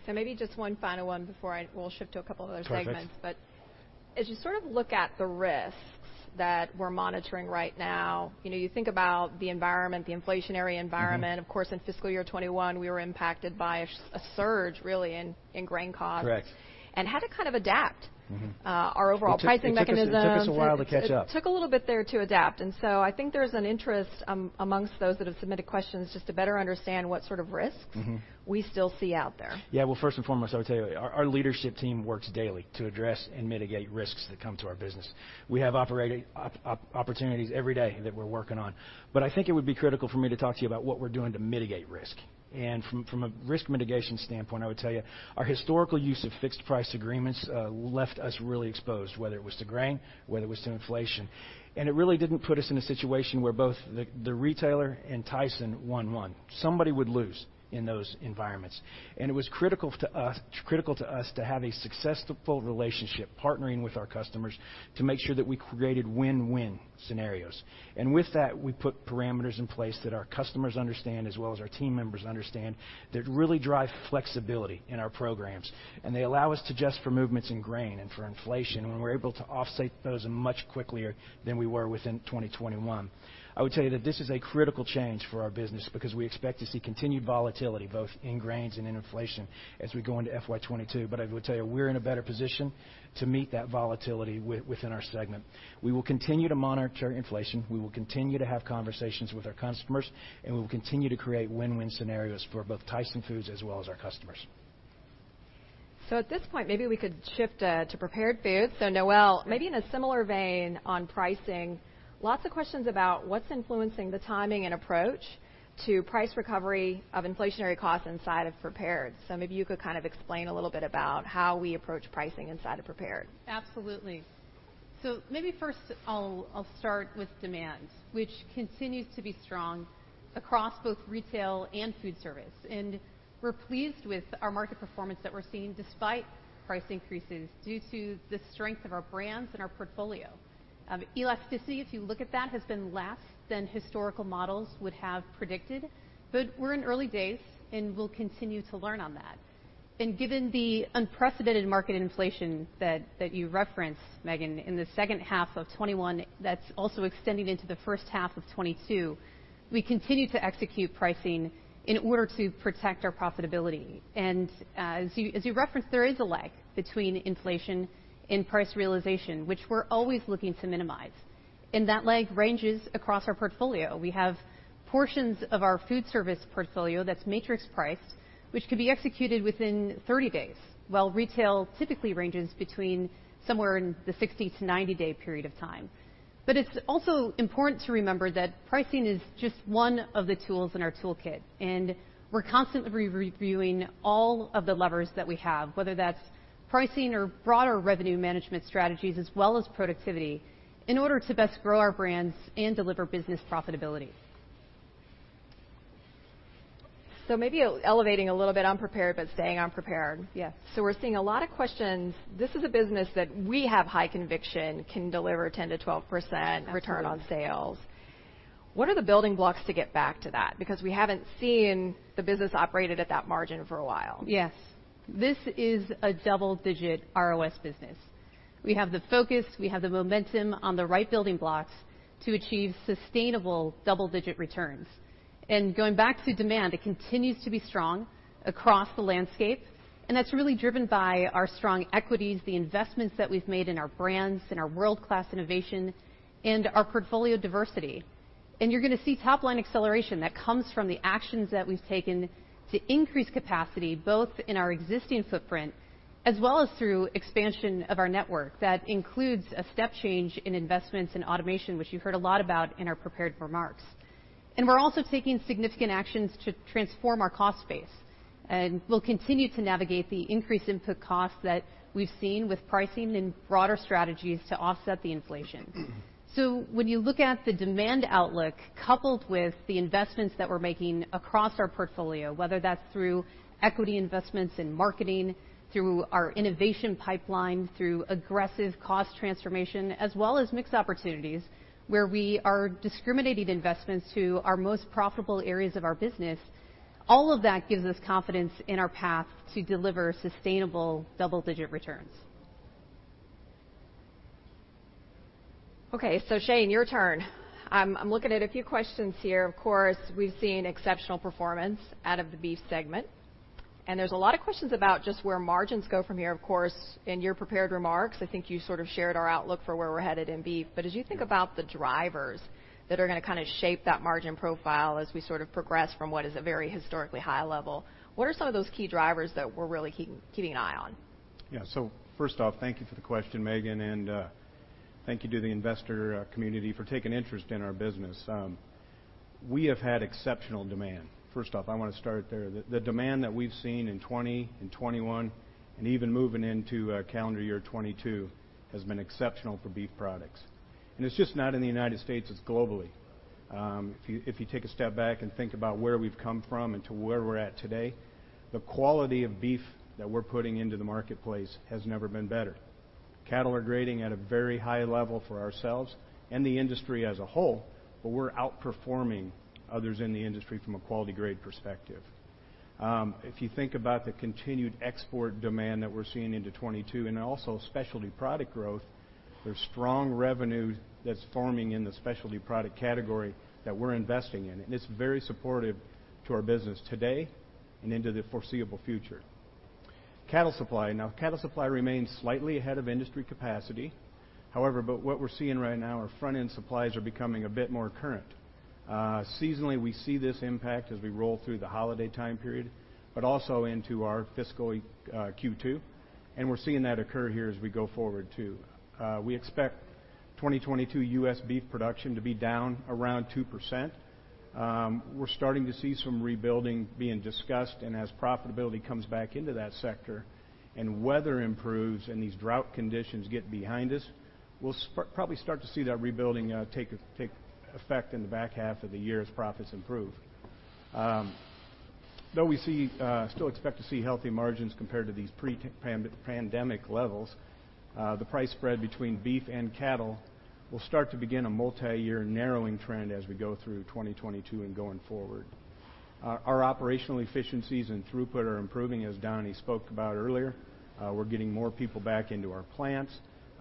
Maybe just one final one before I, we'll shift to a couple other segments. Perfect. As you sort of look at the risks that we're monitoring right now, you know, you think about the environment, the inflationary environment... Mm-hmm. ...of course, in fiscal year 2021, we were impacted by a surge, really, in grain costs. Correct. And had to kind of adapt Mm-hmm our overall pricing mechanism. It took us a while to catch up. It took a little bit there to adapt, and so I think there's an interest amongst those that have submitted questions just to better understand what sort of risks... Mm-hmm ...we still see out there. Yeah. Well, first and foremost, I would tell you, our leadership team works daily to address and mitigate risks that come to our business. We have operating opportunities every day that we're working on. But I think it would be critical for me to talk to you about what we're doing to mitigate risk. And from a risk mitigation standpoint, I would tell you, our historical use of fixed price agreements left us really exposed, whether it was to grain, whether it was to inflation. And it really didn't put us in a situation where both the retailer and Tyson won. Somebody would lose in those environments, and it was critical to us, critical to us to have a successful relationship, partnering with our customers to make sure that we created win-win scenarios. And with that, we put parameters in place that our customers understand, as well as our team members understand, that really drive flexibility in our programs. And they allow us to adjust for movements in grain and for inflation, and we're able to offset those much quicker than we were within 2021. I would tell you that this is a critical change for our business because we expect to see continued volatility, both in grains and in inflation, as we go into FY 2022. But I would tell you, we're in a better position to meet that volatility within our segment. We will continue to monitor inflation, we will continue to have conversations with our customers, and we will continue to create win-win scenarios for both Tyson Foods as well as our customers. So at this point, maybe we could shift to Prepared Foods. So Noelle, maybe in a similar vein on pricing, lots of questions about what's influencing the timing and approach to price recovery of inflationary costs inside of prepared. So maybe you could kind of explain a little bit about how we approach pricing inside of prepared? Absolutely. So maybe first I'll start with demand, which continues to be strong across both retail and food service. We're pleased with our market performance that we're seeing, despite price increases, due to the strength of our brands and our portfolio. Elasticity, if you look at that, has been less than historical models would have predicted, but we're in early days, and we'll continue to learn on that. Given the unprecedented market inflation that you referenced, Megan, in the second half of 2021, that's also extending into the first half of 2022, we continue to execute pricing in order to protect our profitability. And as you referenced, there is a lag between inflation and price realization, which we're always looking to minimize, and that lag ranges across our portfolio. We have portions of our food service portfolio that's matrix priced, which could be executed within 30 days, while retail typically ranges between somewhere in the 60- to 90-day period of time. But it's also important to remember that pricing is just one of the tools in our toolkit, and we're constantly reviewing all of the levers that we have, whether that's pricing or broader revenue management strategies, as well as productivity, in order to best grow our brands and deliver business profitability. Maybe elevating a little bit on prepared, but staying on prepared. Yeah. So we're seeing a lot of questions. This is a business that we have high conviction can deliver 10%-12%, return on sales. What are the building blocks to get back to that? Because we haven't seen the business operated at that margin for a while. Yes. This is a double-digit ROS business. We have the focus, we have the momentum on the right building blocks to achieve sustainable double-digit returns. And going back to demand, it continues to be strong across the landscape, and that's really driven by our strong equities, the investments that we've made in our brands, in our world-class innovation and our portfolio diversity. And you're going to see top-line acceleration that comes from the actions that we've taken to increase capacity, both in our existing footprint, as well as through expansion of our network. That includes a step change in investments in automation, which you heard a lot about in our prepared remarks. And we're also taking significant actions to transform our cost base, and we'll continue to navigate the increased input costs that we've seen with pricing and broader strategies to offset the inflation. So when you look at the demand outlook, coupled with the investments that we're making across our portfolio, whether that's through equity investments in marketing, through our innovation pipeline, through aggressive cost transformation, as well as mixed opportunities, where we are discriminating investments to our most profitable areas of our business, all of that gives us confidence in our path to deliver sustainable double-digit returns. Okay, so Shane, your turn. I'm looking at a few questions here. Of course, we've seen exceptional performance out of the Beef segment, and there's a lot of questions about just where margins go from here. Of course, in your prepared remarks, I think you sort of shared our outlook for where we're headed in Beef. But as you think about the drivers that are going to kind of shape that margin profile as we sort of progress from what is a very historically high level, what are some of those key drivers that we're really keeping an eye on? Yeah. So first off, thank you for the question, Megan, and thank you to the investor community for taking interest in our business. We have had exceptional demand. First off, I want to start there. The demand that we've seen in 2020 and 2021, and even moving into calendar year 2022, has been exceptional for beef products. And it's just not in the United States, it's globally. If you take a step back and think about where we've come from and to where we're at today, the quality of beef that we're putting into the marketplace has never been better. Cattle are grading at a very high level for ourselves and the industry as a whole, but we're outperforming others in the industry from a quality grade perspective. If you think about the continued export demand that we're seeing into 2022 and also specialty product growth, there's strong revenue that's forming in the specialty product category that we're investing in, and it's very supportive to our business today and into the foreseeable future. Cattle supply. Now, cattle supply remains slightly ahead of industry capacity. However, but what we're seeing right now, our front-end supplies are becoming a bit more current. Seasonally, we see this impact as we roll through the holiday time period, but also into our fiscal Q2, and we're seeing that occur here as we go forward, too. We expect 2022 U.S. beef production to be down around 2%. We're starting to see some rebuilding being discussed, and as profitability comes back into that sector and weather improves and these drought conditions get behind us, we'll probably start to see that rebuilding take effect in the back half of the year as profits improve. Though we still expect to see healthy margins compared to these pre-pandemic levels, the price spread between beef and cattle will start to begin a multiyear narrowing trend as we go through 2022 and going forward. Our operational efficiencies and throughput are improving, as Donnie spoke about earlier. We're getting more people back into our plants,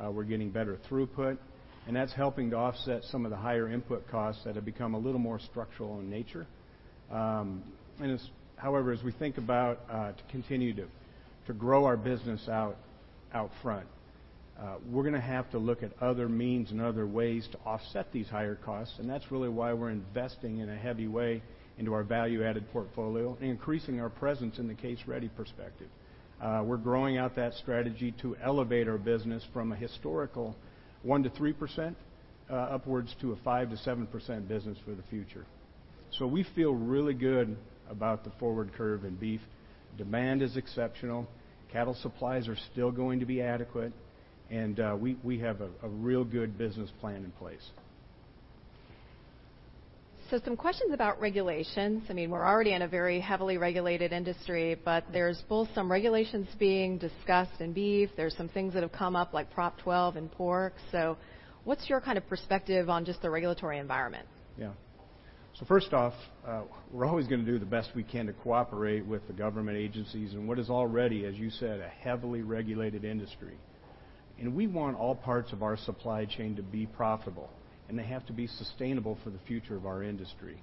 we're getting better throughput, and that's helping to offset some of the higher input costs that have become a little more structural in nature. However, as we think about to continue to grow our business out front, we're gonna have to look at other means and other ways to offset these higher costs, and that's really why we're investing in a heavy way into our value-added portfolio and increasing our presence in the case-ready perspective. We're growing out that strategy to elevate our business from a historical 1%-3% upwards to a 5%-7% business for the future. So we feel really good about the forward curve in beef. Demand is exceptional. Cattle supplies are still going to be adequate, and we have a real good business plan in place. So some questions about regulations. I mean, we're already in a very heavily regulated industry, but there's both some regulations being discussed in beef. There's some things that have come up, like Prop 12 in pork. So what's your kind of perspective on just the regulatory environment? Yeah. So first off, we're always gonna do the best we can to cooperate with the government agencies and what is already, as you said, a heavily regulated industry. We want all parts of our supply chain to be profitable, and they have to be sustainable for the future of our industry.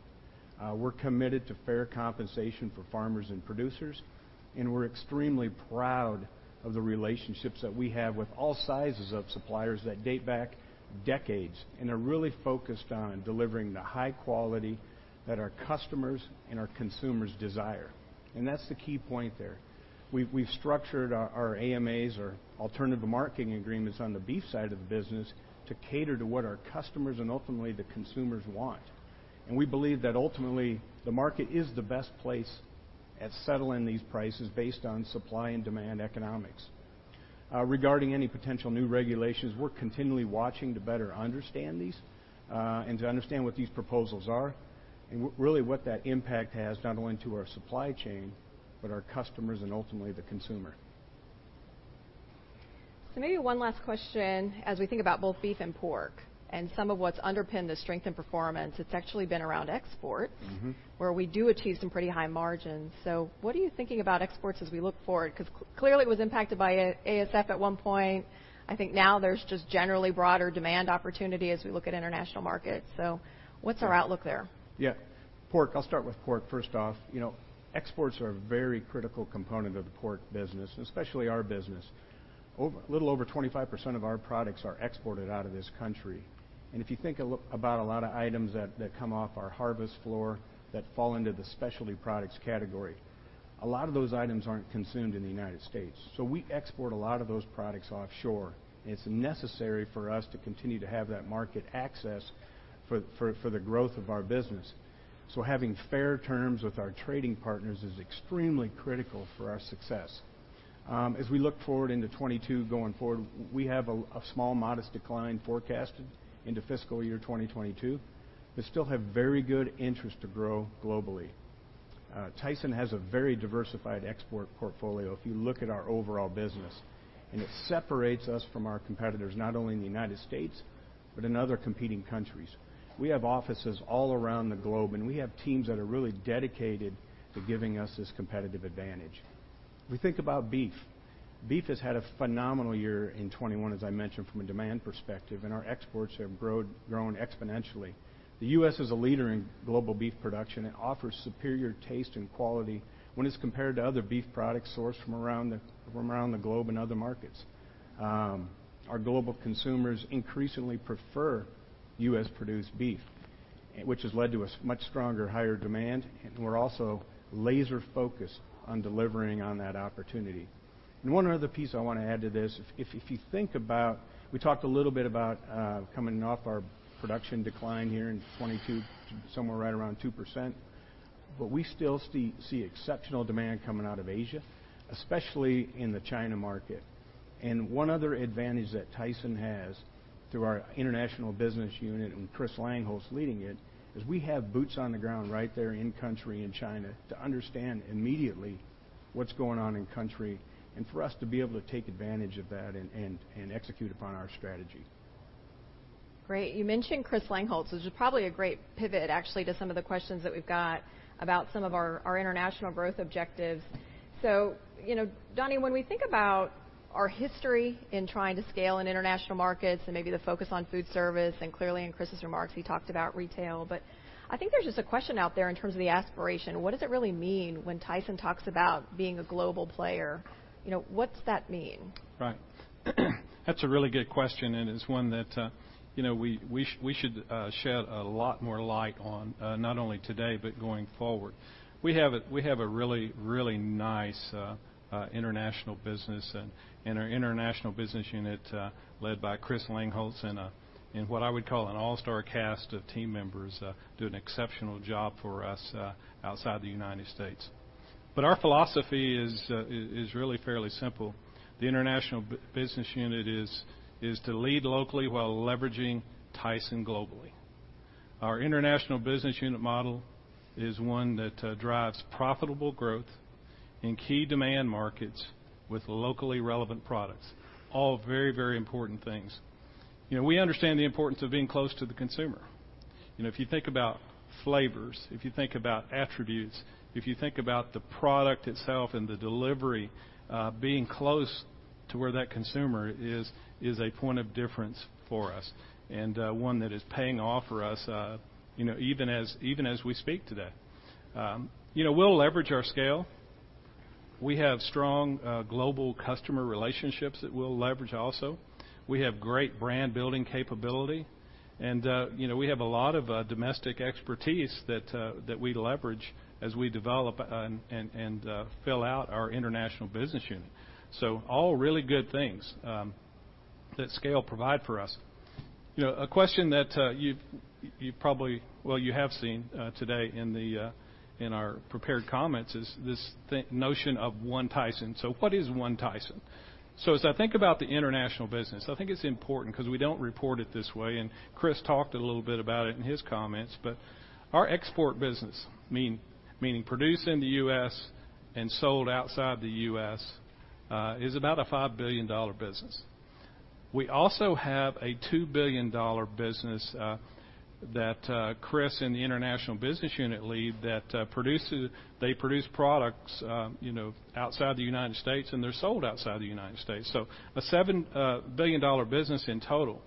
We're committed to fair compensation for farmers and producers, and we're extremely proud of the relationships that we have with all sizes of suppliers that date back decades and are really focused on delivering the high quality that our customers and our consumers desire, and that's the key point there. We've structured our AMAs, or alternative marketing agreements, on the beef side of the business to cater to what our customers and ultimately the consumers want. We believe that ultimately, the market is the best place at settling these prices based on supply and demand economics. Regarding any potential new regulations, we're continually watching to better understand these, and to understand what these proposals are and really what that impact has, not only to our supply chain, but our customers and ultimately the consumer. Maybe one last question as we think about both beef and pork and some of what's underpinned the strength and performance. It's actually been around export... Mm-hmm. ...where we do achieve some pretty high margins. So what are you thinking about exports as we look forward? Because clearly, it was impacted by ASF at one point. I think now there's just generally broader demand opportunity as we look at international markets. So what's our outlook there? Yeah. Pork, I'll start with pork first off. You know, exports are a very critical component of the pork business, especially our business. A little over 25% of our products are exported out of this country. And if you think about a lot of items that come off our harvest floor that fall into the specialty products category, a lot of those items aren't consumed in the United States. So we export a lot of those products offshore, and it's necessary for us to continue to have that market access for the growth of our business. So having fair terms with our trading partners is extremely critical for our success. As we look forward into 2022 going forward, we have a small, modest decline forecasted into fiscal year 2022, but still have very good interest to grow globally. Tyson has a very diversified export portfolio if you look at our overall business, and it separates us from our competitors, not only in the United States, but in other competing countries. We have offices all around the globe, and we have teams that are really dedicated to giving us this competitive advantage. If we think about beef, beef has had a phenomenal year in 2021, as I mentioned, from a demand perspective, and our exports have grown exponentially. The U.S. is a leader in global beef production and offers superior taste and quality when it's compared to other beef products sourced from around the globe and other markets. Our global consumers increasingly prefer U.S.-produced beef, which has led to a much stronger, higher demand, and we're also laser-focused on delivering on that opportunity. And one other piece I wanna add to this, if you think about- we talked a little bit about coming off our production decline here in 2022, somewhere right around 2%, but we still see exceptional demand coming out of Asia, especially in the China market. And one other advantage that Tyson has, through our international business unit, and Chris Langholz's leading it, is we have boots on the ground right there in country, in China, to understand immediately what's going on in country and for us to be able to take advantage of that and execute upon our strategy. Great. You mentioned Chris Langholz, which is probably a great pivot, actually, to some of the questions that we've got about some of our, our international growth objectives. So, you know, Donnie, when we think about our history in trying to scale in international markets and maybe the focus on food service, and clearly, in Chris's remarks, he talked about retail, but I think there's just a question out there in terms of the aspiration. What does it really mean when Tyson talks about being a global player? You know, what's that mean? Right. That's a really good question, and it's one that, you know, we should shed a lot more light on, not only today, but going forward. We have a really, really nice international business, and our international business unit, led by Chris Langholz, and what I would call an all-star cast of team members, do an exceptional job for us outside the United States. But our philosophy is really fairly simple. The international business unit is to lead locally while leveraging Tyson globally. Our international business unit model is one that drives profitable growth in key demand markets with locally relevant products, all very, very important things. You know, we understand the importance of being close to the consumer. You know, if you think about flavors, if you think about attributes, if you think about the product itself and the delivery, being close to where that consumer is, is a point of difference for us and, one that is paying off for us, you know, even as, even as we speak today. You know, we'll leverage our scale. We have strong, global customer relationships that we'll leverage also. We have great brand-building capability, and, you know, we have a lot of, domestic expertise that, that we leverage as we develop and, fill out our international business unit. So all really good things, that scale provide for us. You know, a question that, you, you probably—well, you have seen, today in the, in our prepared comments, is this notion of One Tyson. So what is One Tyson? So as I think about the international business, I think it's important because we don't report it this way, and Chris talked a little bit about it in his comments. But our export business, meaning produced in the U.S. and sold outside the U.S., is about a $5 billion business. We also have a $2 billion business, that, Chris, in the international business unit lead, that, produces—they produce products, you know, outside the United States, and they're sold outside the United States, so a $7 billion business in total.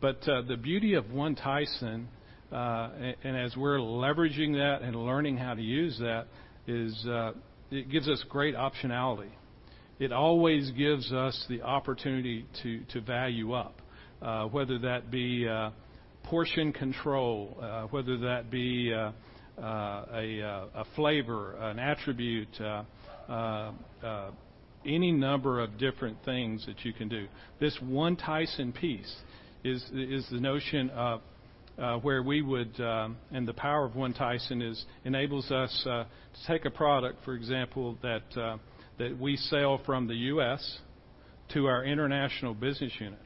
But, the beauty of One Tyson, and, and as we're leveraging that and learning how to use that, is, it gives us great optionality. It always gives us the opportunity to, to value up, whether that be, portion control, whether that be, a flavor, an attribute, any number of different things that you can do. This One Tyson piece is the notion of where we would. The power of One Tyson enables us to take a product, for example, that we sell from the U.S. to our international business unit.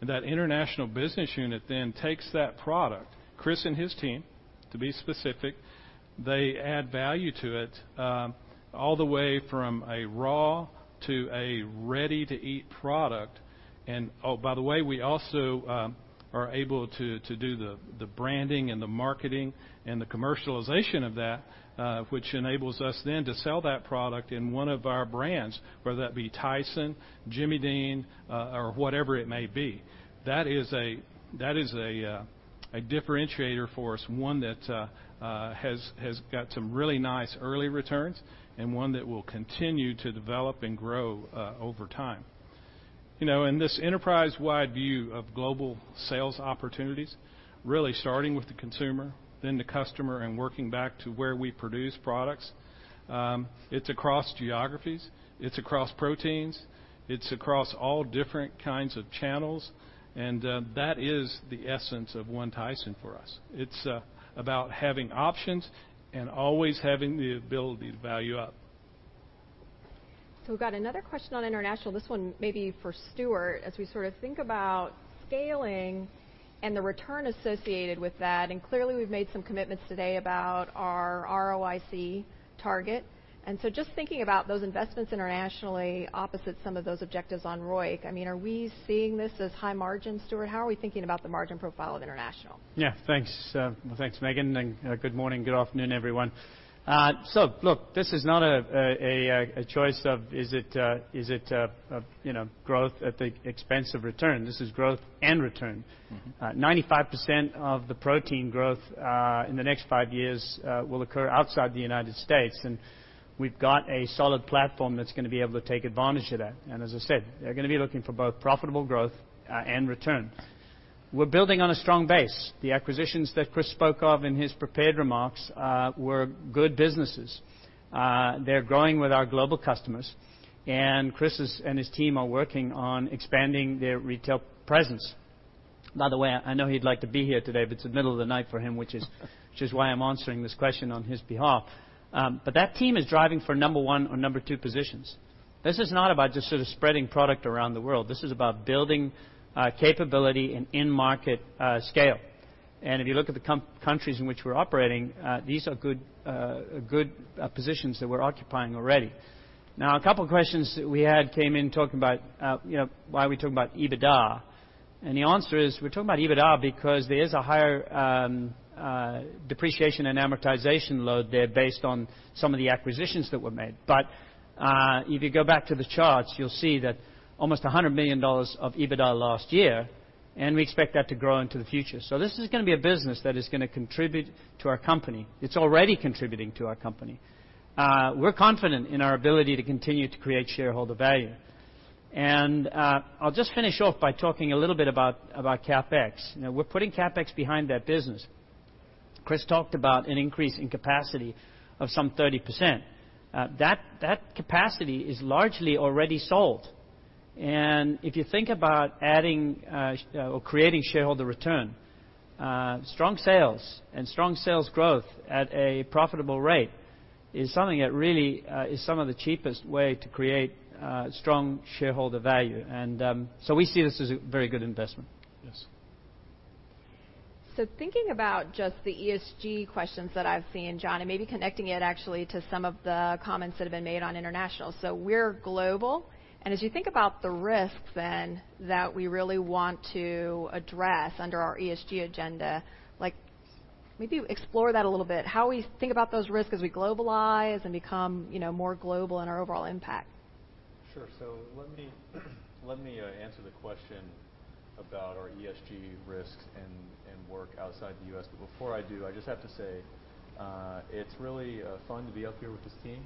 And that international business unit then takes that product, Chris and his team, to be specific, they add value to it all the way from a raw to a ready-to-eat product. Oh, by the way, we also are able to do the branding and the marketing and the commercialization of that which enables us then to sell that product in one of our brands, whether that be Tyson, Jimmy Dean, or whatever it may be. That is a differentiator for us, one that has got some really nice early returns and one that will continue to develop and grow over time. You know, in this enterprise-wide view of global sales opportunities, really starting with the consumer, then the customer, and working back to where we produce products, it's across geographies, it's across proteins, it's across all different kinds of channels, and that is the essence of One Tyson for us. It's about having options and always having the ability to value up. So we've got another question on international. This one may be for Stewart. As we sort of think about scaling and the return associated with that, and clearly, we've made some commitments today about our ROIC target. And so just thinking about those investments internationally opposite some of those objectives on ROIC, I mean, are we seeing this as high margin, Stewart? How are we thinking about the margin profile of international? Yeah, thanks. Well, thanks, Megan, and good morning, good afternoon, everyone. So look, this is not a choice of, is it, you know, growth at the expense of return. This is growth and return. 95% of the protein growth in the next 5 years will occur outside the United States, and we've got a solid platform that's gonna be able to take advantage of that. And as I said, they're gonna be looking for both profitable growth and return. We're building on a strong base. The acquisitions that Chris spoke of in his prepared remarks were good businesses. They're growing with our global customers, and Chris and his team are working on expanding their retail presence. By the way, I know he'd like to be here today, but it's the middle of the night for him, which is why I'm answering this question on his behalf. But that team is driving for number one or number two positions. This is not about just sort of spreading product around the world. This is about building capability and in-market scale. If you look at the countries in which we're operating, these are good, good positions that we're occupying already. Now, a couple of questions that we had came in talking about, you know, why are we talking about EBITDA? The answer is, we're talking about EBITDA because there is a higher depreciation and amortization load there based on some of the acquisitions that were made. If you go back to the charts, you'll see that almost $100 million of EBITDA last year, and we expect that to grow into the future. This is gonna be a business that is gonna contribute to our company. It's already contributing to our company. We're confident in our ability to continue to create shareholder value. I'll just finish off by talking a little bit about CapEx. You know, we're putting CapEx behind that business. Chris talked about an increase in capacity of some 30%. That capacity is largely already sold. And if you think about adding or creating shareholder return, strong sales and strong sales growth at a profitable rate is something that really is some of the cheapest way to create strong shareholder value. So we see this as a very good investment. Yes. So thinking about just the ESG questions that I've seen, John, and maybe connecting it actually to some of the comments that have been made on international. So we're global, and as you think about the risks then, that we really want to address under our ESG agenda, like, maybe explore that a little bit, how we think about those risks as we globalize and become, you know, more global in our overall impact? Sure. So let me answer the question about our ESG risks and work outside the U.S.. But before I do, I just have to say, it's really fun to be up here with this team.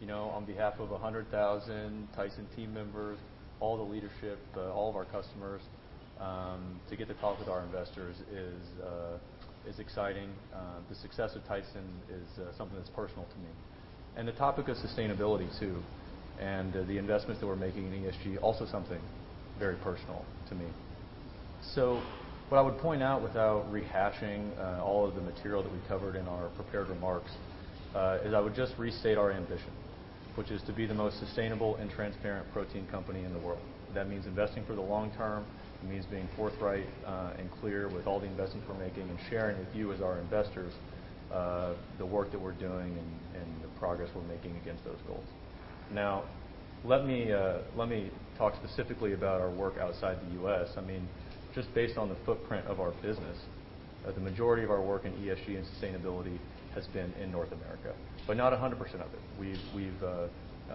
You know, on behalf of 100,000 Tyson team members, all the leadership, all of our customers, to get to talk with our investors is exciting. The success of Tyson is something that's personal to me. And the topic of sustainability, too, the investments that we're making in ESG, also something very personal to me. So what I would point out, without rehashing, all of the material that we covered in our prepared remarks, is I would just restate our ambition, which is to be the most sustainable and transparent protein company in the world. That means investing for the long term. It means being forthright and clear with all the investments we're making and sharing with you, as our investors, the work that we're doing and the progress we're making against those goals. Now, let me talk specifically about our work outside the U.S. I mean, just based on the footprint of our business, the majority of our work in ESG and sustainability has been in North America, but not 100% of it. We've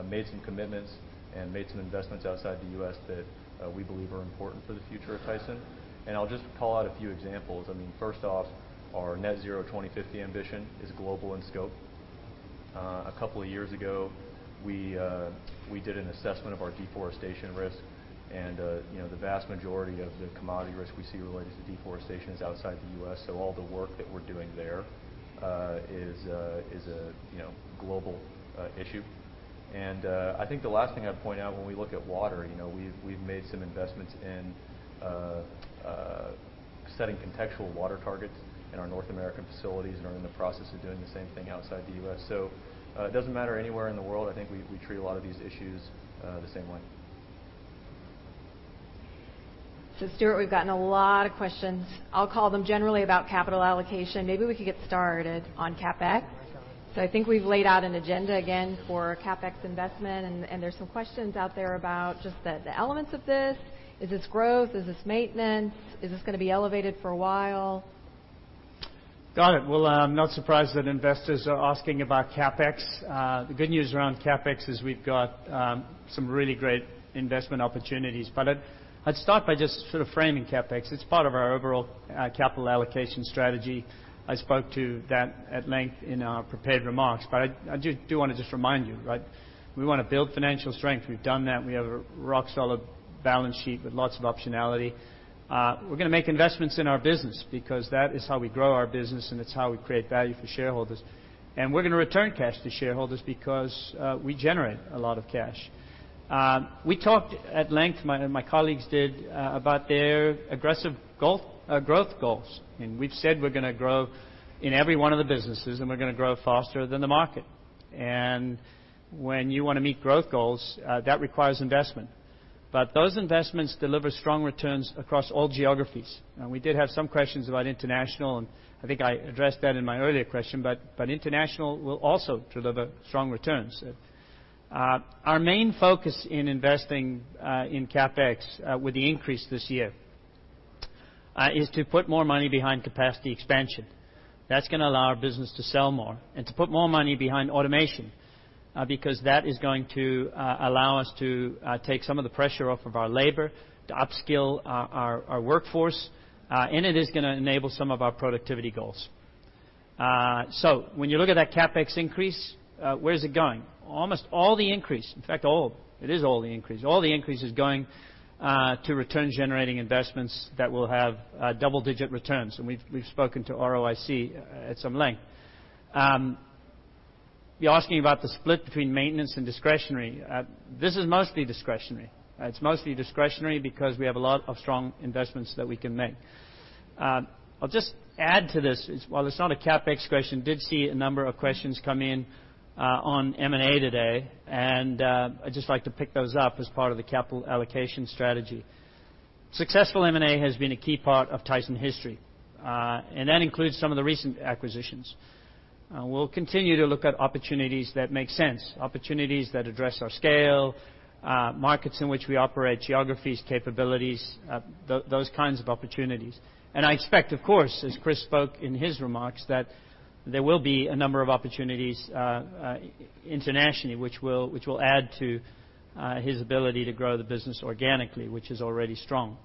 made some commitments and made some investments outside the U.S. that we believe are important for the future of Tyson, and I'll just call out a few examples. I mean, first off, our Net Zero 2050 ambition is global in scope. A couple of years ago, we did an assessment of our deforestation risk, and, you know, the vast majority of the commodity risk we see related to deforestation is outside the U.S., so all the work that we're doing there is a, you know, global issue. And, I think the last thing I'd point out, when we look at water, you know, we've made some investments in setting contextual water targets in our North American facilities and are in the process of doing the same thing outside the U.S. So, it doesn't matter anywhere in the world, I think we treat a lot of these issues the same way. So Stewart, we've gotten a lot of questions. I'll call them generally about capital allocation. Maybe we could get started on CapEx. So I think we've laid out an agenda, again, for CapEx investment, and, and there's some questions out there about just the, the elements of this. Is this growth? Is this maintenance? Is this going to be elevated for a while? Got it. Well, I'm not surprised that investors are asking about CapEx. The good news around CapEx is we've got some really great investment opportunities. But I'd start by just sort of framing CapEx. It's part of our overall capital allocation strategy. I spoke to that at length in our prepared remarks, but I do want to just remind you, right? We want to build financial strength. We've done that, and we have a rock-solid balance sheet with lots of optionality. We're going to make investments in our business because that is how we grow our business, and it's how we create value for shareholders. And we're going to return cash to shareholders because we generate a lot of cash. We talked at length, my colleagues did about their aggressive goal, growth goals, and we've said we're going to grow in every one of the businesses, and we're going to grow faster than the market. When you want to meet growth goals, that requires investment, but those investments deliver strong returns across all geographies. We did have some questions about international, and I think I addressed that in my earlier question, but international will also deliver strong returns. Our main focus in investing in CapEx with the increase this year is to put more money behind capacity expansion. That's going to allow our business to sell more and to put more money behind automation, because that is going to allow us to take some of the pressure off of our labor, to upskill our workforce, and it is going to enable some of our productivity goals. So when you look at that CapEx increase, where is it going? Almost all the increase, in fact, all, it is all the increase. All the increase is going to return-generating investments that will have double-digit returns, and we've spoken to ROIC at some length. You're asking about the split between maintenance and discretionary. This is mostly discretionary. It's mostly discretionary because we have a lot of strong investments that we can make. I'll just add to this. While it's not a CapEx question, did see a number of questions come in, on M&A today, and, I'd just like to pick those up as part of the capital allocation strategy. Successful M&A has been a key part of Tyson history, and that includes some of the recent acquisitions. We'll continue to look at opportunities that make sense, opportunities that address our scale, markets in which we operate, geographies, capabilities, those kinds of opportunities. And I expect, of course, as Chris spoke in his remarks, that there will be a number of opportunities, internationally, which will add to, his ability to grow the business organically, which is already strong.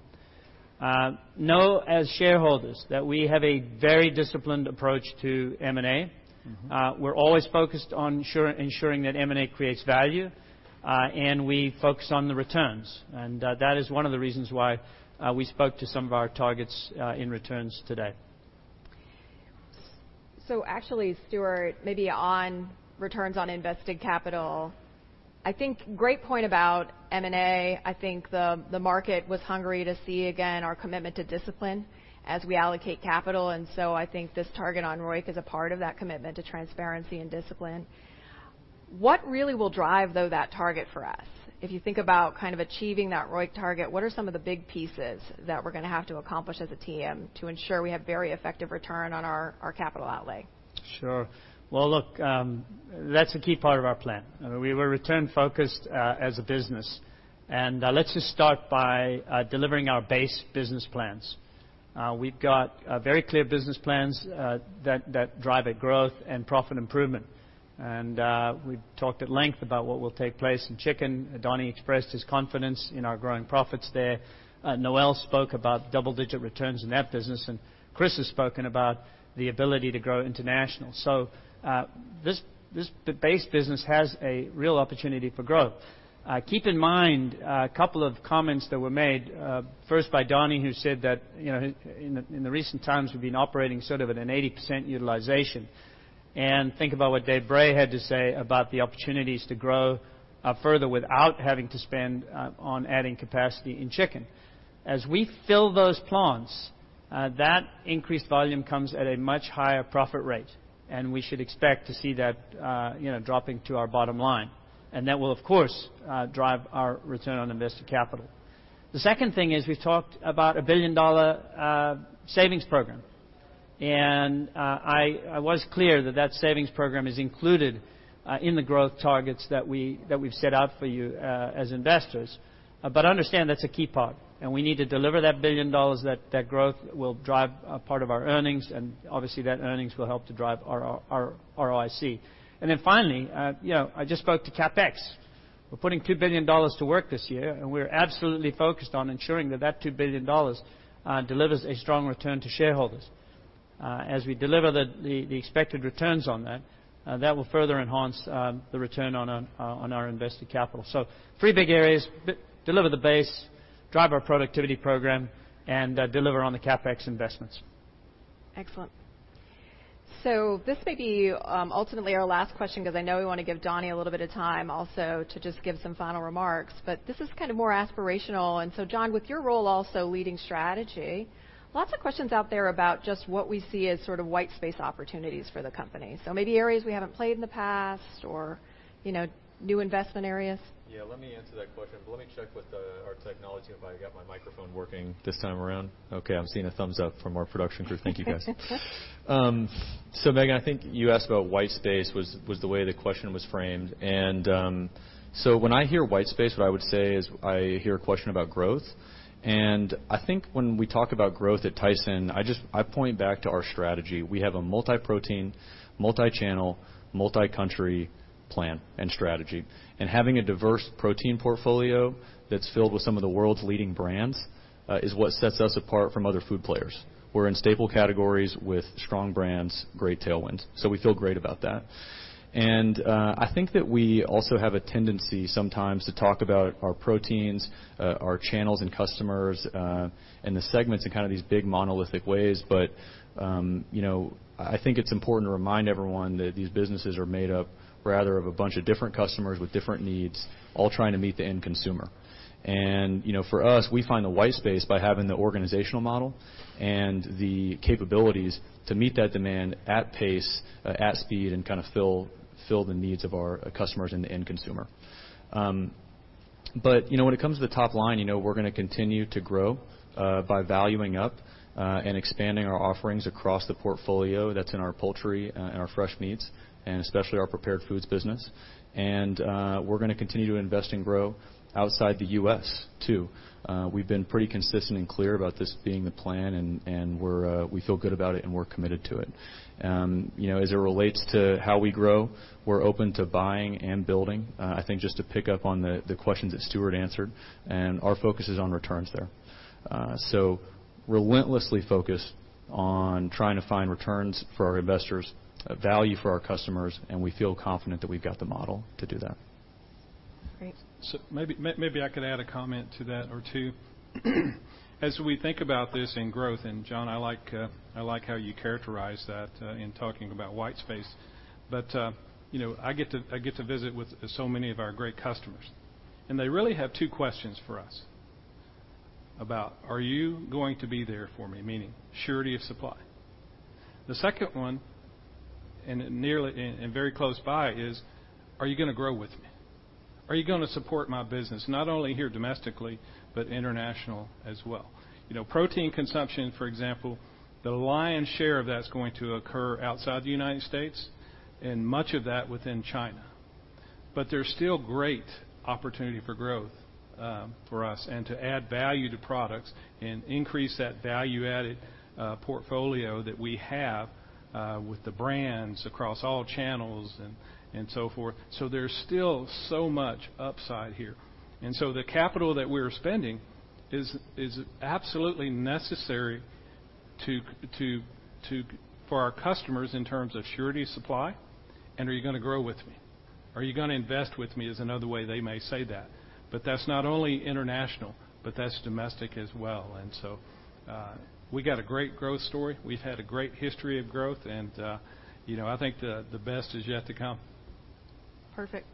You know, as shareholders, that we have a very disciplined approach to M&A. We're always focused on ensuring that M&A creates value, and we focus on the returns, and that is one of the reasons why we spoke to some of our targets in returns today. Actually, Stewart, maybe on returns on invested capital, I think great point about M&A. I think the market was hungry to see again our commitment to discipline as we allocate capital, and so I think this target on ROIC is a part of that commitment to transparency and discipline. What really will drive, though, that target for us? If you think about kind of achieving that ROIC target, what are some of the big pieces that we're going to have to accomplish as a team to ensure we have very effective return on our capital outlay? Sure. Well, look, that's a key part of our plan. We were return-focused as a business. And let's just start by delivering our base business plans. We've got a very clear business plans that drive at growth and profit improvement. And we've talked at length about what will take place in chicken. Donnie expressed his confidence in our growing profits there. Noelle spoke about double-digit returns in that business, and Chris has spoken about the ability to grow international. So, the base business has a real opportunity for growth. Keep in mind, a couple of comments that were made first by Donnie, who said that, you know, in the recent times, we've been operating sort of at an 80% utilization. Think about what Dave Bray had to say about the opportunities to grow further without having to spend on adding capacity in chicken. As we fill those plants, that increased volume comes at a much higher profit rate, and we should expect to see that, you know, dropping to our bottom line, and that will, of course, drive our return on invested capital. The second thing is we've talked about a billion-dollar savings program, and I was clear that that savings program is included in the growth targets that we've set out for you as investors. But understand, that's a key part, and we need to deliver that $1 billion, that growth will drive a part of our earnings, and obviously, that earnings will help to drive our ROIC. And then finally, you know, I just spoke to CapEx. We're putting $2 billion to work this year, and we're absolutely focused on ensuring that that $2 billion delivers a strong return to shareholders. As we deliver the expected returns on that, that will further enhance the return on our invested capital. So three big areas: deliver the base, drive our productivity program, and deliver on the CapEx investments. Excellent. This may be ultimately our last question, because I know we want to give Donnie a little bit of time also to just give some final remarks, but this is kind of more aspirational. So, John, with your role, also leading strategy, lots of questions out there about just what we see as sort of white space opportunities for the company. Maybe areas we haven't played in the past or, you know, new investment areas. Yeah, let me answer that question, but let me check with our technology if I got my microphone working this time around. Okay, I'm seeing a thumbs up from our production crew. Thank you, guys. So, Megan, I think you asked about white space, was the way the question was framed. And, so when I hear white space, what I would say is I hear a question about growth, and I think when we talk about growth at Tyson, I just, I point back to our strategy. We have a multi-protein, multi-channel, multi-country plan and strategy, and having a diverse protein portfolio that's filled with some of the world's leading brands is what sets us apart from other food players. We're in staple categories with strong brands, great tailwinds, so we feel great about that. I think that we also have a tendency sometimes to talk about our proteins, our channels and customers, and the segments in kind of these big, monolithic ways. But, you know, I think it's important to remind everyone that these businesses are made up rather of a bunch of different customers with different needs, all trying to meet the end consumer. And, you know, for us, we find the white space by having the organizational model and the capabilities to meet that demand at pace, at speed, and kind of fill the needs of our customers and the end consumer. But, you know, when it comes to the top line, you know, we're going to continue to grow, by valuing up, and expanding our offerings across the portfolio that's in our poultry, and our fresh meats, and especially our Prepared Foods business. And, we're going to continue to invest and grow outside the U.S., too. We've been pretty consistent and clear about this being the plan, and, and we're, we feel good about it, and we're committed to it. You know, as it relates to how we grow, we're open to buying and building. I think just to pick up on the, the questions that Stewart answered, and our focus is on returns there. Relentlessly focused on trying to find returns for our investors, value for our customers, and we feel confident that we've got the model to do that. Great. So maybe I could add a comment to that or two. As we think about this in growth, and John, I like, I like how you characterize that, in talking about white space. But, you know, I get to, I get to visit with so many of our great customers, and they really have two questions for us about: Are you going to be there for me? Meaning surety of supply. The second one, and very close by, is: Are you going to grow with me? Are you going to support my business, not only here domestically, but international as well? You know, protein consumption, for example, the lion's share of that's going to occur outside the United States and much of that within China. But there's still great opportunity for growth, for us and to add value to products and increase that value-added portfolio that we have with the brands across all channels and so forth. So there's still so much upside here. And so the capital that we're spending is absolutely necessary to for our customers in terms of surety supply, and are you going to grow with me? Are you going to invest with me, is another way they may say that, but that's not only international, but that's domestic as well. And so we got a great growth story. We've had a great history of growth, and you know, I think the best is yet to come. Perfect.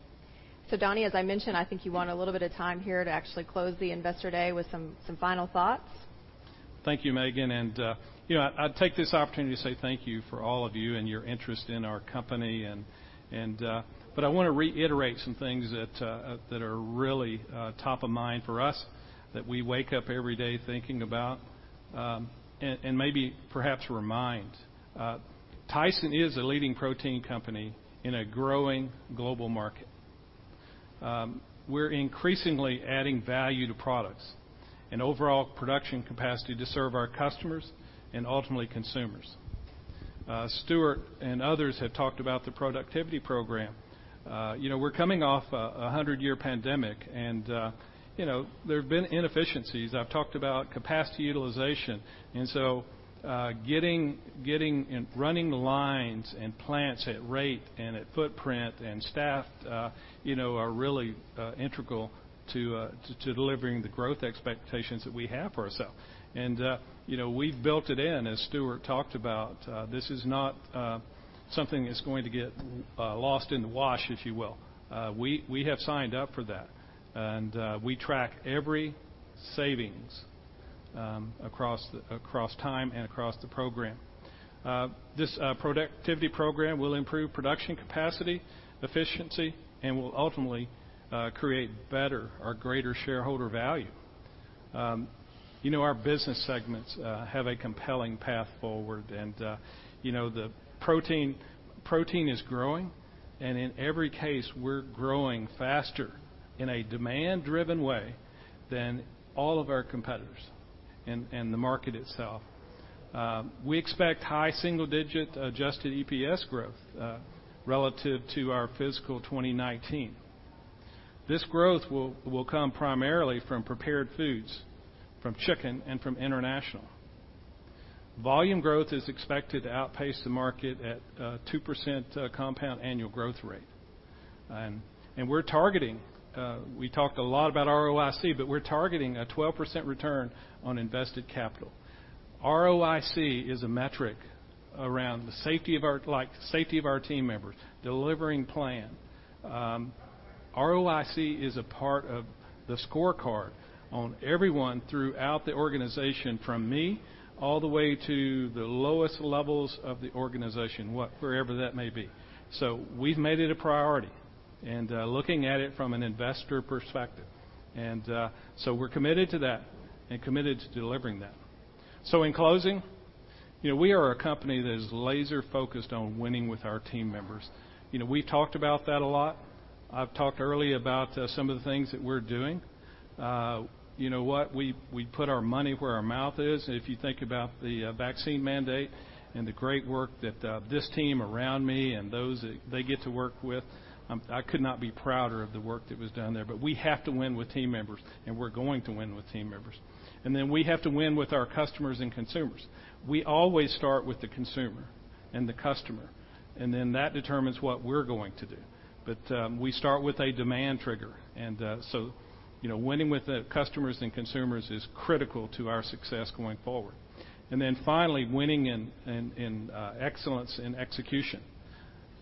So, Donnie, as I mentioned, I think you want a little bit of time here to actually close the Investor Day with some, some final thoughts? Thank you, Megan. You know, I'd take this opportunity to say thank you for all of you and your interest in our company. But I want to reiterate some things that are really top of mind for us, that we wake up every day thinking about, and maybe perhaps remind. Tyson is a leading protein company in a growing global market. We're increasingly adding value to products and overall production capacity to serve our customers and ultimately, consumers. Stewart and others have talked about the productivity program. You know, we're coming off a 100-year pandemic, and, you know, there have been inefficiencies. I've talked about capacity utilization, and so, getting and running the lines and plants at rate and at footprint and staffed, you know, are really integral to delivering the growth expectations that we have for ourselves. And, you know, we've built it in, as Stewart talked about. This is not something that's going to get lost in the wash, if you will. We have signed up for that, and we track every savings across time and across the program. This productivity program will improve production capacity, efficiency, and will ultimately create better or greater shareholder value. You know, our business segments have a compelling path forward, and, you know, the protein is growing, and in every case, we're growing faster in a demand-driven way than all of our competitors and the market itself. We expect high single-digit adjusted EPS growth relative to our fiscal 2019. This growth will come primarily from Prepared Foods, from chicken, and from international. Volume growth is expected to outpace the market at 2% compound annual growth rate. And we're targeting, we talked a lot about ROIC, but we're targeting a 12% return on invested capital. ROIC is a metric around the safety of our, like, safety of our team members, delivering plan. ROIC is a part of the scorecard on everyone throughout the organization, from me all the way to the lowest levels of the organization, wherever that may be. So we've made it a priority and looking at it from an investor perspective. So we're committed to that and committed to delivering that. So in closing, you know, we are a company that is laser-focused on winning with our team members. You know, we've talked about that a lot. I've talked earlier about some of the things that we're doing. You know what? We, we put our money where our mouth is. If you think about the vaccine mandate and the great work that this team around me and those that they get to work with, I could not be prouder of the work that was done there. But we have to win with team members, and we're going to win with team members. Then we have to win with our customers and consumers. We always start with the consumer and the customer, and then that determines what we're going to do. But we start with a demand trigger, and so, you know, winning with the customers and consumers is critical to our success going forward. And then finally, winning in excellence in execution,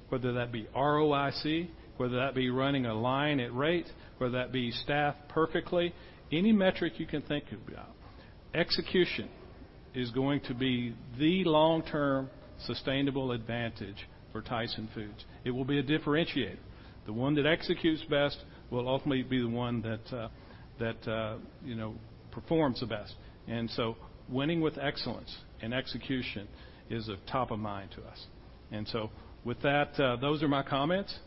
whether that be ROIC, whether that be running a line at rate, whether that be staffed perfectly, any metric you can think of. Execution is going to be the long-term sustainable advantage for Tyson Foods. It will be a differentiator. The one that executes best will ultimately be the one that you know performs the best. Winning with excellence and execution is top of mind to us. With that, those are my comments.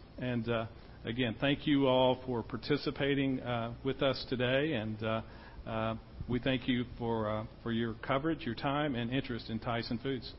Again, thank you all for participating with us today, and we thank you for your coverage, your time, and interest in Tyson Foods.